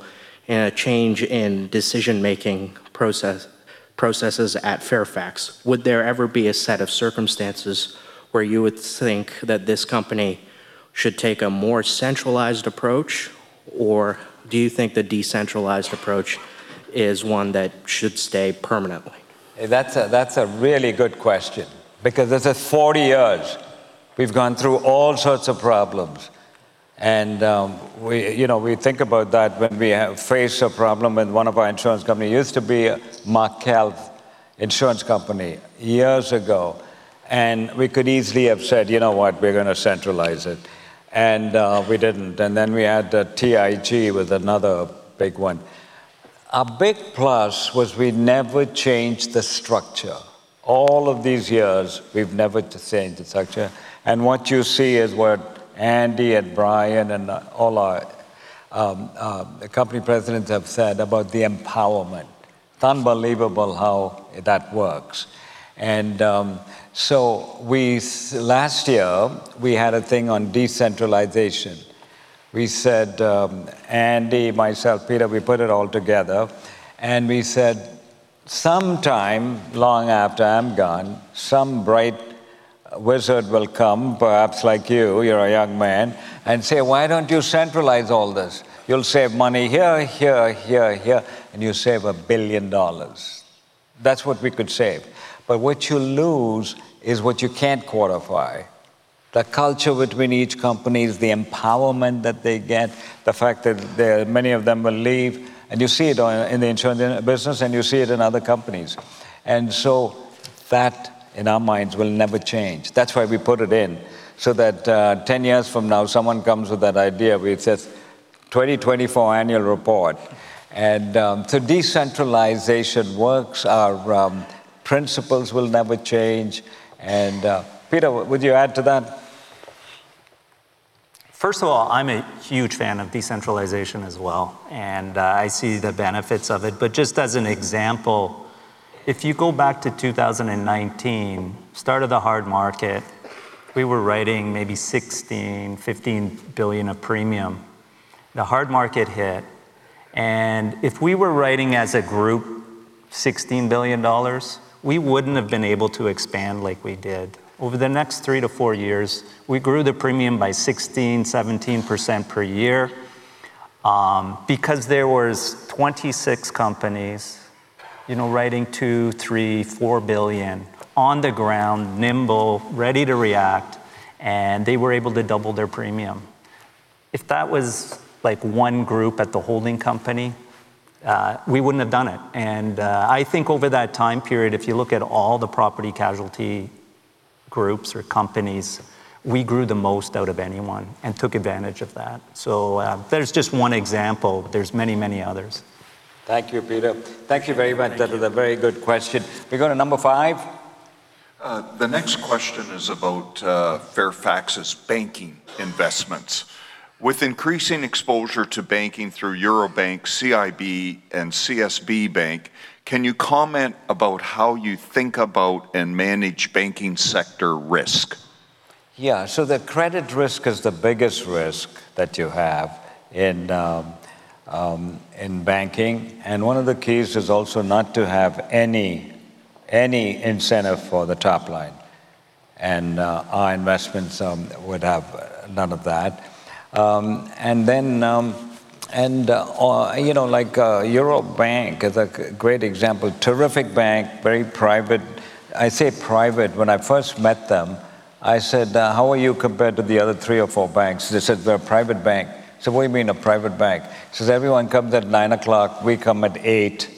change in decision-making processes at Fairfax? Would there ever be a set of circumstances where you would think that this company should take a more centralized approach? Or do you think the decentralized approach is one that should stay permanently? That's a really good question because this is 40 years. We've gone through all sorts of problems, and we think about that when we have faced a problem in one of our insurance company. Used to be Markel Insurance Company years ago, and we could easily have said, "You know what? We're going to centralize it." We didn't. Then we had TIG with another big one. A big plus was we never changed the structure. All of these years, we've never changed the structure. What you see is what Andy and Brian and all our company presidents have said about the empowerment. It's unbelievable how that works. Last year, we had a thing on decentralization. Andy, myself, Peter, we put it all together and we said, "Sometime long after I'm gone, some bright wizard will come," perhaps like you're a young man, "and say, 'Why don't you centralize all this? You'll save money here, here, and you save $1 billion.'" That's what we could save. What you lose is what you can't quantify. The culture between each company, the empowerment that they get, the fact that many of them will leave, and you see it in the insurance business and you see it in other companies. That, in our minds, will never change. That's why we put it in so that 10 years from now, someone comes with that idea, where it says 2024 annual report. Decentralization works. Our principles will never change. Peter, would you add to that? First of all, I'm a huge fan of decentralization as well, and I see the benefits of it. Just as an example, if you go back to 2019, start of the hard market, we were writing maybe $15 billion-$16 billion of premium. The hard market hit, and if we were writing as a group $16 billion, we wouldn't have been able to expand like we did. Over the next 3 years - 4 years, we grew the premium by 16%-17% per year because there were 26 companies writing $2 billion, $3 billion, $4 billion on the ground, nimble, ready to react, and they were able to double their premium. If that was one group at the holding company, we wouldn't have done it. I think over that time period, if you look at all the property casualty groups or companies, we grew the most out of anyone and took advantage of that. That is just one example. There's many others. Thank you, Peter. Thank you very much. That is a very good question. We go to number five. The next question is about Fairfax's banking investments. With increasing exposure to banking through Eurobank, CIB, and CSB Bank, can you comment about how you think about and manage banking sector risk? Yeah. The credit risk is the biggest risk that you have in banking. One of the keys is also not to have any incentive for the top line, and our investments would have none of that. Eurobank is a great example. Terrific bank, very private. I say private. When I first met them, I said, "How are you compared to the other three or four banks?" They said, "We're a private bank." I said, "What do you mean a private bank?" He says, "Everyone comes at 9:00 A.M., we come at 8:00 A.M.,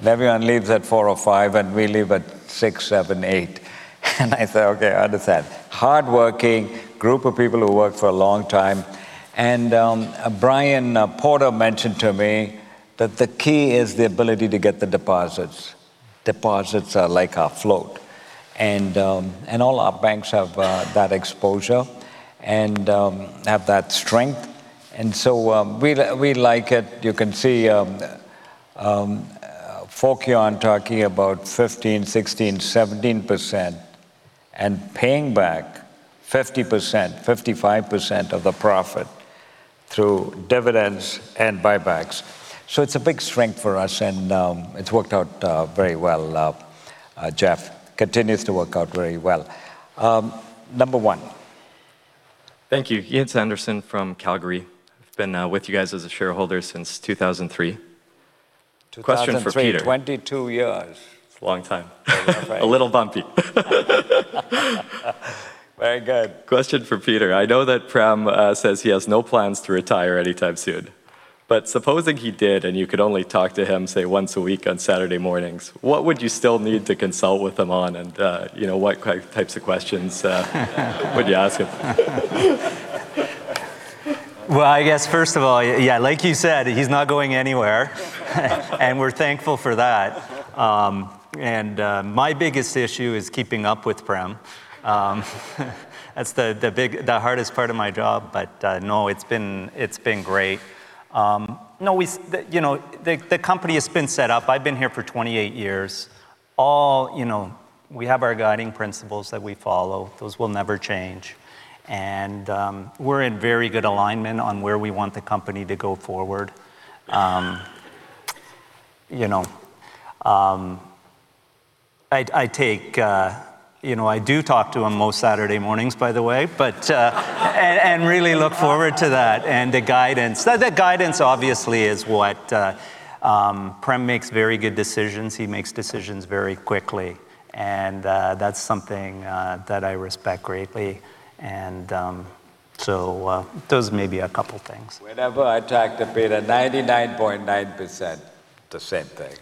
and everyone leaves at 4:00 P.M. or 5:00 P.M., and we leave at 6:00 P.M., 7:00 P.M., 8:00 P.M." I said, "Okay, I understand." Hardworking group of people who work for a long time. Brian Porter mentioned to me that the key is the ability to get the deposits. Deposits are like our float. All our banks have that exposure and have that strength. We like it. You can see Fokion talking about 15%-17% and paying back 50%-55% of the profit through dividends and buybacks. It's a big strength for us and it's worked out very well. Jeff. Continues to work out very well. Number one. Thank you. Ian Sanderson from Calgary. I've been with you guys as a shareholder since 2003. Question for Peter. 22 years. That's a long time. A long time. A little bumpy. Very good. Question for Peter. I know that Prem says he has no plans to retire anytime soon, but supposing he did, and you could only talk to him, say, once a week on Saturday mornings, what would you still need to consult with him on, and what types of questions would you ask him? Well, I guess first of all, yeah, like you said, he's not going anywhere, and we're thankful for that. My biggest issue is keeping up with Prem. That's the hardest part of my job. No, it's been great. The company has been set up. I've been here for 28 years. We have our guiding principles that we follow. Those will never change. We're in very good alignment on where we want the company to go forward. I do talk to him most Saturday mornings, by the way. Really look forward to that and the guidance. The guidance obviously is what Prem makes very good decisions. He makes decisions very quickly, and that's something that I respect greatly. Those may be a couple things. Whenever I talk to Peter, 99.9% the same thing.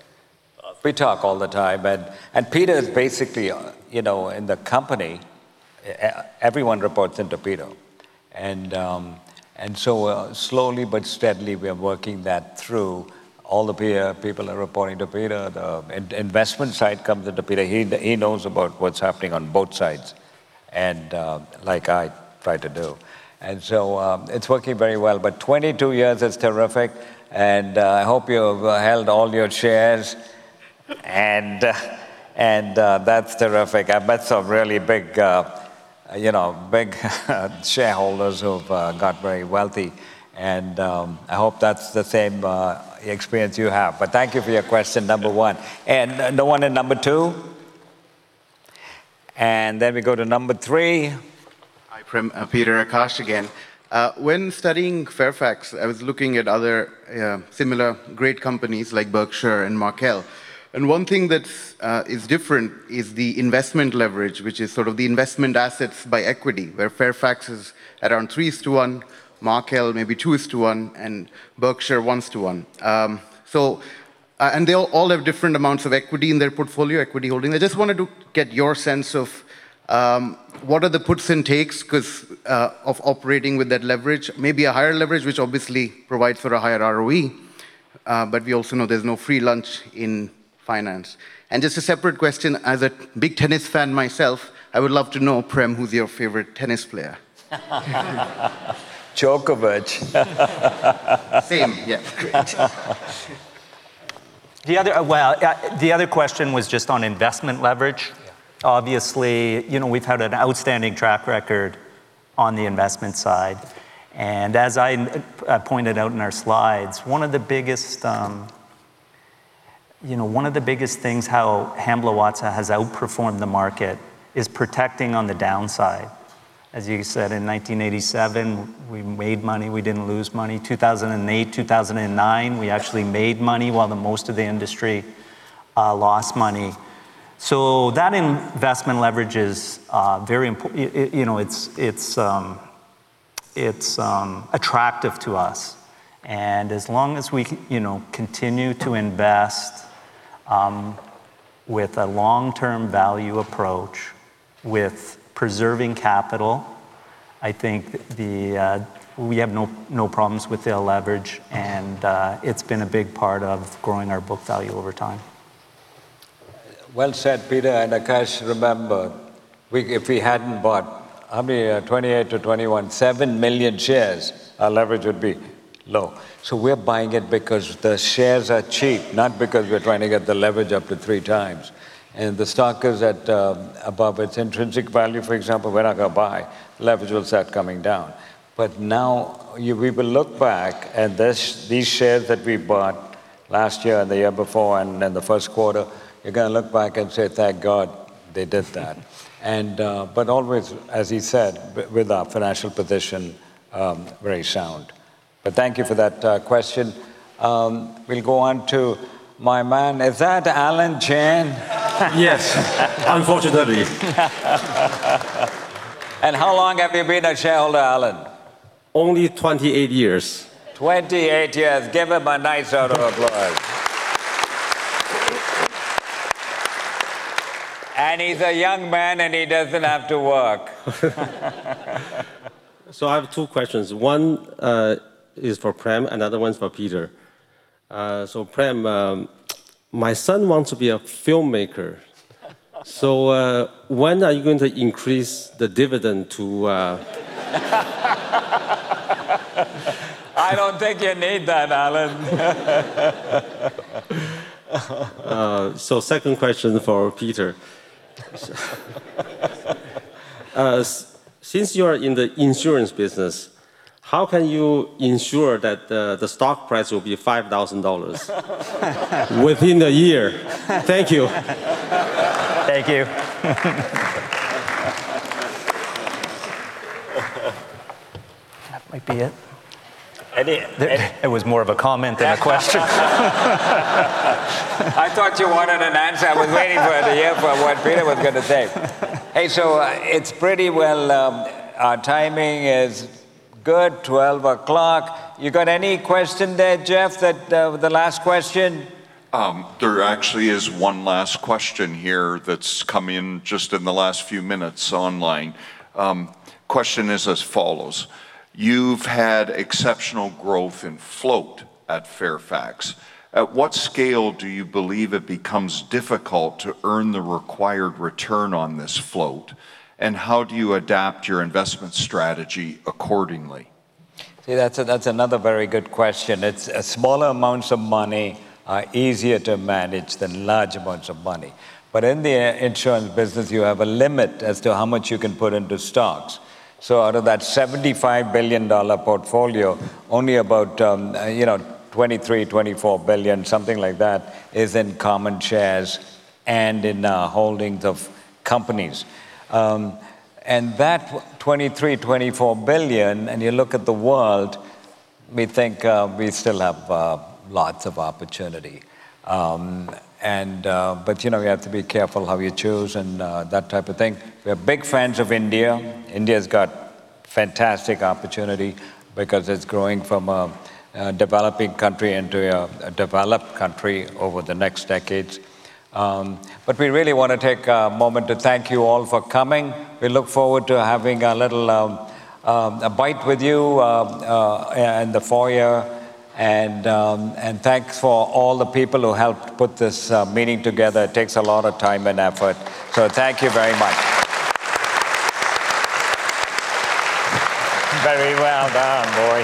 We talk all the time. Peter is basically, in the company, everyone reports into Peter. Slowly but steadily, we are working that through. All the people are reporting to Peter. The investment side comes into Peter. He knows about what's happening on both sides, and like I try to do. It's working very well. 22 years is terrific, and I hope you've held all your shares. That's terrific. I've met some really big shareholders who've got very wealthy, and I hope that's the same experience you have. Thank you for your question, number one. No one at number two? We go to number three. Hi, Prem, Peter. Akash again. When studying Fairfax, I was looking at other similar great companies like Berkshire and Markel. One thing that is different is the investment leverage, which is sort of the investment assets by equity, where Fairfax is around 3:1, Markel maybe 2:1, and Berkshire 1:1. They all have different amounts of equity in their portfolio, equity holding. I just wanted to get your sense of what are the puts and takes of operating with that leverage. Maybe a higher leverage, which obviously provides for a higher ROE. But we also know there's no free lunch in finance. Just a separate question, as a big tennis fan myself, I would love to know, Prem, who's your favorite tennis player? Djokovic. Same. Yeah, great. The other question was just on investment leverage. Yeah. Obviously, we've had an outstanding track record on the investment side. As I pointed out in our slides, one of the biggest things how Hamblin Watsa has outperformed the market is protecting on the downside. As you said, in 1987, we made money. We didn't lose money. 2008, 2009, we actually made money while the most of the industry lost money. That investment leverage is very important. It's attractive to us. As long as we continue to invest with a long-term value approach, with preserving capital, I think we have no problems with the leverage, and it's been a big part of growing our book value over time. Well said, Peter. Akash, remember, if we hadn't bought, how many? 28 million - 21 million, 7 million shares, our leverage would be low. We're buying it because the shares are cheap, not because we're trying to get the leverage up to three times. The stock is at above its intrinsic value. For example, we're not going to buy. Leverage will start coming down. Now, we will look back at these shares that we bought last year and the year before and in the first quarter, you're going to look back and say, "Thank God they did that." Always, as he said, with our financial position very sound. Thank you for that question. We'll go on to my man. Is that Alan Chen? Yes. Unfortunately. How long have you been a shareholder, Alan? Only 28 years. 28 years. Give him a nice round of applause. He's a young man, and he doesn't have to work. I have two questions. One is for Prem, another one's for Peter. Prem, my son wants to be a filmmaker. When are you going to increase the dividend to... I don't think you need that, Alan. Second question for Peter. Since you're in the insurance business, how can you ensure that the stock price will be $5,000 within a year? Thank you. Thank you. That might be it. It was more of a comment than a question. I thought you wanted an answer. I was waiting to hear what Peter was going to say. Hey, so it's pretty well. Our timing is good. 12 o'clock. You got any question there, Jeff, the last question? There actually is one last question here that's come in just in the last few minutes online. Question is as follows: You've had exceptional growth in float at Fairfax. At what scale do you believe it becomes difficult to earn the required return on this float, and how do you adapt your investment strategy accordingly? See, that's another very good question. Smaller amounts of money are easier to manage than large amounts of money. In the insurance business, you have a limit as to how much you can put into stocks. Out of that $75 billion portfolio, only about $23 billion-$24 billion, something like that, is in common shares and in holdings of companies. That $23 billion-$24 billion, and you look at the world, we think we still have lots of opportunity. We have to be careful how we choose and that type of thing. We're big fans of India. India's got fantastic opportunity because it's growing from a developing country into a developed country over the next decades. We really want to take a moment to thank you all for coming. We look forward to having a little bite with you in the foyer. Thanks for all the people who helped put this meeting together. It takes a lot of time and effort. Thank you very much. Very well done, boy.